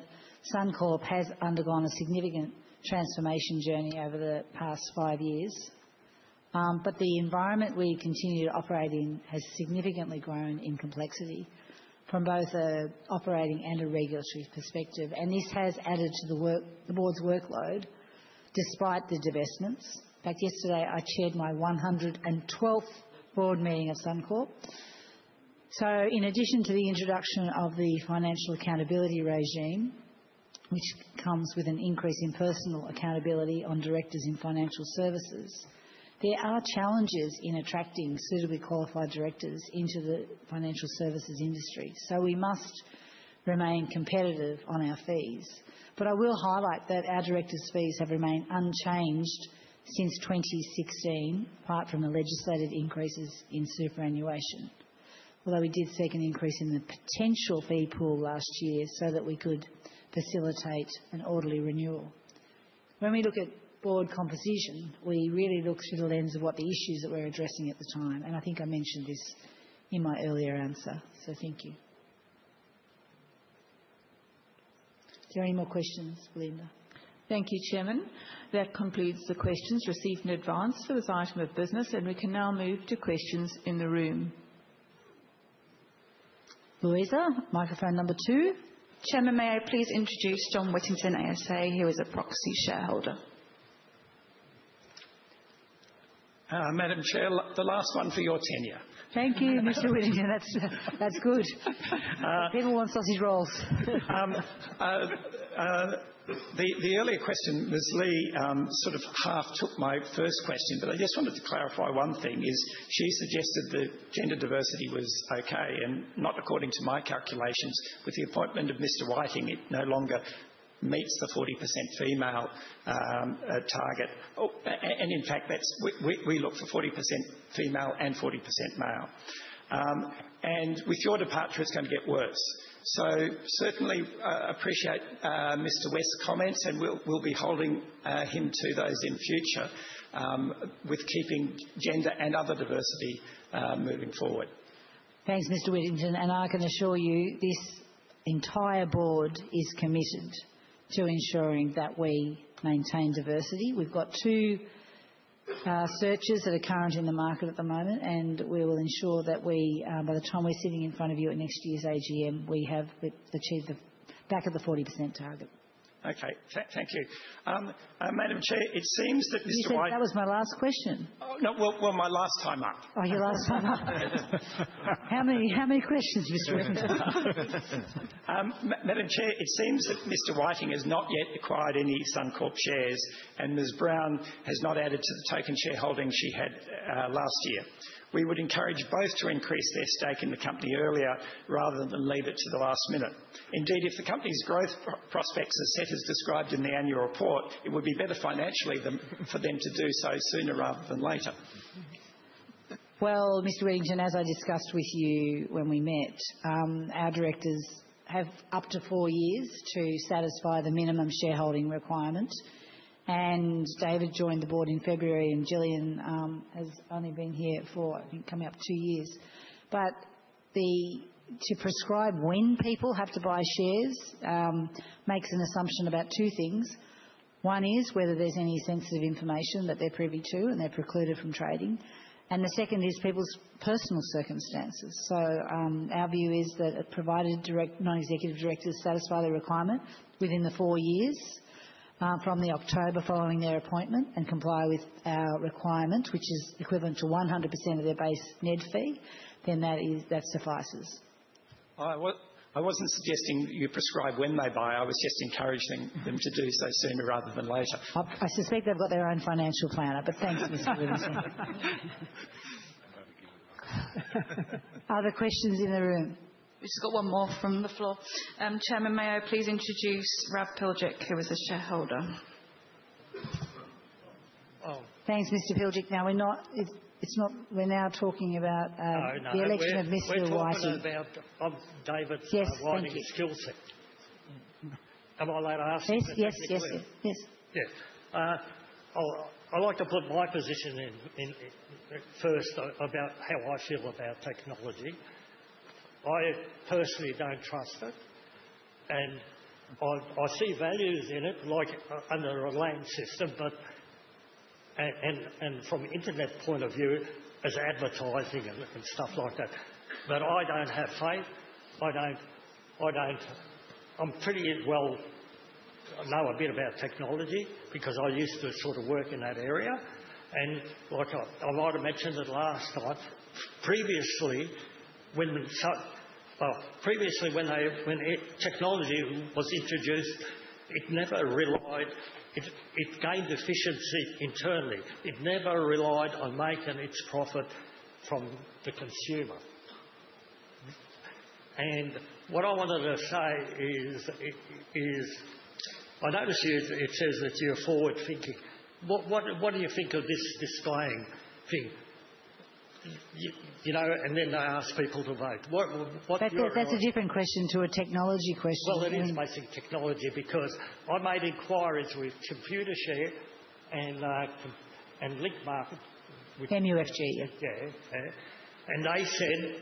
Suncorp has undergone a significant transformation journey over the past five years, but the environment we continue to operate in has significantly grown in complexity from both an operating and a regulatory perspective, and this has added to the board's workload despite the divestments. In fact, yesterday, I chaired my 112th board meeting of Suncorp. So in addition to the introduction of the Financial Accountability Regime, which comes with an increase in personal accountability on directors in financial services, there are challenges in attracting suitably qualified directors into the financial services industry. So we must remain competitive on our fees. But I will highlight that our directors' fees have remained unchanged since 2016, apart from the legislative increases in superannuation, although we did seek an increase in the potential fee pool last year so that we could facilitate an orderly renewal. When we look at board composition, we really look through the lens of what the issues that we're addressing at the time, and I think I mentioned this in my earlier answer. So thank you. Is there any more questions, Belinda? Thank you, Chairman. That concludes the questions received in advance for this item of business, and we can now move to questions in the room. Louisa, microphone number two. Chairman, may I please introduce John Whittington, ASA? He was a proxy shareholder. Madam Chair, the last one for your tenure. Thank you, Mr. Whittington. That's good. People want sausage rolls. The earlier question, Ms. Lee, sort of half took my first question, but I just wanted to clarify one thing: she suggested that gender diversity was okay, and not according to my calculations, with the appointment of Mr. Whiting, it no longer meets the 40% female target. And in fact, we look for 40% female and 40% male. And with your departure, it's going to get worse. So certainly appreciate Mr. West's comments, and we'll be holding him to those in future with keeping gender and other diversity moving forward. Thanks, Mr. Whittington. I can assure you this entire board is committed to ensuring that we maintain diversity. We've got two searches that are current in the market at the moment, and we will ensure that by the time we're sitting in front of you at next year's AGM, we have achieved the back of the 40% target. Okay. Thank you. Madam Chair, it seems that Mr. Whiting. That was my last question. No, well, my last time up. Oh, your last time up. How many questions, Mr. Whittington? Madam Chair, it seems that Mr. Whiting has not yet acquired any Suncorp shares, and Ms. Brown has not added to the token shareholding she had last year. We would encourage both to increase their stake in the company earlier rather than leave it to the last minute. Indeed, if the company's growth prospects are set as described in the annual report, it would be better financially for them to do so sooner rather than later. Mr. Whittington, as I discussed with you when we met, our directors have up to four years to satisfy the minimum shareholding requirement, and David joined the board in February, and Gillian has only been here for, I think, coming up two years. But to prescribe when people have to buy shares makes an assumption about two things. One is whether there's any sensitive information that they're privy to and they're precluded from trading, and the second is people's personal circumstances. So our view is that provided non-executive directors satisfy the requirement within the four years from the October following their appointment and comply with our requirement, which is equivalent to 100% of their base net fee, then that suffices. I wasn't suggesting you prescribe when they buy. I was just encouraging them to do so sooner rather than later. I suspect they've got their own financial planner, but thanks, Mr. Whittington. Other questions in the room? We've just got one more from the floor. Chairman, may I please introduce Rudolf Plijter, who was a shareholder? Thanks, Mr. Plijter. Now, we're now talking about the election of Mr. Whiting. I was talking about David's skill set. Am I allowed to ask you that? Yes, yes, yes, yes. Yes. I'd like to put my position in first about how I feel about technology. I personally don't trust it, and I see values in it, like under a land system, and from an internet point of view, as advertising and stuff like that. But I don't have faith. I don't—I'm pretty well—I know a bit about technology because I used to sort of work in that area. And like I might have mentioned at last time, previously, when technology was introduced, it never relied—it gained efficiency internally. It never relied on making its profit from the consumer. And what I wanted to say is, I noticed it says that you're forward-thinking. What do you think of this displaying thing? And then they ask people to vote. What do you think? That's a different question to a technology question. Well, it is basic technology because I made inquiries with Computershare and Link Market. And MUFG, yeah. Yeah. And they said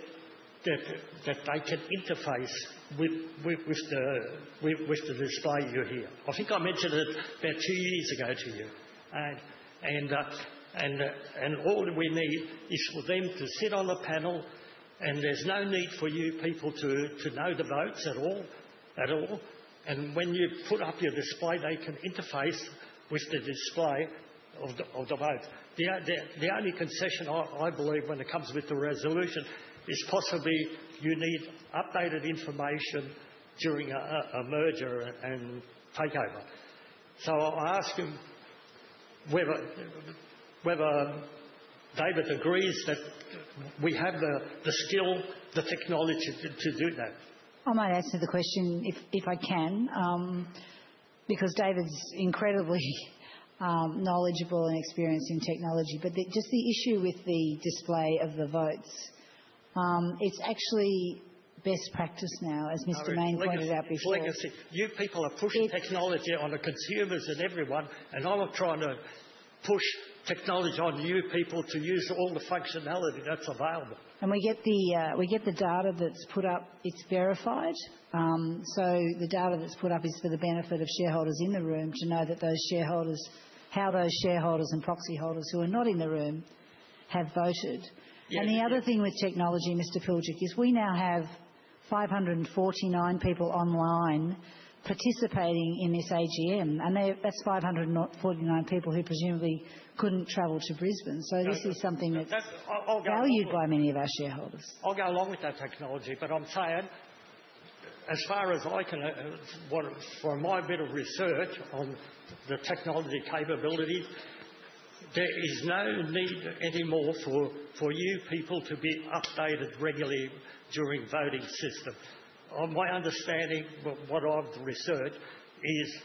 that they could interface with the display you're using here. I think I mentioned it about two years ago to you. And all we need is for them to sit on the panel, and there's no need for you people to know the votes at all. And when you put up your display, they can interface with the display of the votes. The only concession I believe when it comes with the resolution is possibly you need updated information during a merger and takeover. So I ask you whether David agrees that we have the skill, the technology to do that. I might answer the question if I can because David's incredibly knowledgeable and experienced in technology. But just the issue with the display of the votes, it's actually best practice now, as Mr. Mayne pointed out before. It's legacy. You people are pushing technology on the consumers and everyone, and I'm trying to push technology on you people to use all the functionality that's available. We get the data that's put up; it's verified. The data that's put up is for the benefit of shareholders in the room to know how those shareholders and proxy holders who are not in the room have voted. The other thing with technology, Mr. Plijter, is we now have 549 people online participating in this AGM, and that's 549 people who presumably couldn't travel to Brisbane. This is something that's valued by many of our shareholders. I'll go along with that technology, but I'm saying, as far as I can, from my bit of research on the technology capabilities, there is no need anymore for you people to be updated regularly during voting systems. My understanding, what I've researched, is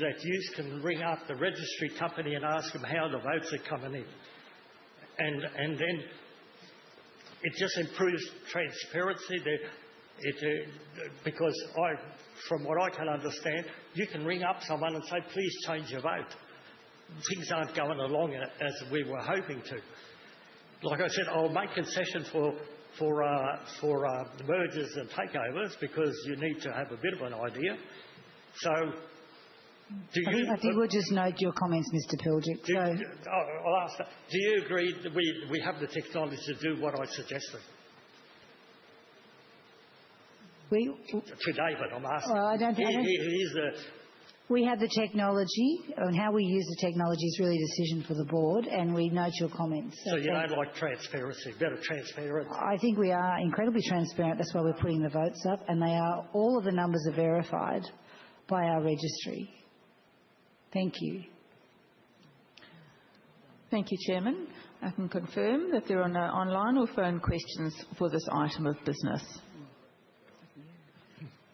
that you can ring up the registry company and ask them how the votes are coming in. And then it just improves transparency because, from what I can understand, you can ring up someone and say, "Please change your vote." Things aren't going along as we were hoping to. Like I said, I'll make concessions for mergers and takeovers because you need to have a bit of an idea. So do you? I think we'll just note your comments, Mr. Plijter. I'll ask that. Do you agree that we have the technology to do what I suggested? We. To David, I'm asking. Well, I don't think I do. We have the technology, and how we use the technology is really a decision for the board, and we note your comments. So you don't like transparency? Better transparency. I think we are incredibly transparent. That's why we're putting the votes up, and all of the numbers are verified by our registry. Thank you. Thank you, Chairman. I can confirm that there are no online or phone questions for this item of business.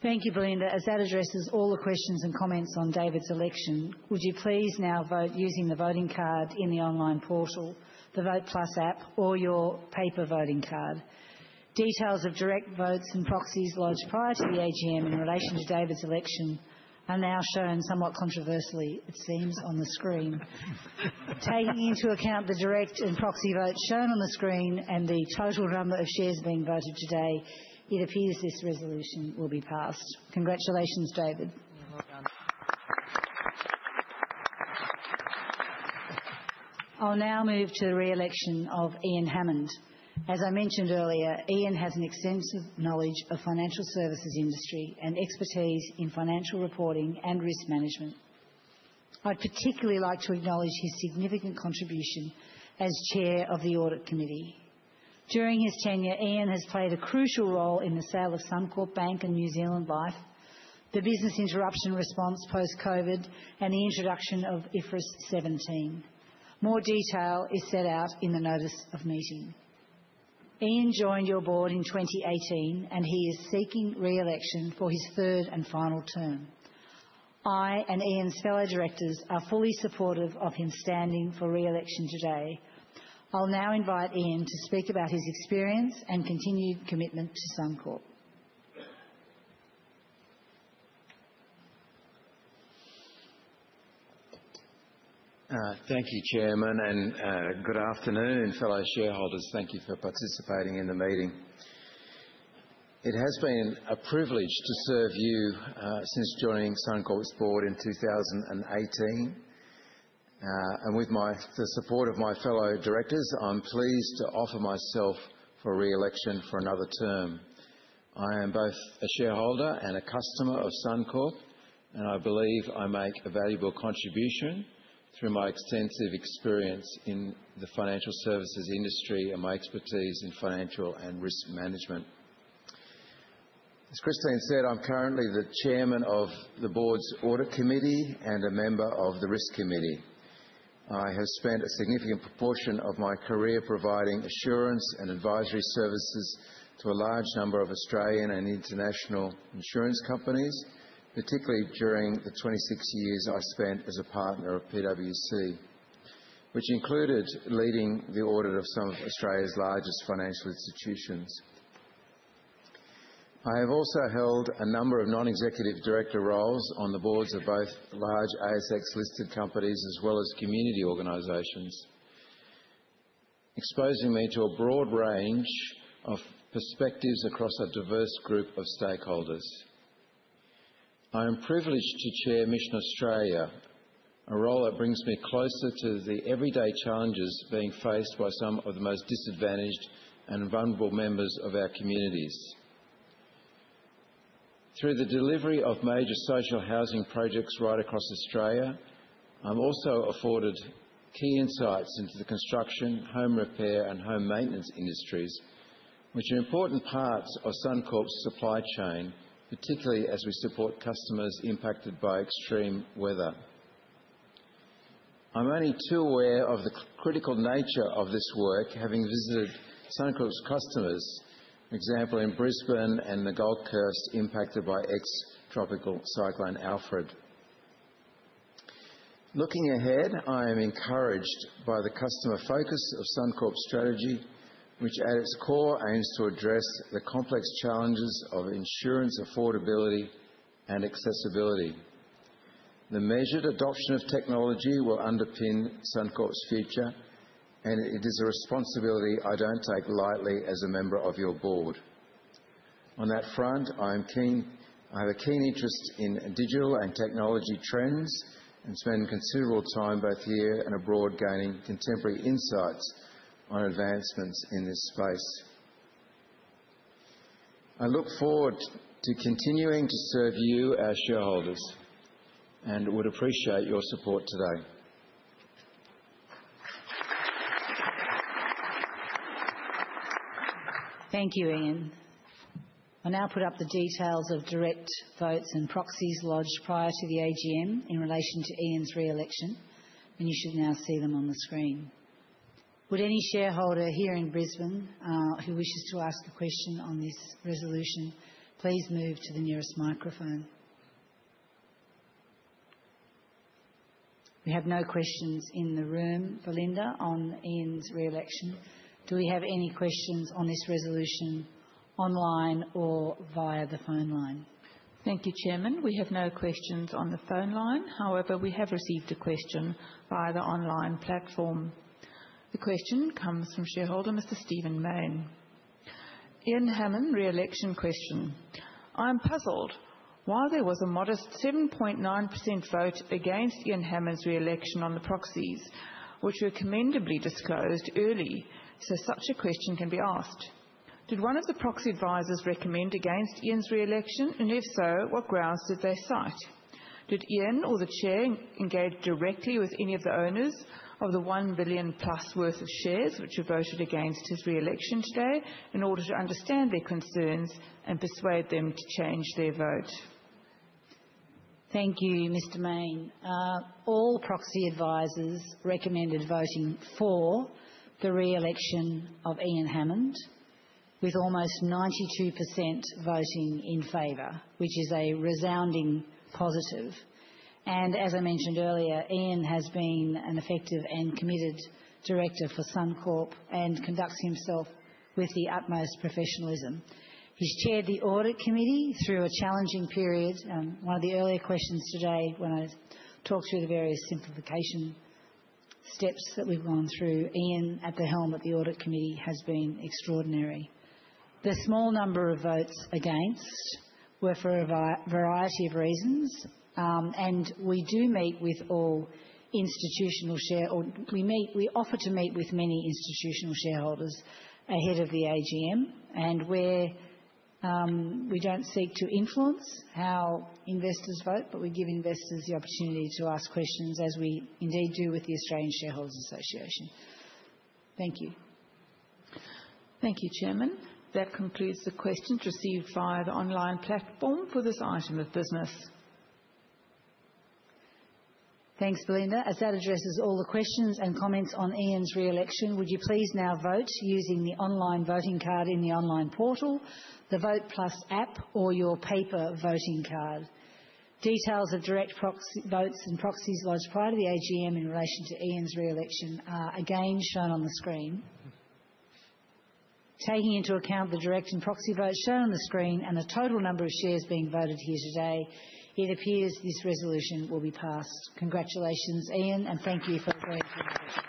Thank you, Belinda. As that addresses all the questions and comments on David's election, would you please now vote using the voting card in the online portal, the Vote+ app, or your paper voting card? Details of direct votes and proxies lodged prior to the AGM in relation to David's election are now shown somewhat controversially, it seems, on the screen. Taking into account the direct and proxy votes shown on the screen and the total number of shares being voted today, it appears this resolution will be passed. Congratulations, David. You're welcome. I'll now move to the re-election of Ian Hammond. As I mentioned earlier, Ian has an extensive knowledge of the financial services industry and expertise in financial reporting and risk management. I'd particularly like to acknowledge his significant contribution as chair of the Audit Committee. During his tenure, Ian has played a crucial role in the sale of Suncorp Bank and New Zealand Life, the business interruption response post-COVID, and the introduction of IFRS 17. More detail is set out in the notice of meeting. Ian joined your board in 2018, and he is seeking re-election for his third and final term. I and Ian's fellow directors are fully supportive of him standing for re-election today. I'll now invite Ian to speak about his experience and continued commitment to Suncorp. Thank you, Chairman, and good afternoon, fellow shareholders. Thank you for participating in the meeting. It has been a privilege to serve you since joining Suncorp's board in 2018. And with the support of my fellow directors, I'm pleased to offer myself for re-election for another term. I am both a shareholder and a customer of Suncorp, and I believe I make a valuable contribution through my extensive experience in the financial services industry and my expertise in financial and risk management. As Christine said, I'm currently the chairman of the board's Audit Committee and a member of the Risk Committee. I have spent a significant proportion of my career providing assurance and advisory services to a large number of Australian and international insurance companies, particularly during the 26 years I spent as a partner of PwC, which included leading the audit of some of Australia's largest financial institutions. I have also held a number of non-executive director roles on the boards of both large ASX-listed companies as well as community organizations, exposing me to a broad range of perspectives across a diverse group of stakeholders. I am privileged to chair Mission Australia, a role that brings me closer to the everyday challenges being faced by some of the most disadvantaged and vulnerable members of our communities. Through the delivery of major social housing projects right across Australia, I'm also afforded key insights into the construction, home repair, and home maintenance industries, which are important parts of Suncorp's supply chain, particularly as we support customers impacted by extreme weather. I'm only too aware of the critical nature of this work, having visited Suncorp's customers, for example, in Brisbane and the Gold Coast impacted by ex-Tropical Cyclone Alfred. Looking ahead, I am encouraged by the customer focus of Suncorp's strategy, which at its core aims to address the complex challenges of insurance affordability and accessibility. The measured adoption of technology will underpin Suncorp's future, and it is a responsibility I don't take lightly as a member of your board. On that front, I have a keen interest in digital and technology trends and spend considerable time both here and abroad gaining contemporary insights on advancements in this space. I look forward to continuing to serve you as shareholders and would appreciate your support today. Thank you, Ian. I'll now put up the details of direct votes and proxies lodged prior to the AGM in relation to Ian's re-election, and you should now see them on the screen. Would any shareholder here in Brisbane who wishes to ask a question on this resolution please move to the nearest microphone? We have no questions in the room, Belinda, on Ian's re-election. Do we have any questions on this resolution online or via the phone line? Thank you, Chairman. We have no questions on the phone line. However, we have received a question via the online platform. The question comes from shareholder Mr. Stephen Mayne. Ian Hammond, re-election question. I'm puzzled why there was a modest 7.9% vote against Ian Hammond's re-election on the proxies, which were commendably disclosed early, so such a question can be asked. Did one of the proxy advisors recommend against Ian's re-election, and if so, what grounds did they cite? Did Ian or the chair engage directly with any of the owners of the 1 billion-plus worth of shares which were voted against his re-election today in order to understand their concerns and persuade them to change their vote? Thank you, Mr. Mayne. All proxy advisors recommended voting for the re-election of Ian Hammond, with almost 92% voting in favour, which is a resounding positive. As I mentioned earlier, Ian has been an effective and committed director for Suncorp and conducts himself with the utmost professionalism. He's chaired the Audit Committee through a challenging period. One of the earlier questions today, when I talked through the various simplification steps that we've gone through, Ian at the helm of the Audit Committee has been extraordinary. The small number of votes against were for a variety of reasons, and we do meet with all institutional shareholders. We offer to meet with many institutional shareholders ahead of the AGM, and we don't seek to influence how investors vote, but we give investors the opportunity to ask questions as we indeed do with the Australian Shareholders' Association. Thank you. Thank you, Chairman. That concludes the questions received via the online platform for this item of business. Thanks, Belinda. As that addresses all the questions and comments on Ian's re-election, would you please now vote using the online voting card in the online portal, the Vote+ app, or your paper voting card? Details of direct votes and proxies lodged prior to the AGM in relation to Ian's re-election are again shown on the screen. Taking into account the direct and proxy votes shown on the screen and the total number of shares being voted here today, it appears this resolution will be passed. Congratulations, Ian, and thank you for your very kind questions.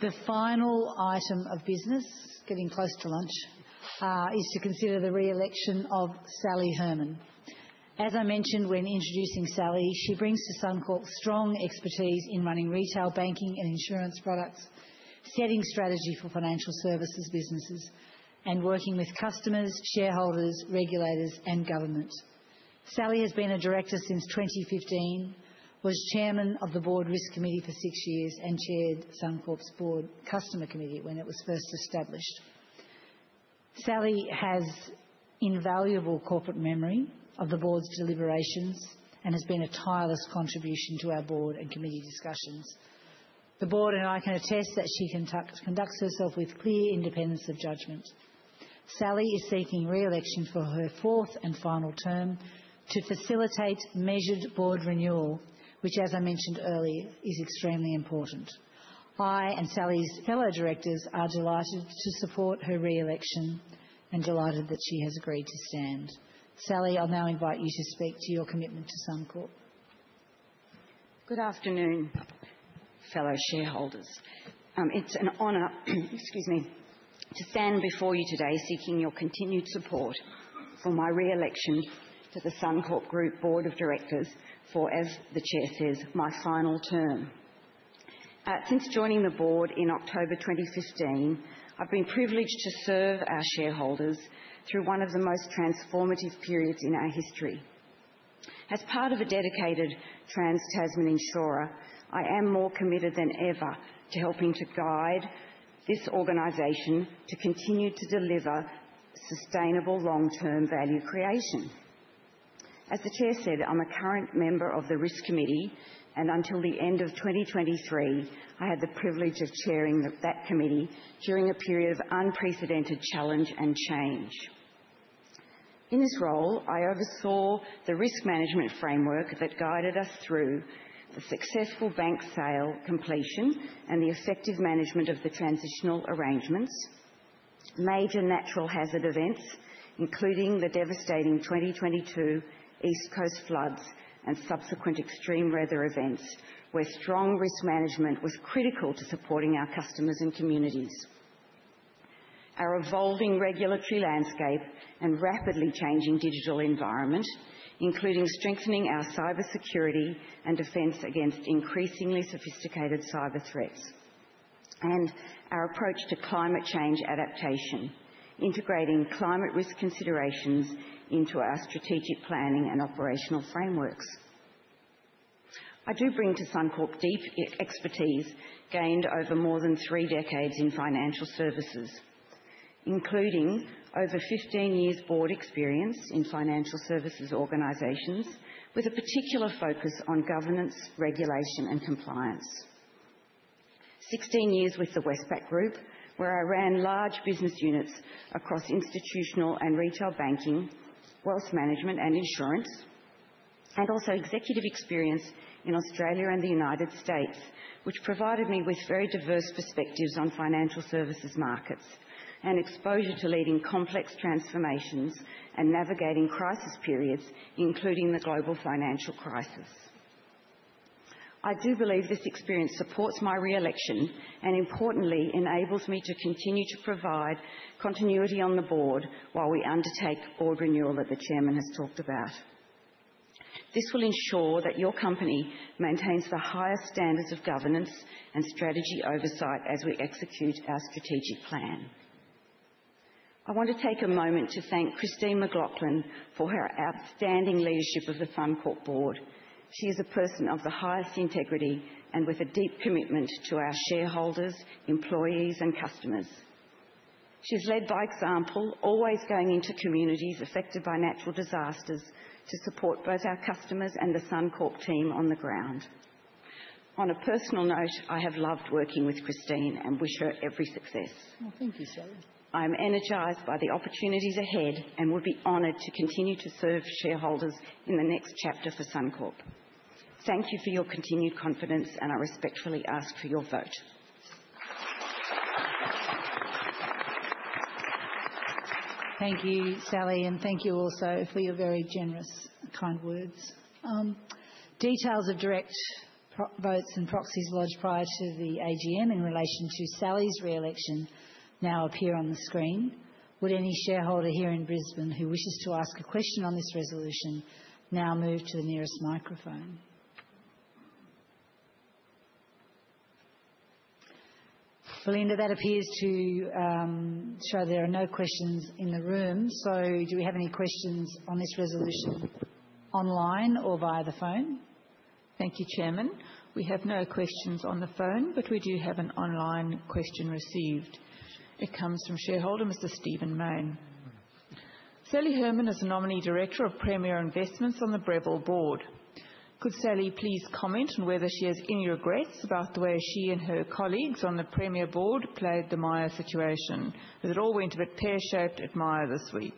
The final item of business, getting close to lunch, is to consider the re-election of Sally Herman. As I mentioned when introducing Sally, she brings to Suncorp strong expertise in running retail banking and insurance products, setting strategy for financial services businesses, and working with customers, shareholders, regulators, and government. Sally has been a director since 2015, was chairman of the board Risk Committee for six years, and chaired Suncorp's Board Customer Committee when it was first established. Sally has invaluable corporate memory of the board's deliberations and has been a tireless contribution to our board and committee discussions. The board and I can attest that she conducts herself with clear independence of judgment. Sally is seeking re-election for her fourth and final term to facilitate measured board renewal, which, as I mentioned earlier, is extremely important. I and Sally's fellow directors are delighted to support her re-election and delighted that she has agreed to stand. Sally, I'll now invite you to speak to your commitment to Suncorp. Good afternoon, fellow shareholders. It's an honor, excuse me, to stand before you today seeking your continued support for my re-election to the Suncorp Group board of directors for, as the chair says, my final term. Since joining the board in October 2015, I've been privileged to serve our shareholders through one of the most transformative periods in our history. As part of a dedicated Trans-Tasman insurer, I am more committed than ever to helping to guide this organization to continue to deliver sustainable long-term value creation. As the chair said, I'm a current member of the Risk Committee, and until the end of 2023, I had the privilege of chairing that committee during a period of unprecedented challenge and change. In this role, I oversaw the risk management framework that guided us through the successful bank sale completion and the effective management of the transitional arrangements. Major natural hazard events, including the devastating 2022 East Coast floods and subsequent extreme weather events, where strong risk management was critical to supporting our customers and communities. Our evolving regulatory landscape and rapidly changing digital environment, including strengthening our cyber security and defense against increasingly sophisticated cyber threats, and our approach to climate change adaptation, integrating climate risk considerations into our strategic planning and operational frameworks. I do bring to Suncorp deep expertise gained over more than three decades in financial services, including over 15 years' board experience in financial services organizations with a particular focus on governance, regulation, and compliance. 16 years with the Westpac Group, where I ran large business units across institutional and retail banking, wealth management, and insurance, and also executive experience in Australia and the United States, which provided me with very diverse perspectives on financial services markets and exposure to leading complex transformations and navigating crisis periods, including the global financial crisis. I do believe this experience supports my re-election and, importantly, enables me to continue to provide continuity on the board while we undertake board renewal that the chairman has talked about. This will ensure that your company maintains the highest standards of governance and strategy oversight as we execute our strategic plan. I want to take a moment to thank Christine McLoughlin for her outstanding leadership of the Suncorp board. She is a person of the highest integrity and with a deep commitment to our shareholders, employees, and customers. She's led by example, always going into communities affected by natural disasters to support both our customers and the Suncorp team on the ground. On a personal note, I have loved working with Christine and wish her every success. Well, thank you, Sally. I'm energized by the opportunities ahead and will be honoured to continue to serve shareholders in the next chapter for Suncorp. Thank you for your continued confidence, and I respectfully ask for your vote. Thank you, Sally, and thank you also for your very generous, kind words. Details of direct votes and proxies lodged prior to the AGM in relation to Sally's re-election now appear on the screen. Would any shareholder here in Brisbane who wishes to ask a question on this resolution now move to the nearest microphone? Belinda, that appears to showthere are no questions in the room, so do we have any questions on this resolution online or via the phone? Thank you, Chairman. We have no questions on the phone, but we do have an online question received. It comes from shareholder Mr. Stephen Mayne. Sally Herman is a nominee director of Premier Investments on the Breville board. Could Sally please comment on whether she has any regrets about the way she and her colleagues on the Premier board played the Myer situation? As it all went a bit pear-shaped at Myer this week.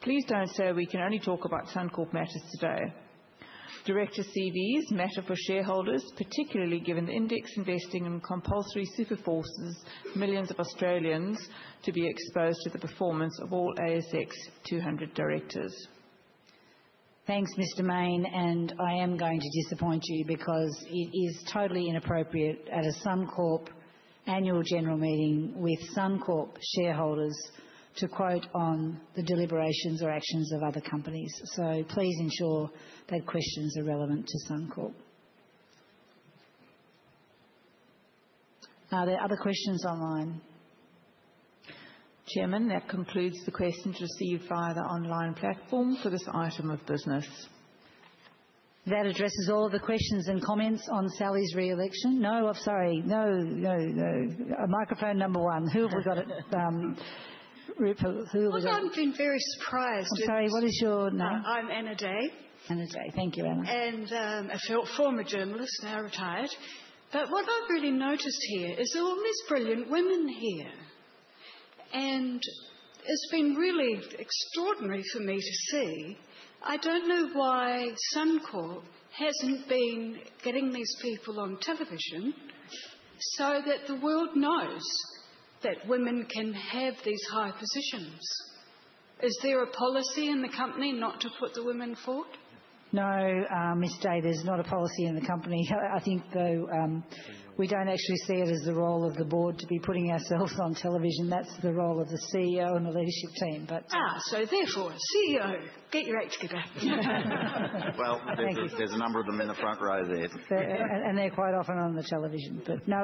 Please don't say we can only talk about Suncorp matters today. Director CVs matter for shareholders, particularly given the index investing and compulsory super forces millions of Australians to be exposed to the performance of all ASX 200 directors. Thanks, Mr. Mayne, and I am going to disappoint you because it is totally inappropriate at a Suncorp annual general meeting with Suncorp shareholders to quote on the deliberations or actions of other companies. So please ensure that questions are relevant to Suncorp. Are there other questions online? Chairman, that concludes the questions received via the online platform for this item of business. That addresses all of the questions and comments on Sally's re-election. No, I'm sorry. No, no, no. Microphone number one. Who have we got? Who have we got? I've been very surprised. I'm sorry, what is your name? I'm Anna Day. Anna Day. Thank you, Anna. And a former journalist, now retired. But what I've really noticed here is all these brilliant women here. And it's been really extraordinary for me to see. I don't know why Suncorp hasn't been getting these people on television so that the world knows that women can have these high positions. Is there a policy in the company not to put the women forward? No, Miss Day, there's not a policy in the company. I think, though, we don't actually see it as the role of the board to be putting ourselves on television. That's the role of the CEO and the leadership team, so therefore, CEO, get your act together. Well, there's a number of them in the front row there. And they're quite often on the television. But no,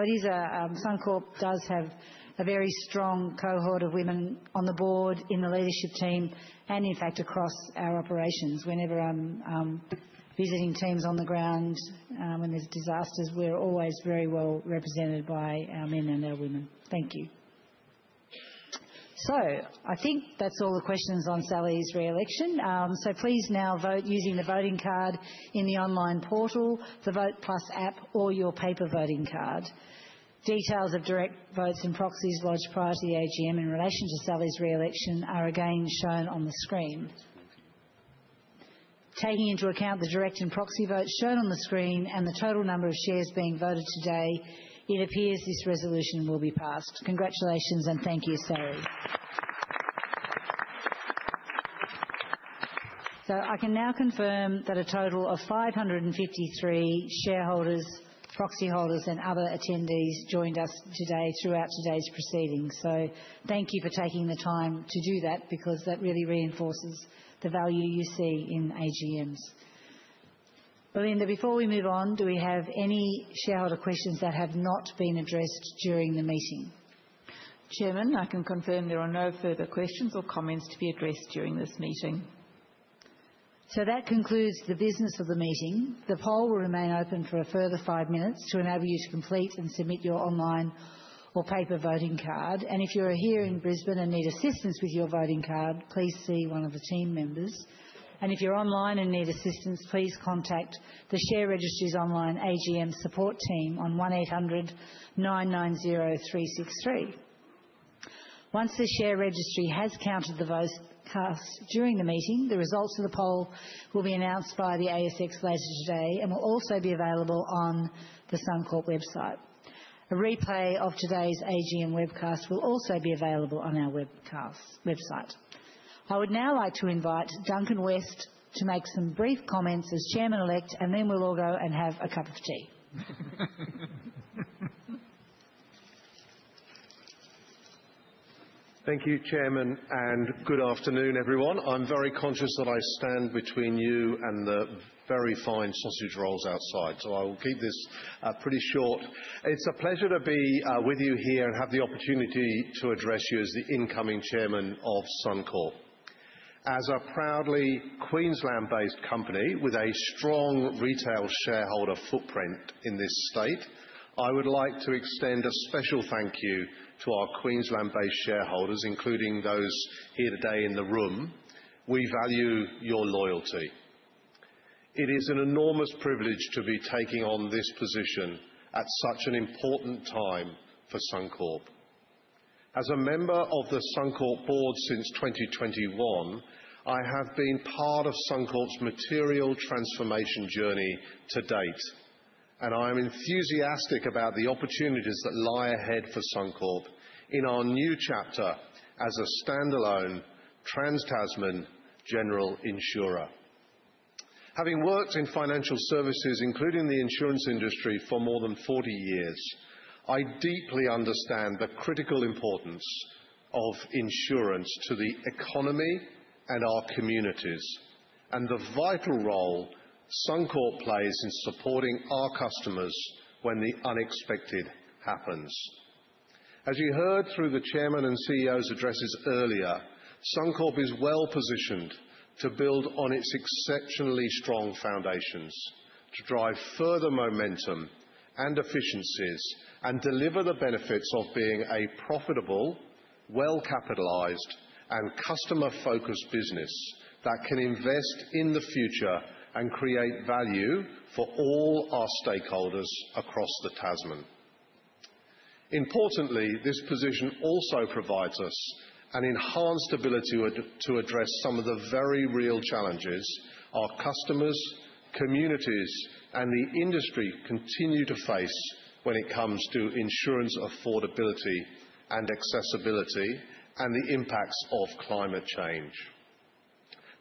Suncorp does have a very strong cohort of women on the board, in the leadership team, and in fact across our operations. Whenever I'm visiting teams on the ground, when there's disasters, we're always very well represented by our men and our women. Thank you. So I think that's all the questions on Sally's re-election. So please now vote using the voting card in the online portal, the Vote+ app, or your paper voting card. Details of direct votes and proxies lodged prior to the AGM in relation to Sally's re-election are again shown on the screen. Taking into account the direct and proxy votes shown on the screen and the total number of shares being voted today, it appears this resolution will be passed. Congratulations and thank you, Sally. So I can now confirm that a total of 553 shareholders, proxy holders, and other attendees joined us today throughout today's proceedings. So thank you for taking the time to do that because that really reinforces the value you see in AGMs. Belinda, before we move on, do we have any shareholder questions that have not been addressed during the meeting? Chairman, I can confirm there are no further questions or comments to be addressed during this meeting. So that concludes the business of the meeting. The poll will remain open for a further five minutes to enable you to complete and submit your online or paper voting card. And if you are here in Brisbane and need assistance with your voting card, please see one of the team members. And if you're online and need assistance, please contact the Share Registry's Online AGM Support Team on 1800 990 363. Once the Share Registry has counted the votes cast during the meeting, the results of the poll will be announced via the ASX later today and will also be available on the Suncorp website. A replay of today's AGM webcast will also be available on our website. I would now like to invite Duncan West to make some brief comments as Chairman-elect, and then we'll all go and have a cup of tea. Thank you, Chairman, and good afternoon, everyone. I'm very conscious that I stand between you and the very fine sausage rolls outside, so I will keep this pretty short. It's a pleasure to be with you here and have the opportunity to address you as the incoming Chairman of Suncorp. As a proudly Queensland-based company with a strong retail shareholder footprint in this state, I would like to extend a special thank you to our Queensland-based shareholders, including those here today in the room. We value your loyalty. It is an enormous privilege to be taking on this position at such an important time for Suncorp. As a member of the Suncorp board since 2021, I have been part of Suncorp's material transformation journey to date, and I am enthusiastic about the opportunities that lie ahead for Suncorp in our new chapter as a standalone Trans-Tasman general insurer. Having worked in financial services, including the insurance industry, for more than 40 years, I deeply understand the critical importance of insurance to the economy and our communities and the vital role Suncorp plays in supporting our customers when the unexpected happens. As you heard through the Chairman and CEO's addresses earlier, Suncorp is well positioned to build on its exceptionally strong foundations to drive further momentum and efficiencies and deliver the benefits of being a profitable, well-capitalized, and customer-focused business that can invest in the future and create value for all our stakeholders across the Tasman. Importantly, this position also provides us an enhanced ability to address some of the very real challenges our customers, communities, and the industry continue to face when it comes to insurance affordability and accessibility and the impacts of climate change.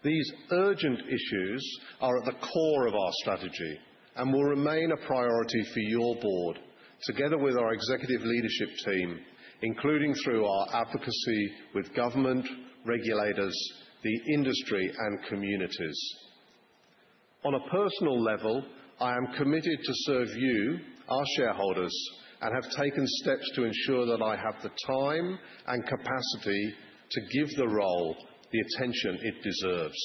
These urgent issues are at the core of our strategy and will remain a priority for your board together with our executive leadership team, including through our advocacy with government, regulators, the industry, and communities. On a personal level, I am committed to serve you, our shareholders, and have taken steps to ensure that I have the time and capacity to give the role the attention it deserves.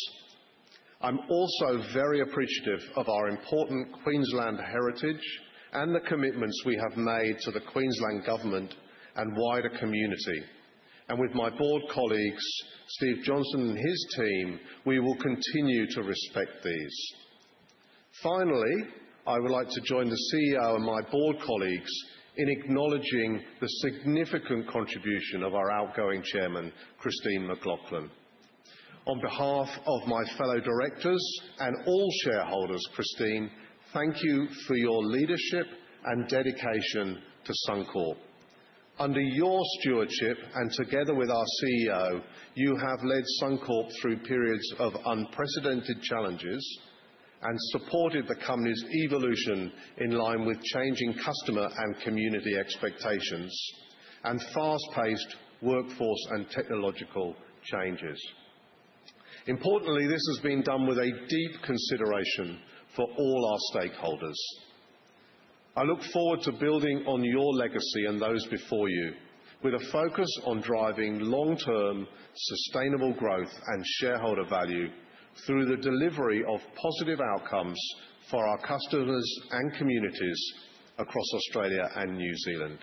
I'm also very appreciative of our important Queensland heritage and the commitments we have made to the Queensland government and wider community. And with my board colleagues, Steve Johnston and his team, we will continue to respect these. Finally, I would like to join the CEO and my board colleagues in acknowledging the significant contribution of our outgoing Chairman, Christine McLoughlin. On behalf of my fellow directors and all shareholders, Christine, thank you for your leadership and dedication to Suncorp. Under your stewardship and together with our CEO, you have led Suncorp through periods of unprecedented challenges and supported the company's evolution in line with changing customer and community expectations and fast-paced workforce and technological changes. Importantly, this has been done with a deep consideration for all our stakeholders. I look forward to building on your legacy and those before you with a focus on driving long-term sustainable growth and shareholder value through the delivery of positive outcomes for our customers and communities across Australia and New Zealand.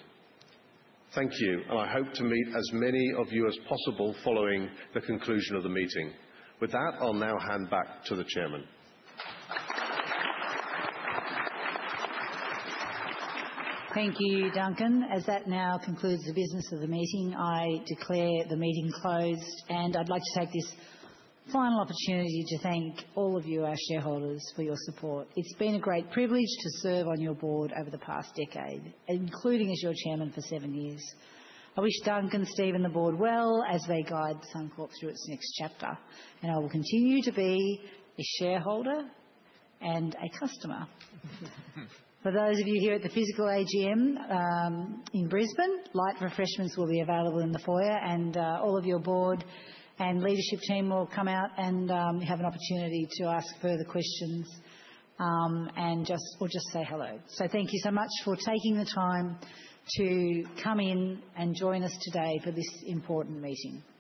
Thank you, and I hope to meet as many of you as possible following the conclusion of the meeting. With that, I'll now hand back to the Chairman. Thank you, Duncan. As that now concludes the business of the meeting, I declare the meeting closed, and I'd like to take this final opportunity to thank all of you, our shareholders, for your support. It's been a great privilege to serve on your board over the past decade, including as your Chairman for seven years. I wish Duncan, Steve, and the board well as they guide Suncorp through its next chapter, and I will continue to be a shareholder and a customer. For those of you here at the physical AGM in Brisbane, light refreshments will be available in the foyer, and all of your board and leadership team will come out and have an opportunity to ask further questions or just say hello. So thank you so much for taking the time to come in and join us today for this important meeting. Goodbye.